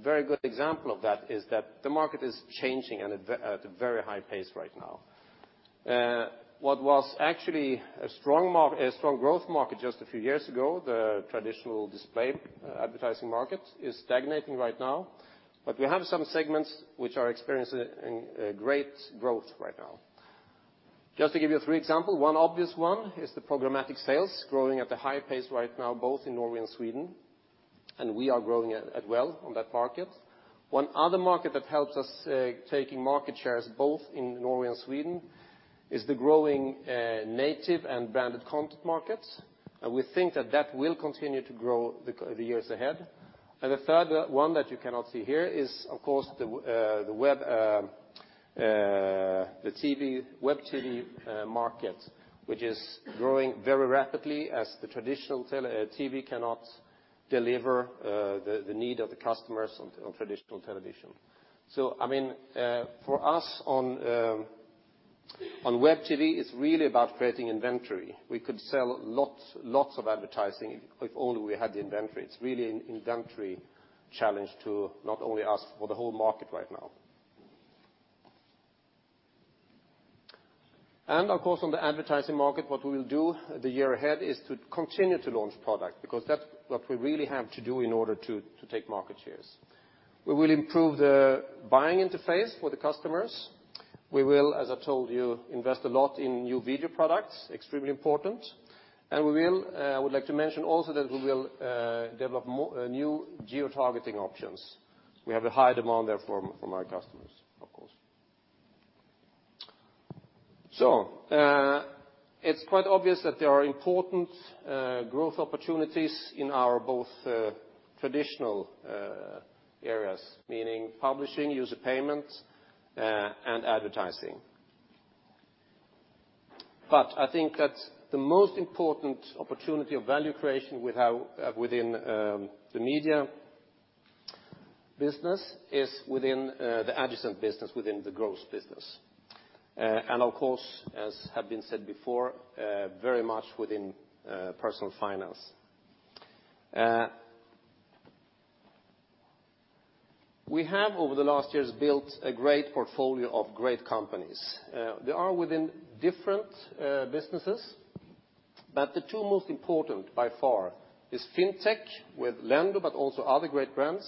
very good example of that is that the market is changing at a very high pace right now. What was actually a strong growth market just a few years ago, the traditional display advertising market, is stagnating right now. We have some segments which are experiencing great growth right now. Just to give you three examples. One obvious one is the programmatic sales growing at a high pace right now, both in Norway and Sweden, and we are growing at well on that market. One other market that helps us taking market shares both in Norway and Sweden is the growing native and branded content markets. We think that that will continue to grow the years ahead. The third one that you cannot see here is, of course, the web TV market, which is growing very rapidly as the traditional TV cannot deliver the need of the customers on traditional television. I mean, for us on web TV, it's really about creating inventory. We could sell lots of advertising if only we had the inventory. It's really an inventory challenge to not only us, for the whole market right now. Of course, on the advertising market, what we will do the year ahead is to continue to launch product, because that's what we really have to do in order to take market shares. We will improve the buying interface for the customers. We will, as I told you, invest a lot in new video products, extremely important. We will, I would like to mention also that we will develop more new geotargeting options. We have a high demand there from our customers, of course. It's quite obvious that there are important growth opportunities in our both traditional areas, meaning publishing, user payment, and advertising. I think that the most important opportunity of value creation with how within the media business is within the adjacent business within the growth business. Of course, as have been said before, very much within personal finance. We have, over the last years, built a great portfolio of great companies. They are within different businesses, but the two most important by far is fintech with Lendo, but also other great brands,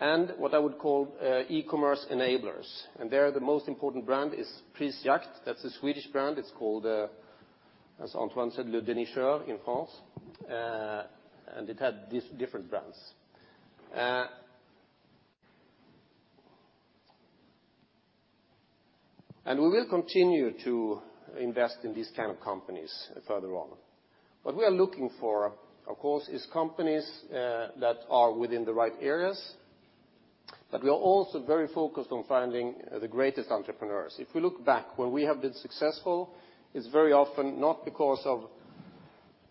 and what I would call e-commerce enablers. There, the most important brand is Prisjakt. That's a Swedish brand. It's called, as Antoine said, leDénicheur in France. It had these different brands. We will continue to invest in these kind of companies further on. What we are looking for, of course, is companies that are within the right areas. We are also very focused on finding the greatest entrepreneurs. If we look back where we have been successful, it's very often not because of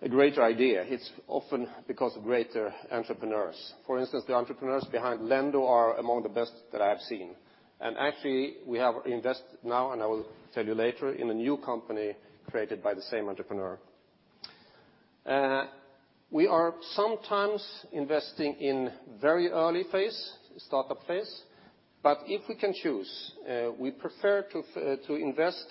a greater idea. It's often because of greater entrepreneurs. For instance, the entrepreneurs behind Lendo are among the best that I have seen. Actually, we have invest now, and I will tell you later, in a new company created by the same entrepreneur. We are sometimes investing in very early phase, startup phase. If we can choose, we prefer to invest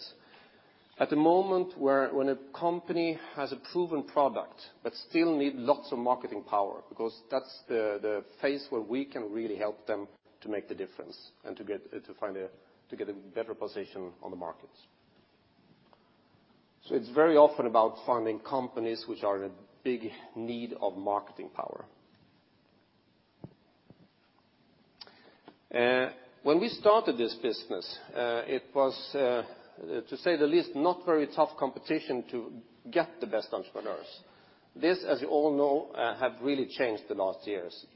at the moment where, when a company has a proven product but still need lots of marketing power. That's the phase where we can really help them to make the difference and to get a better position on the markets. It's very often about finding companies which are in big need of marketing power. When we started this business, it was to say the least, not very tough competition to get the best entrepreneurs. This, as you all know, have really changed the last years.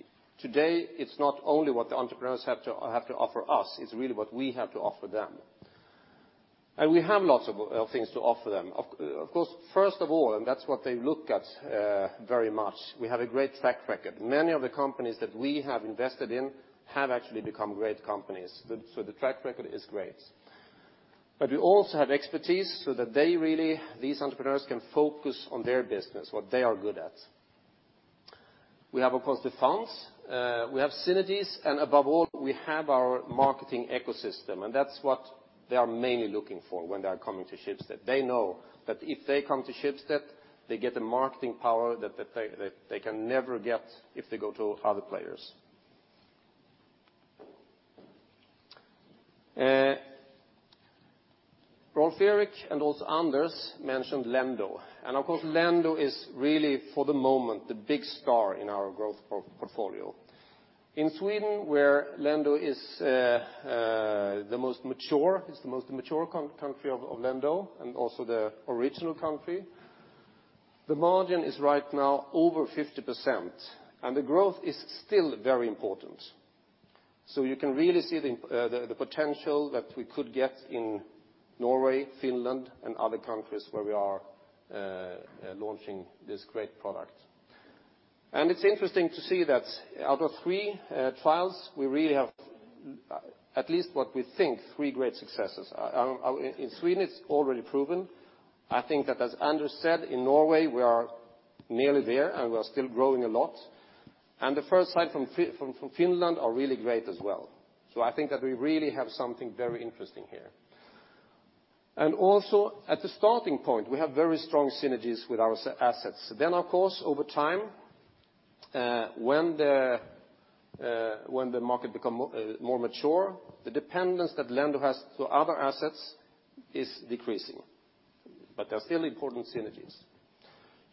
Today, it's not only what the entrepreneurs have to offer us, it's really what we have to offer them. We have lots of things to offer them. Of course, first of all, and that's what they look at very much, we have a great track record. Many of the companies that we have invested in have actually become great companies. So the track record is great. We also have expertise so that they really, these entrepreneurs can focus on their business, what they are good at. We have, of course, the funds. We have synergies, and above all, we have our marketing ecosystem, and that's what they are mainly looking for when they are coming to Schibsted. They know that if they come to Schibsted, they get the marketing power that they can never get if they go to other players. Rolv-Erik and also Anders mentioned Lendo. Of course, Lendo is really, for the moment, the big star in our growth portfolio. In Sweden, where Lendo is the most mature, it's the most mature country of Lendo, and also the original country, the margin is right now over 50%. The growth is still very important. You can really see the potential that we could get in Norway, Finland, and other countries where we are launching this great product. It's interesting to see that out of three trials, we really have, at least what we think, three great successes. In Sweden, it's already proven. I think that as Anders said, in Norway, we are nearly there, and we are still growing a lot. The first sign from Finland are really great as well. I think that we really have something very interesting here. Also, at the starting point, we have very strong synergies with our assets. Of course, when the market become more mature, the dependence that Lendo has to other assets is decreasing. There are still important synergies.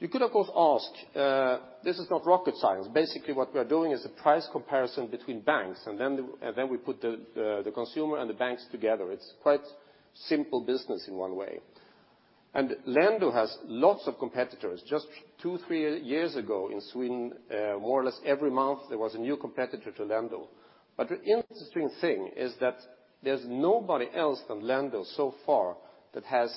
You could, of course, ask, this is not rocket science. Basically, what we are doing is a price comparison between banks, and then, and then we put the consumer and the banks together. It's quite simple business in one way. Lendo has lots of competitors. Just two, three years ago in Sweden, more or less every month, there was a new competitor to Lendo. The interesting thing is that there's nobody else than Lendo so far that has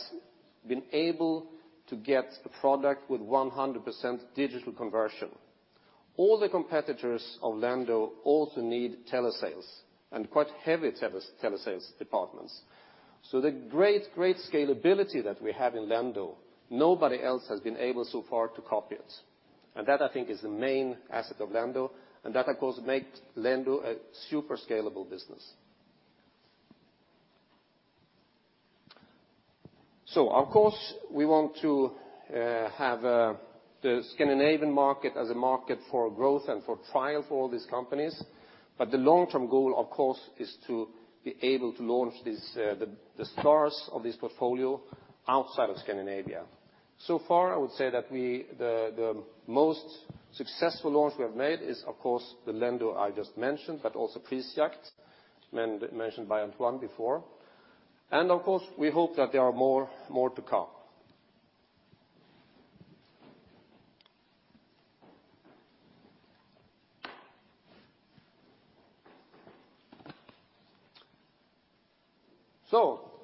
been able to get a product with 100% digital conversion. All the competitors of Lendo also need telesales, and quite heavy telesales departments. The great scalability that we have in Lendo, nobody else has been able so far to copy it. That I think is the main asset of Lendo, and that of course make Lendo a super scalable business. Of course, we want to have the Scandinavian market as a market for growth and for trial for all these companies. The long-term goal, of course, is to be able to launch the stars of this portfolio outside of Scandinavia. Far, I would say that we the most successful launch we have made is of course the Lendo I just mentioned, but also Prisjakt mentioned by Antoine before. Of course, we hope that there are more to come.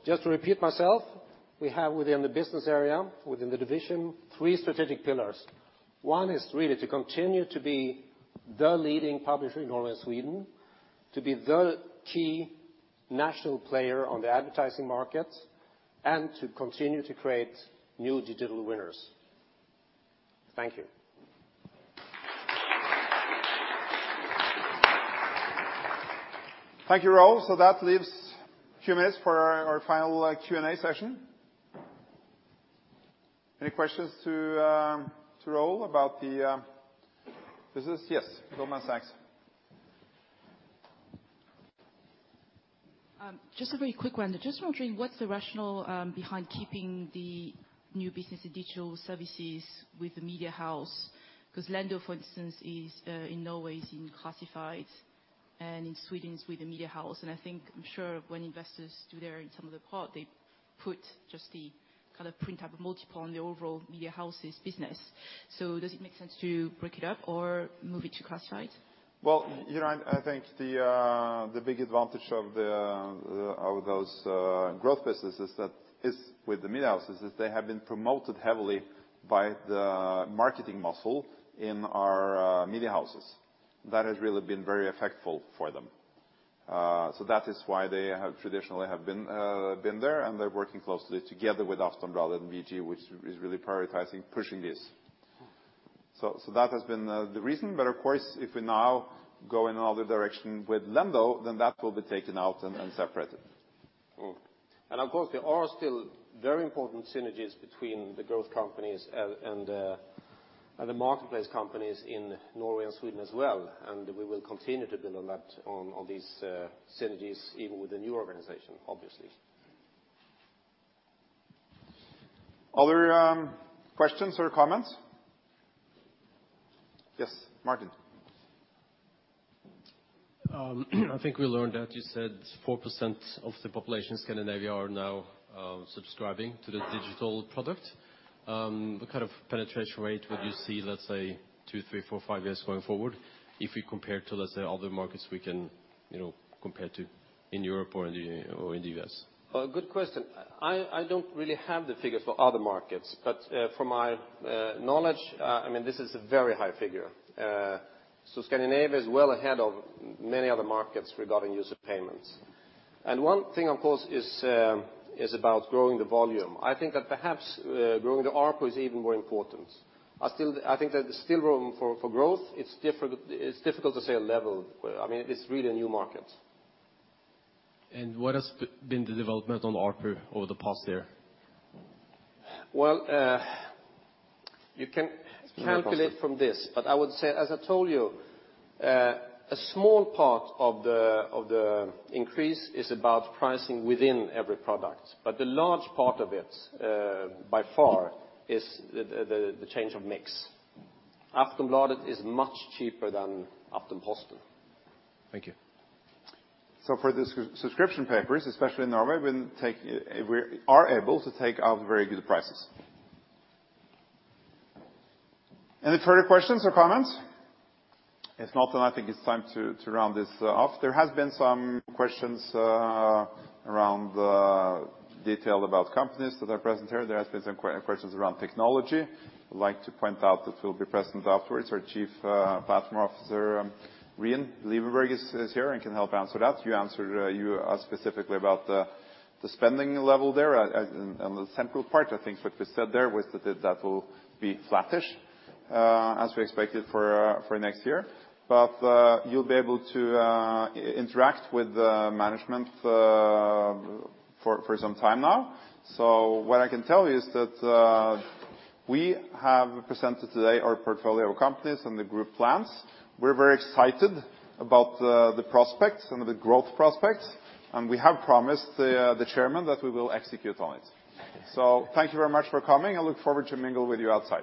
Just to repeat myself, we have within the business area, within the division, three strategic pillars. One is really to continue to be the leading publisher in all of Sweden, to be the key national player on the advertising market, and to continue to create new digital winners. Thank you. Thank you, Raoul. That leaves a few minutes for our final Q&A session. Any questions to Raoul about the business? Yes, Goldman Sachs. Just a very quick one. Just wondering what's the rationale behind keeping the new business and digital services with the Media House? Because Lendo, for instance, is in Norway is in Classifieds and in Sweden is with the Media House? I think, I'm sure when investors do their, sum of the parts, they put just the kind of print ad multiple on the overall Media House's business. Does it make sense to break it up or move it to Classifieds? Well, you know, I think the big advantage of the of those growth businesses that is with the Media House is they have been promoted heavily by the marketing muscle in our Media Houses. That has really been very effective for them. That is why they have traditionally have been there, and they're working closely together with Aftonbladet and VG, which is really prioritizing pushing this. That has been the reason. Of course, if we now go in another direction with Lendo, then that will be taken out and separated. Of course, there are still very important synergies between the growth companies and the marketplace companies in Norway and Sweden as well. We will continue to build on that, on these synergies, even with the new organization, obviously. Other, questions or comments? Yes, Martin Stenshall. I think we learned that you said 4% of the population in Scandinavia are now subscribing to the digital product. What kind of penetration rate would you see, let's say, two, three, four, five years going forward if we compare to, let's say, other markets we can, you know, compare to in Europe or in the U.S.? Good question. I don't really have the figures for other markets, but from my knowledge, I mean, this is a very high figure. Scandinavia is well ahead of many other markets regarding user payments. One thing, of course, is about growing the volume. I think that perhaps growing the ARPU is even more important. I think there's still room for growth. It's difficult to say a level. I mean, it's really a new market. What has been the development on ARPU over the past year? You can calculate from this. I would say, as I told you, a small part of the increase is about pricing within every product. The large part of it, by far is the change of mix. Aftonbladet is much cheaper than Aftonbladet. Thank you. For the subscription papers, especially in Norway, we can take, we are able to take out very good prices. Any further questions or comments? If not, then I think it's time to round this off. There has been some questions around the detail about companies that are present here. There has been some questions around technology. I'd like to point out that we'll be present afterwards. Our Chief Platform Officer, Rian Liebenberg is here and can help answer that. You answered, you asked specifically about the spending level there. The central part, I think what we said there was that will be flattish as we expected for next year. You'll be able to interact with the management for some time now. What I can tell you is that, we have presented today our portfolio of companies and the group plans. We're very excited about the prospects and the growth prospects. We have promised the Chairman that we will execute on it. Thank you very much for coming. I look forward to mingle with you outside.